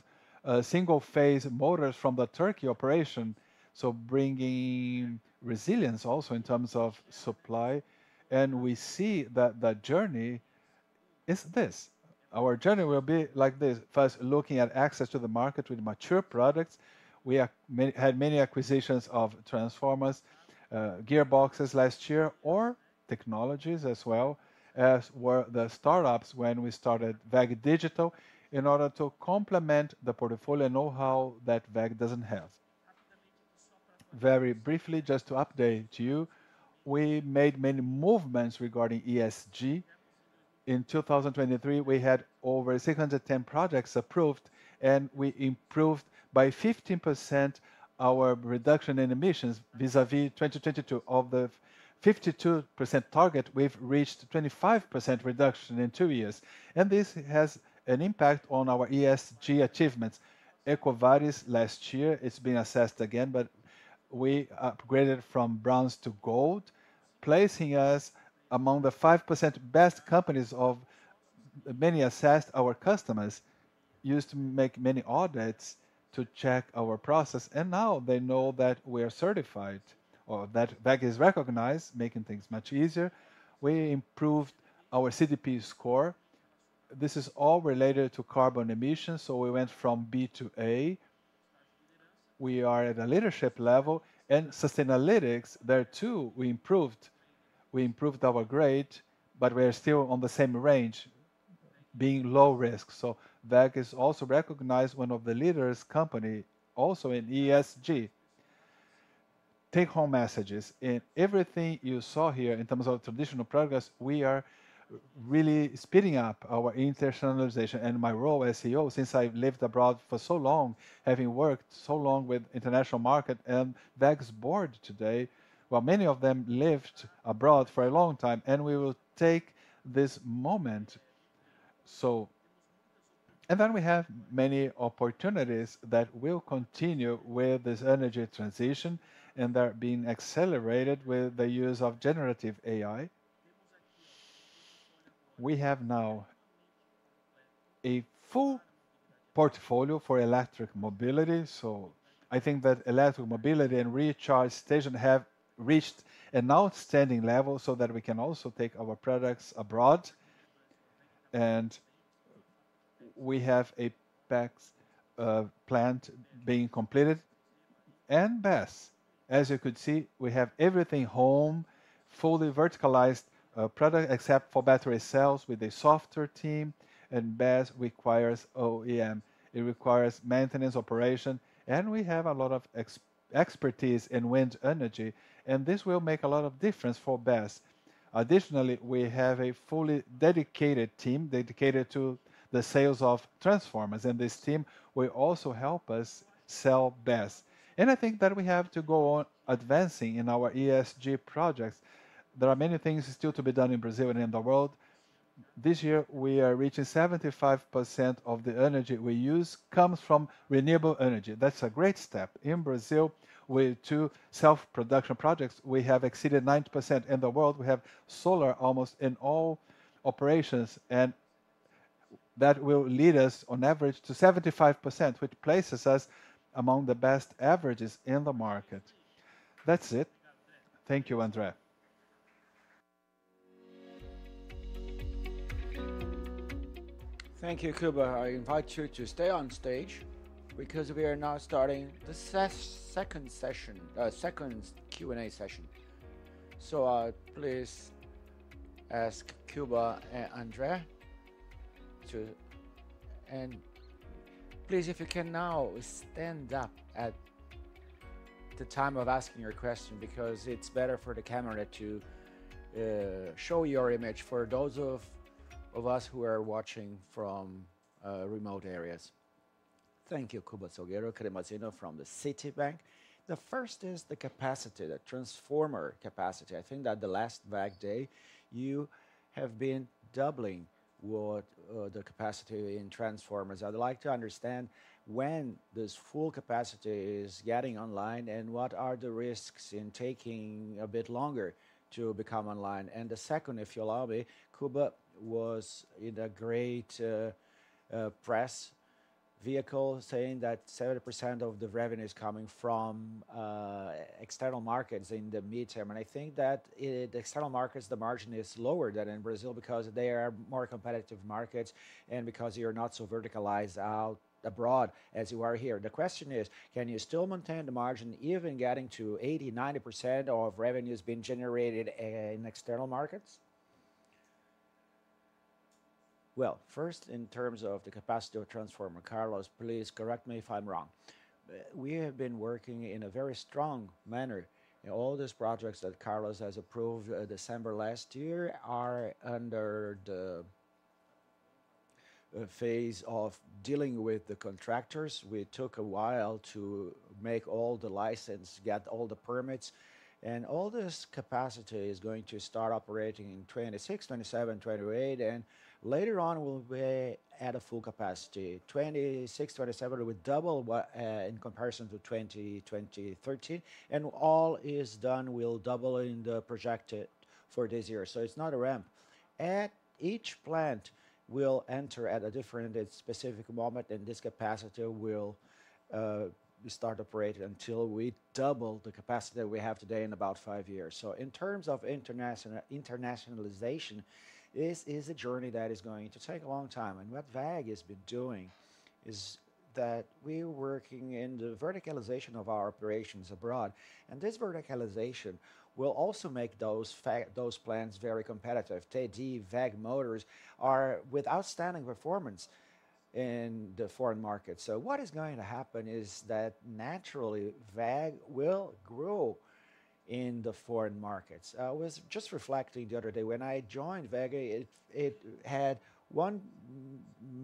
single-phase motors from the Turkey operation, so bringing resilience also in terms of supply, and we see that the journey is this. Our journey will be like this: first, looking at access to the market with mature products. We had many acquisitions of transformers, gearboxes last year, or technologies as well, as were the startups when we started WEG Digital, in order to complement the portfolio and know-how that WEG doesn't have. Very briefly, just to update you, we made many movements regarding ESG. In 2023, we had over 610 projects approved, and we improved by 15% our reduction in emissions vis-à-vis 2022. Of the 52% target, we've reached 25% reduction in two years, and this has an impact on our ESG achievements. EcoVadis last year. It's being assessed again, but we upgraded from bronze to gold, placing us among the 5% best companies of many assessed. Our customers used to make many audits to check our process, and now they know that we are certified, or that WEG is recognized, making things much easier. We improved our CDP score. This is all related to carbon emissions, so we went from B to A.... we are at a leadership level, and Sustainalytics, there too, we improved. We improved our grade, but we are still on the same range, being low risk. So that is also recognized one of the leaders company also in ESG. Take-home messages. In everything you saw here in terms of traditional progress, we are really speeding up our internationalization. And my role as CEO, since I've lived abroad for so long, having worked so long with international market and WEG's board today, well, many of them lived abroad for a long time, and we will take this moment. So... And then we have many opportunities that will continue with this energy transition, and they're being accelerated with the use of generative AI. We have now a full portfolio for electric mobility, so I think that electric mobility and recharge station have reached an outstanding level so that we can also take our products abroad. And we have a BESS plant being completed. And BESS, as you could see, we have everything home, fully verticalized product, except for battery cells with a software team, and BESS requires OEM. It requires maintenance, operation, and we have a lot of expertise in wind energy, and this will make a lot of difference for BESS. Additionally, we have a fully dedicated team, dedicated to the sales of transformers, and this team will also help us sell BESS. And I think that we have to go on advancing in our ESG projects. There are many things still to be done in Brazil and in the world. This year, we are reaching 75% of the energy we use comes from renewable energy. That's a great step. In Brazil, with two self-production projects, we have exceeded 90%. In the world, we have solar almost in all operations, and that will lead us on average to 75%, which places us among the best averages in the market. That's it. Thank you, André. Thank you, Kuba. I invite you to stay on stage because we are now starting the second session, second Q&A session. So, I please ask Kuba and André to... And please, if you can now stand up at the time of asking your question, because it's better for the camera to show your image for those of us who are watching from remote areas. Thank you, Kuba. André Mazini from Citibank. The first is the capacity, the transformer capacity. I think that the last WEG Day, you have been doubling what, the capacity in transformers. I'd like to understand when this full capacity is getting online, and what are the risks in taking a bit longer to become online? The second, if you allow me, Kuba was in a great interview saying that 70% of the revenue is coming from external markets in the midterm. And I think that in the external markets, the margin is lower than in Brazil because they are more competitive markets and because you're not so verticalized out abroad as you are here. The question is: can you still maintain the margin, even getting to 80%-90% of revenue is being generated in external markets? First, in terms of the capacity of transformer, Carlos, please correct me if I'm wrong. We have been working in a very strong manner, and all these projects that Carlos has approved, December last year, are under the phase of dealing with the contractors. We took a while to make all the license, get all the permits, and all this capacity is going to start operating in 2026, 2027, 2028, and later on, we'll be at a full capacity. 2026, 2027, we double what, in comparison to 2020, 2013, and all is done, we'll double in the projected for this year. So it's not a ramp. At each plant, we'll enter at a different specific moment, and this capacity will start operate until we double the capacity that we have today in about five years. In terms of internationalization, this is a journey that is going to take a long time, and what WEG has been doing is that we're working in the verticalization of our operations abroad, and this verticalization will also make those plants very competitive. Today, WEG motors are with outstanding performance in the foreign market. What is going to happen is that naturally, WEG will grow in the foreign markets. I was just reflecting the other day, when I joined WEG, it had 1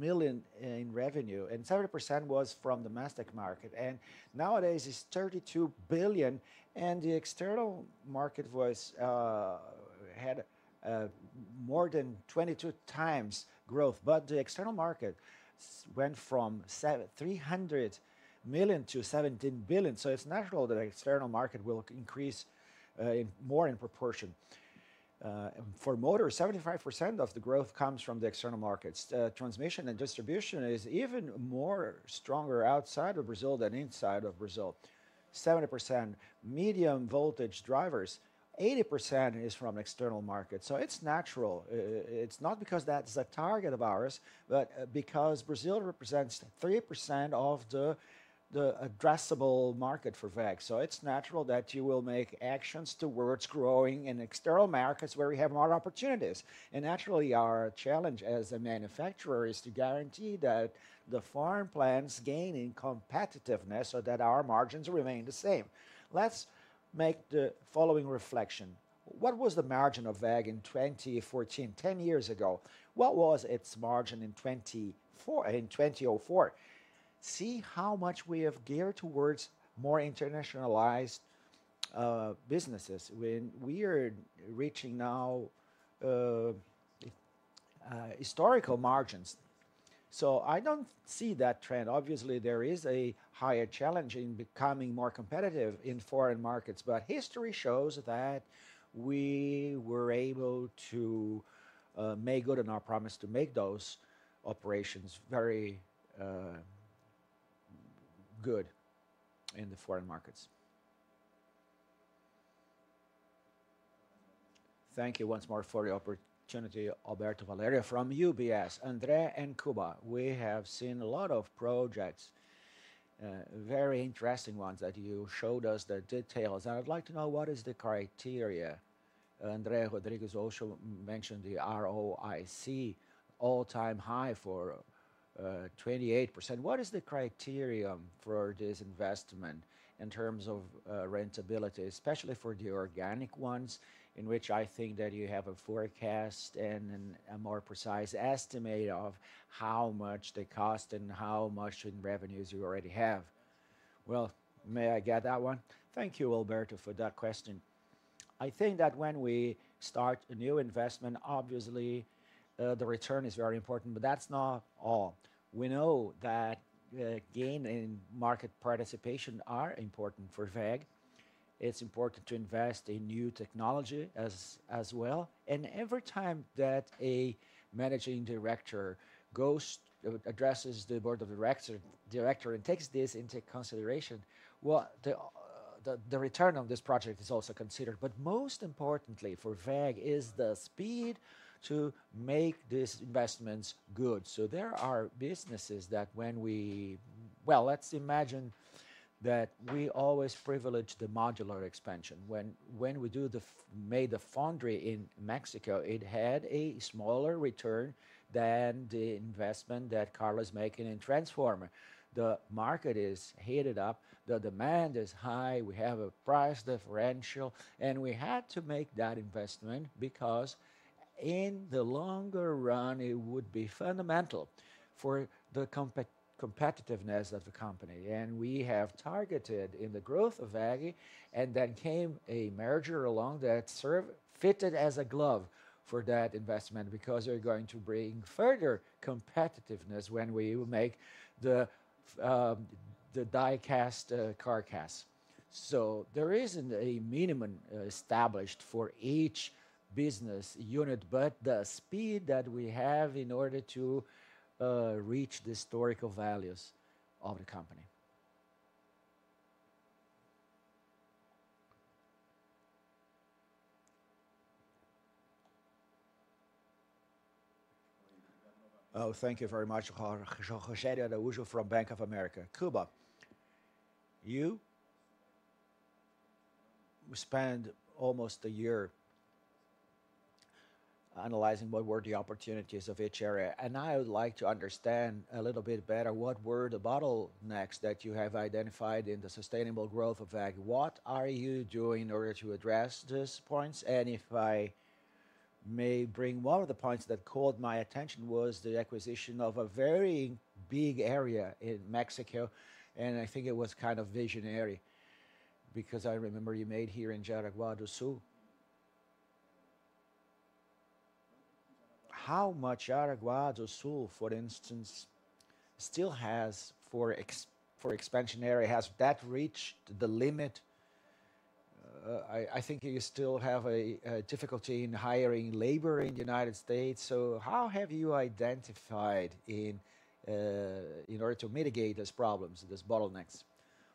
million in revenue, and 70% was from domestic market, and nowadays, it's 32 billion, and the external market had more than 22 times growth. But the external market went from 300 million-17 billion, so it's natural that the external market will increase more in proportion. For motor, 75% of the growth comes from the external markets. Transmission and distribution is even more stronger outside of Brazil than inside of Brazil.... 70% medium voltage drivers, 80% is from external markets. It's natural. It's not because that's a target of ours, but because Brazil represents 3% of the addressable market for WEG. It's natural that you will make actions towards growing in external markets where we have more opportunities. And naturally, our challenge as a manufacturer is to guarantee that the foreign plants gain in competitiveness so that our margins remain the same. Let's make the following reflection: What was the margin of WEG in 2014? Ten years ago, what was its margin in 2024, in 2004? See how much we have geared towards more internationalized businesses. When we are reaching now historical margins. I don't see that trend. Obviously, there is a higher challenge in becoming more competitive in foreign markets, but history shows that we were able to make good on our promise to make those operations very good in the foreign markets. Thank you once more for the opportunity, Alberto. Valerio from UBS. André and Kuba, we have seen a lot of projects, very interesting ones, that you showed us the details, and I'd like to know, what is the criteria? André Rodrigues also mentioned the ROIC all-time high for 28%. What is the criterion for this investment in terms of profitability, especially for the organic ones, in which I think that you have a forecast and then a more precise estimate of how much they cost and how much in revenues you already have? Well, may I get that one? Thank you, Alberto, for that question. I think that when we start a new investment, obviously, the return is very important, but that's not all. We know that gain in market participation are important for WEG. It's important to invest in new technology as well, and every time that a managing director addresses the board of directors and takes this into consideration, well, the return on this project is also considered. But most importantly for WEG is the speed to make these investments good. So there are businesses that when we, well, let's imagine that we always privilege the modular expansion. When we made the foundry in Mexico, it had a smaller return than the investment that Carlos is making in transformer. The market is heated up. The demand is high. We have a price differential, and we had to make that investment because in the longer run, it would be fundamental for the competitiveness of the company, and we have targeted in the growth of WEG, and then came a merger along that sort of fitted as a glove for that investment, because they're going to bring further competitiveness when we make the die-cast core cast, so there isn't a minimum established for each business unit, but the speed that we have in order to reach the historical values of the company. Oh, thank you very much. Rogério Araújo from Bank of America. Kuba, you spent almost a year analyzing what were the opportunities of each area, and I would like to understand a little bit better what were the bottlenecks that you have identified in the sustainable growth of WEG. What are you doing in order to address these points? And if I may bring, one of the points that caught my attention was the acquisition of a very big area in Mexico, and I think it was kind of visionary because I remember you made here in Jaraguá do Sul. How much Jaraguá do Sul, for instance, still has for expansion area? Has that reached the limit? I think you still have a difficulty in hiring labor in the U.S., so how have you identified in order to mitigate these problems, these bottlenecks?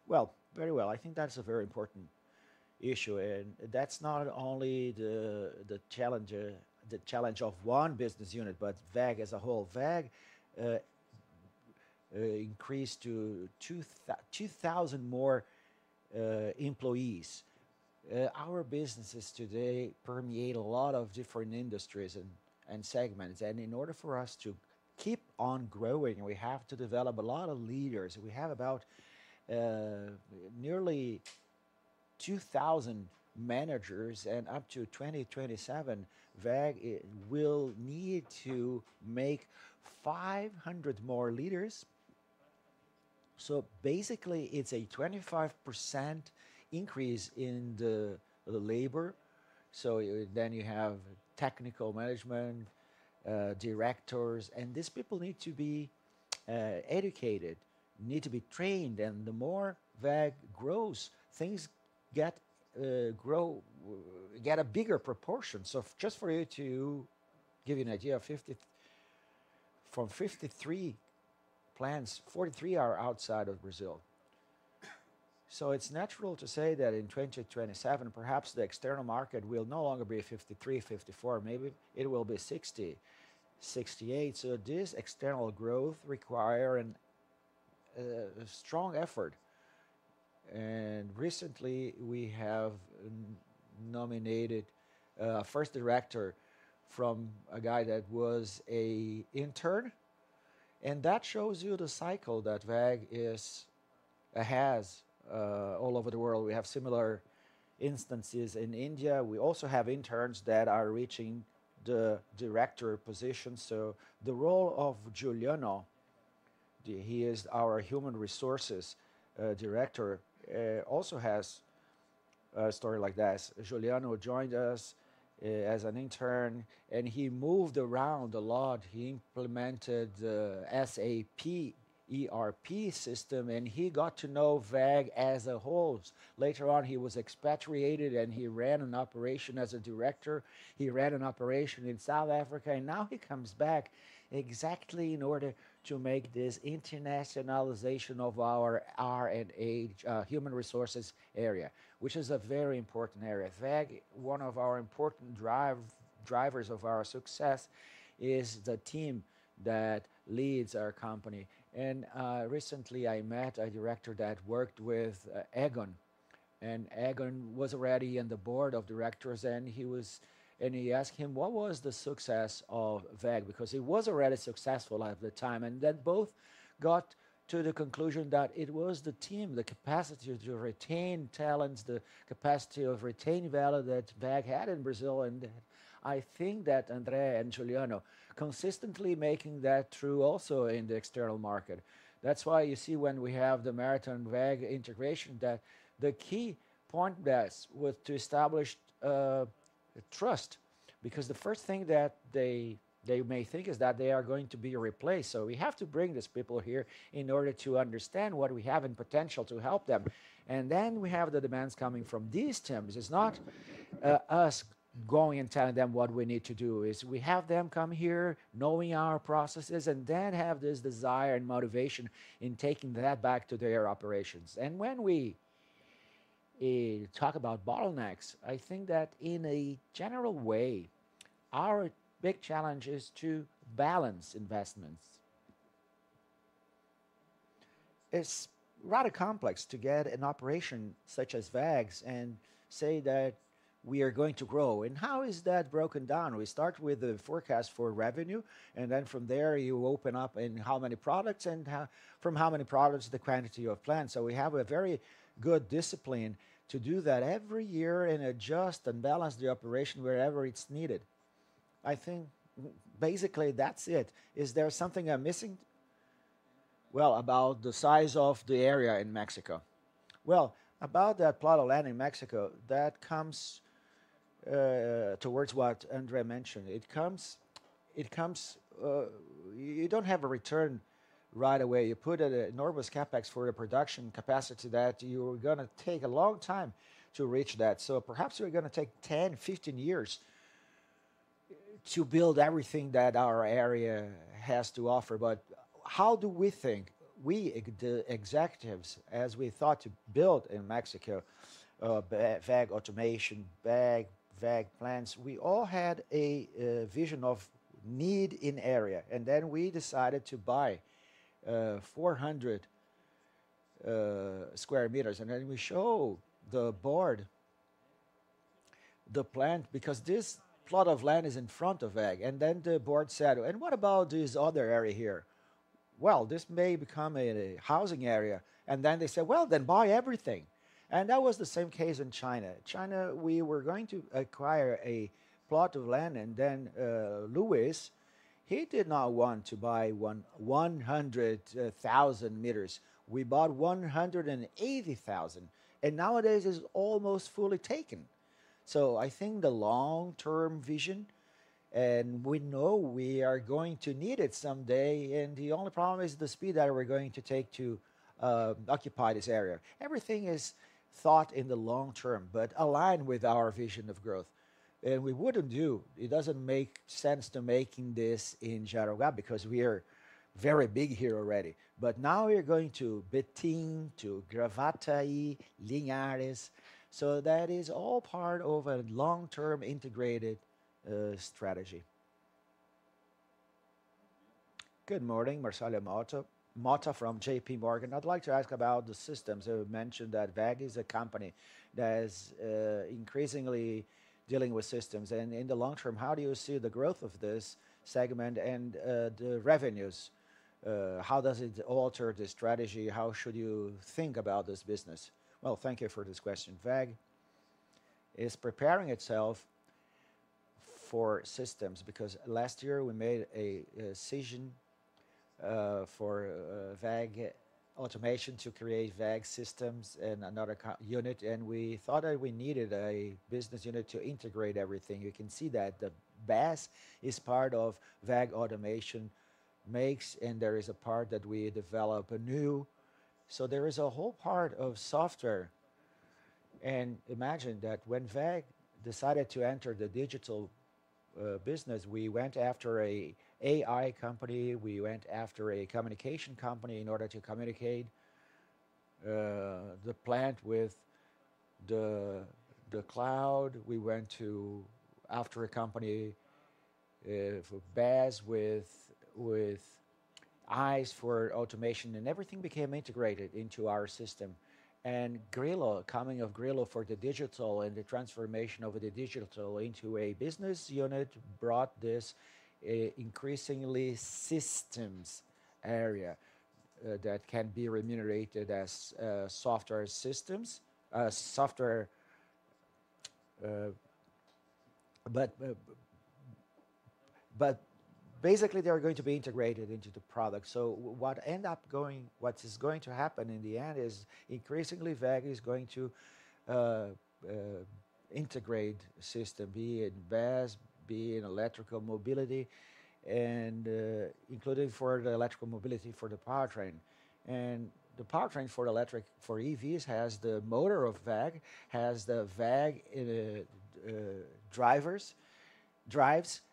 Well, very well. I think that's a very important issue, and that's not only the challenge of one business unit, but WEG as a whole. WEG increased to two thousand more employees. Our businesses today permeate a lot of different industries and segments, and in order for us to keep on growing, we have to develop a lot of leaders. We have about nearly 2,000 managers, and up to 2027, WEG will need to make 500 more leaders. So basically, it's a 25% increase in the labor, so you then you have technical management directors, and these people need to be educated, need to be trained, and the more WEG grows, things get grow, get a bigger proportion. So just for you to give you an idea, from 53 plants, 43 are outside of Brazil. So it's natural to say that in 2027, perhaps the external market will no longer be 53, 54, maybe it will be 60, 68. So this external growth require a strong effort, and recently we have nominated a first director from a guy that was an intern, and that shows you the cycle that WEG has. All over the world, we have similar instances. In India, we also have interns that are reaching the director position. So the role of Juliano, he is our Human Resources Director, also has a story like this. Juliano joined us as an intern, and he moved around a lot. He implemented the SAP ERP system, and he got to know WEG as a whole. Later on, he was expatriated, and he ran an operation as a director. He ran an operation in South Africa, and now he comes back exactly in order to make this internationalization of our R&H, human resources area, which is a very important area. WEG, one of our important drivers of our success is the team that leads our company. Recently I met a director that worked with Eggon, and Eggon was already in the board of directors, and he asked him: "What was the success of WEG?" Because it was already successful at the time. And then both got to the conclusion that it was the team, the capacity to retain talents, the capacity of retaining value that WEG had in Brazil, and I think that André and Juliano consistently making that true also in the external market. That's why you see when we have the Marathon-WEG integration, that the key point there is, was to establish trust, because the first thing that they, they may think is that they are going to be replaced. So we have to bring these people here in order to understand what we have in potential to help them, and then we have the demands coming from these teams. It's not us going and telling them what we need to do. It's we have them come here, knowing our processes, and then have this desire and motivation in taking that back to their operations. And when we talk about bottlenecks, I think that in a general way, our big challenge is to balance investments. It's rather complex to get an operation such as WEG's and say that we are going to grow, and how is that broken down? We start with the forecast for revenue, and then from there, you open up in how many products, the quantity of plants. So we have a very good discipline to do that every year and adjust and balance the operation wherever it's needed. I think basically, that's it. Is there something I'm missing? Well, about the size of the area in Mexico. Well, about that plot of land in Mexico, that comes towards what André mentioned. It comes. You don't have a return right away. You put an enormous CapEx for a production capacity that you're gonna take a long time to reach that. So perhaps you're gonna take 10, 15 years to build everything that our area has to offer. But how do we think? We, the executives, as we thought to build in Mexico, WEG Automation, WEG, WEG plants, we all had a vision of need in area, and then we decided to buy 400 sq m, and then we show the board the plan, because this plot of land is in front of WEG, and then the board said, "And what about this other area here?" "Well, this may become a housing area." And then they said, "Well, then buy everything!" And that was the same case in China. We were going to acquire a plot of land, and then, Luís, he did not want to buy 100,000 sq m. We bought 180,000, and nowadays, it's almost fully taken. So I think the long-term vision, and we know we are going to need it someday, and the only problem is the speed that we're going to take to occupy this area. Everything is thought in the long term, but aligned with our vision of growth. And we wouldn't do. It doesn't make sense to making this in Jaraguá because we are very big here already. But now we are going to Betim, to Gravataí, Linhares. So that is all part of a long-term, integrated strategy. Good morning, Marcelo Motta from JPMorgan. I'd like to ask about the systems. You mentioned that WEG is a company that is increasingly dealing with systems, and in the long term, how do you see the growth of this segment and the revenues? How does it alter the strategy? How should you think about this business? Thank you for this question. WEG is preparing itself for systems because last year we made a decision for WEG Automation to create WEG Systems and another unit, and we thought that we needed a business unit to integrate everything. You can see that the best is part of WEG Automation makes, and there is a part that we develop anew. There is a whole part of software and imagine that when WEG decided to enter the digital business, we went after an AI company, we went after a communication company in order to communicate the plant with the cloud. We went after a company for BESS with eyes for automation, and everything became integrated into our system. Grillo, coming of Grillo for the digital and the transformation of the digital into a business unit, brought this increasingly systems area that can be remunerated as software systems, software, but basically they are going to be integrated into the product, so what is going to happen in the end is increasingly WEG is going to integrate system, be it BESS, be it electrical mobility, and including for the electrical mobility for the powertrain, and the powertrain for electric, for EVs, has the motor of WEG, has the WEG drives,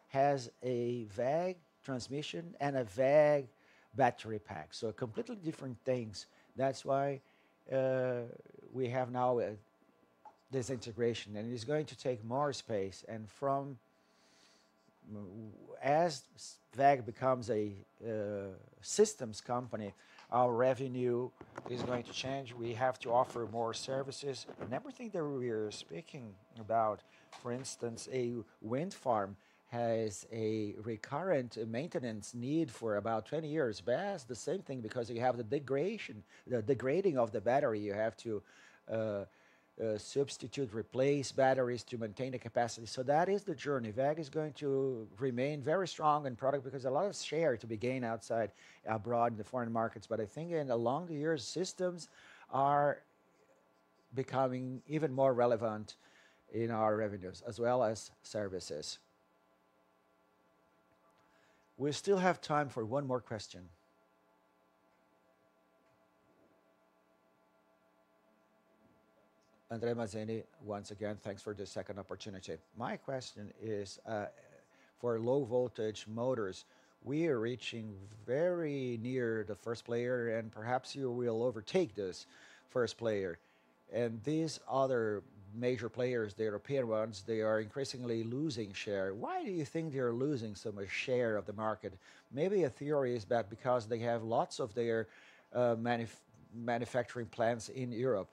has a WEG transmission, and a WEG battery pack, so completely different things. That's why we have now this integration, and it's going to take more space. As WEG becomes a systems company, our revenue is going to change. We have to offer more services. Everything that we are speaking about, for instance, a wind farm has a recurrent maintenance need for about 20 years. BESS, the same thing, because you have the degradation, the degrading of the battery. You have to substitute, replace batteries to maintain the capacity. So that is the journey. WEG is going to remain very strong in product because a lot of share to be gained outside, abroad, in the foreign markets. But I think in the longer years, systems are becoming even more relevant in our revenues as well as services. We still have time for one more question. André Mazini, once again, thanks for this second opportunity. My question is, for low-voltage motors, we are reaching very near the first player, and perhaps you will overtake this first player. And these other major players, the European ones, they are increasingly losing share. Why do you think they are losing so much share of the market? Maybe a theory is that because they have lots of their manufacturing plants in Europe,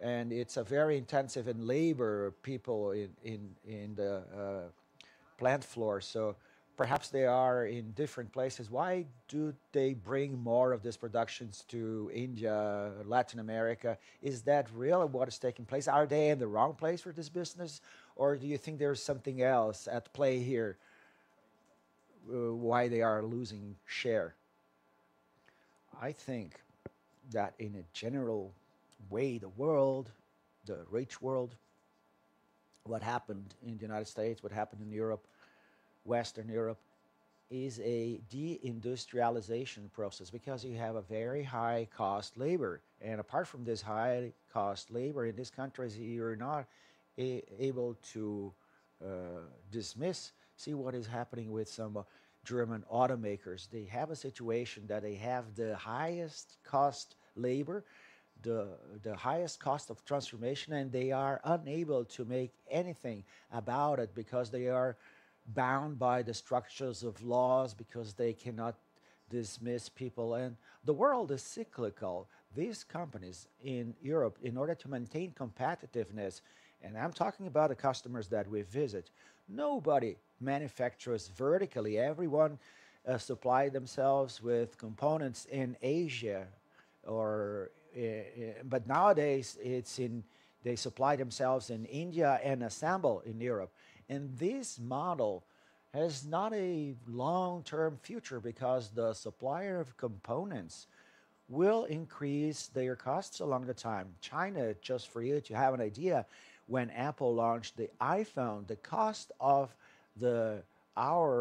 and it's a very intensive in labor, people in the plant floor, so perhaps they are in different places. Why do they bring more of this productions to India, Latin America? Is that really what is taking place? Are they in the wrong place for this business, or do you think there is something else at play here, why they are losing share? I think that in a general way, the world, the rich world, what happened in the U.S., what happened in Europe, Western Europe, is a deindustrialization process because you have a very high-cost labor. Apart from this high-cost labor in these countries, you are not able to dismiss. See what is happening with some German automakers. They have a situation that they have the highest cost labor, the highest cost of transformation, and they are unable to make anything about it because they are bound by the structures of laws, because they cannot dismiss people. The world is cyclical. These companies in Europe, in order to maintain competitiveness, and I'm talking about the customers that we visit, nobody manufactures vertically. Everyone supply themselves with components in Asia. Nowadays, they supply themselves in India and assemble in Europe. This model has not a long-term future because the supplier of components will increase their costs along the time. China, just for you to have an idea, when Apple launched the iPhone, the cost of the hour,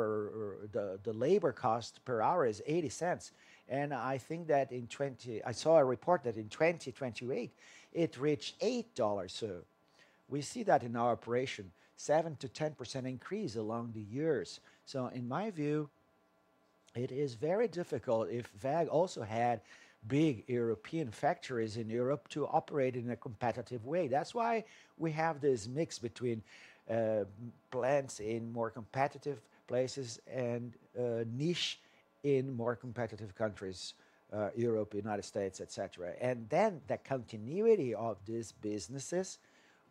or the labor cost per hour is $0.80, and I think that in 2028, it reached $8. So we see that in our operation, 7%-10% increase along the years. So in my view, it is very difficult, if WEG also had big European factories in Europe, to operate in a competitive way. That's why we have this mix between plants in more competitive places and niche in more competitive countries, Europe, U.S., et cetera. And then the continuity of these businesses,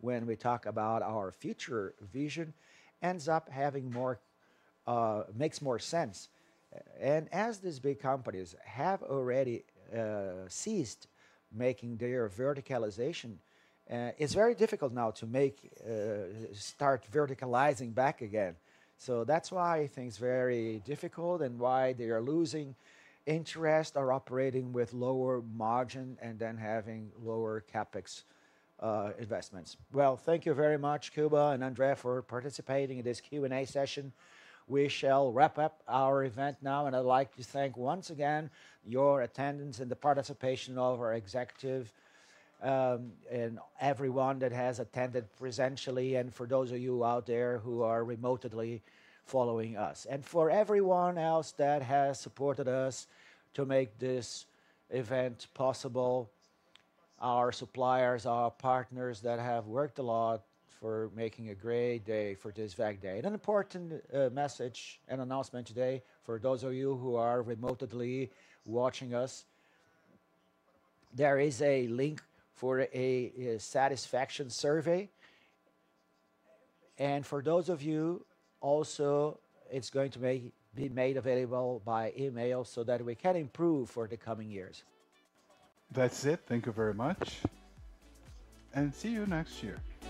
when we talk about our future vision, ends up making more sense. And as these big companies have already ceased making their verticalization, it's very difficult now to start verticalizing back again. So that's why I think it's very difficult, and why they are losing interest or operating with lower margin, and then having lower CapEx investments. Well, thank you very much, Kuba and André, for participating in this Q&A session. We shall wrap up our event now, and I'd like to thank once again your attendance and the participation of our executive, and everyone that has attended presentially, and for those of you out there who are remotely following us. And for everyone else that has supported us to make this event possible, our suppliers, our partners that have worked a lot for making a great day for this WEG Day. An important message and announcement today for those of you who are remotely watching us, there is a link for a satisfaction survey. And for those of you, also, it's going to be made available by email so that we can improve for the coming years. That's it. Thank you very much, and see you next year.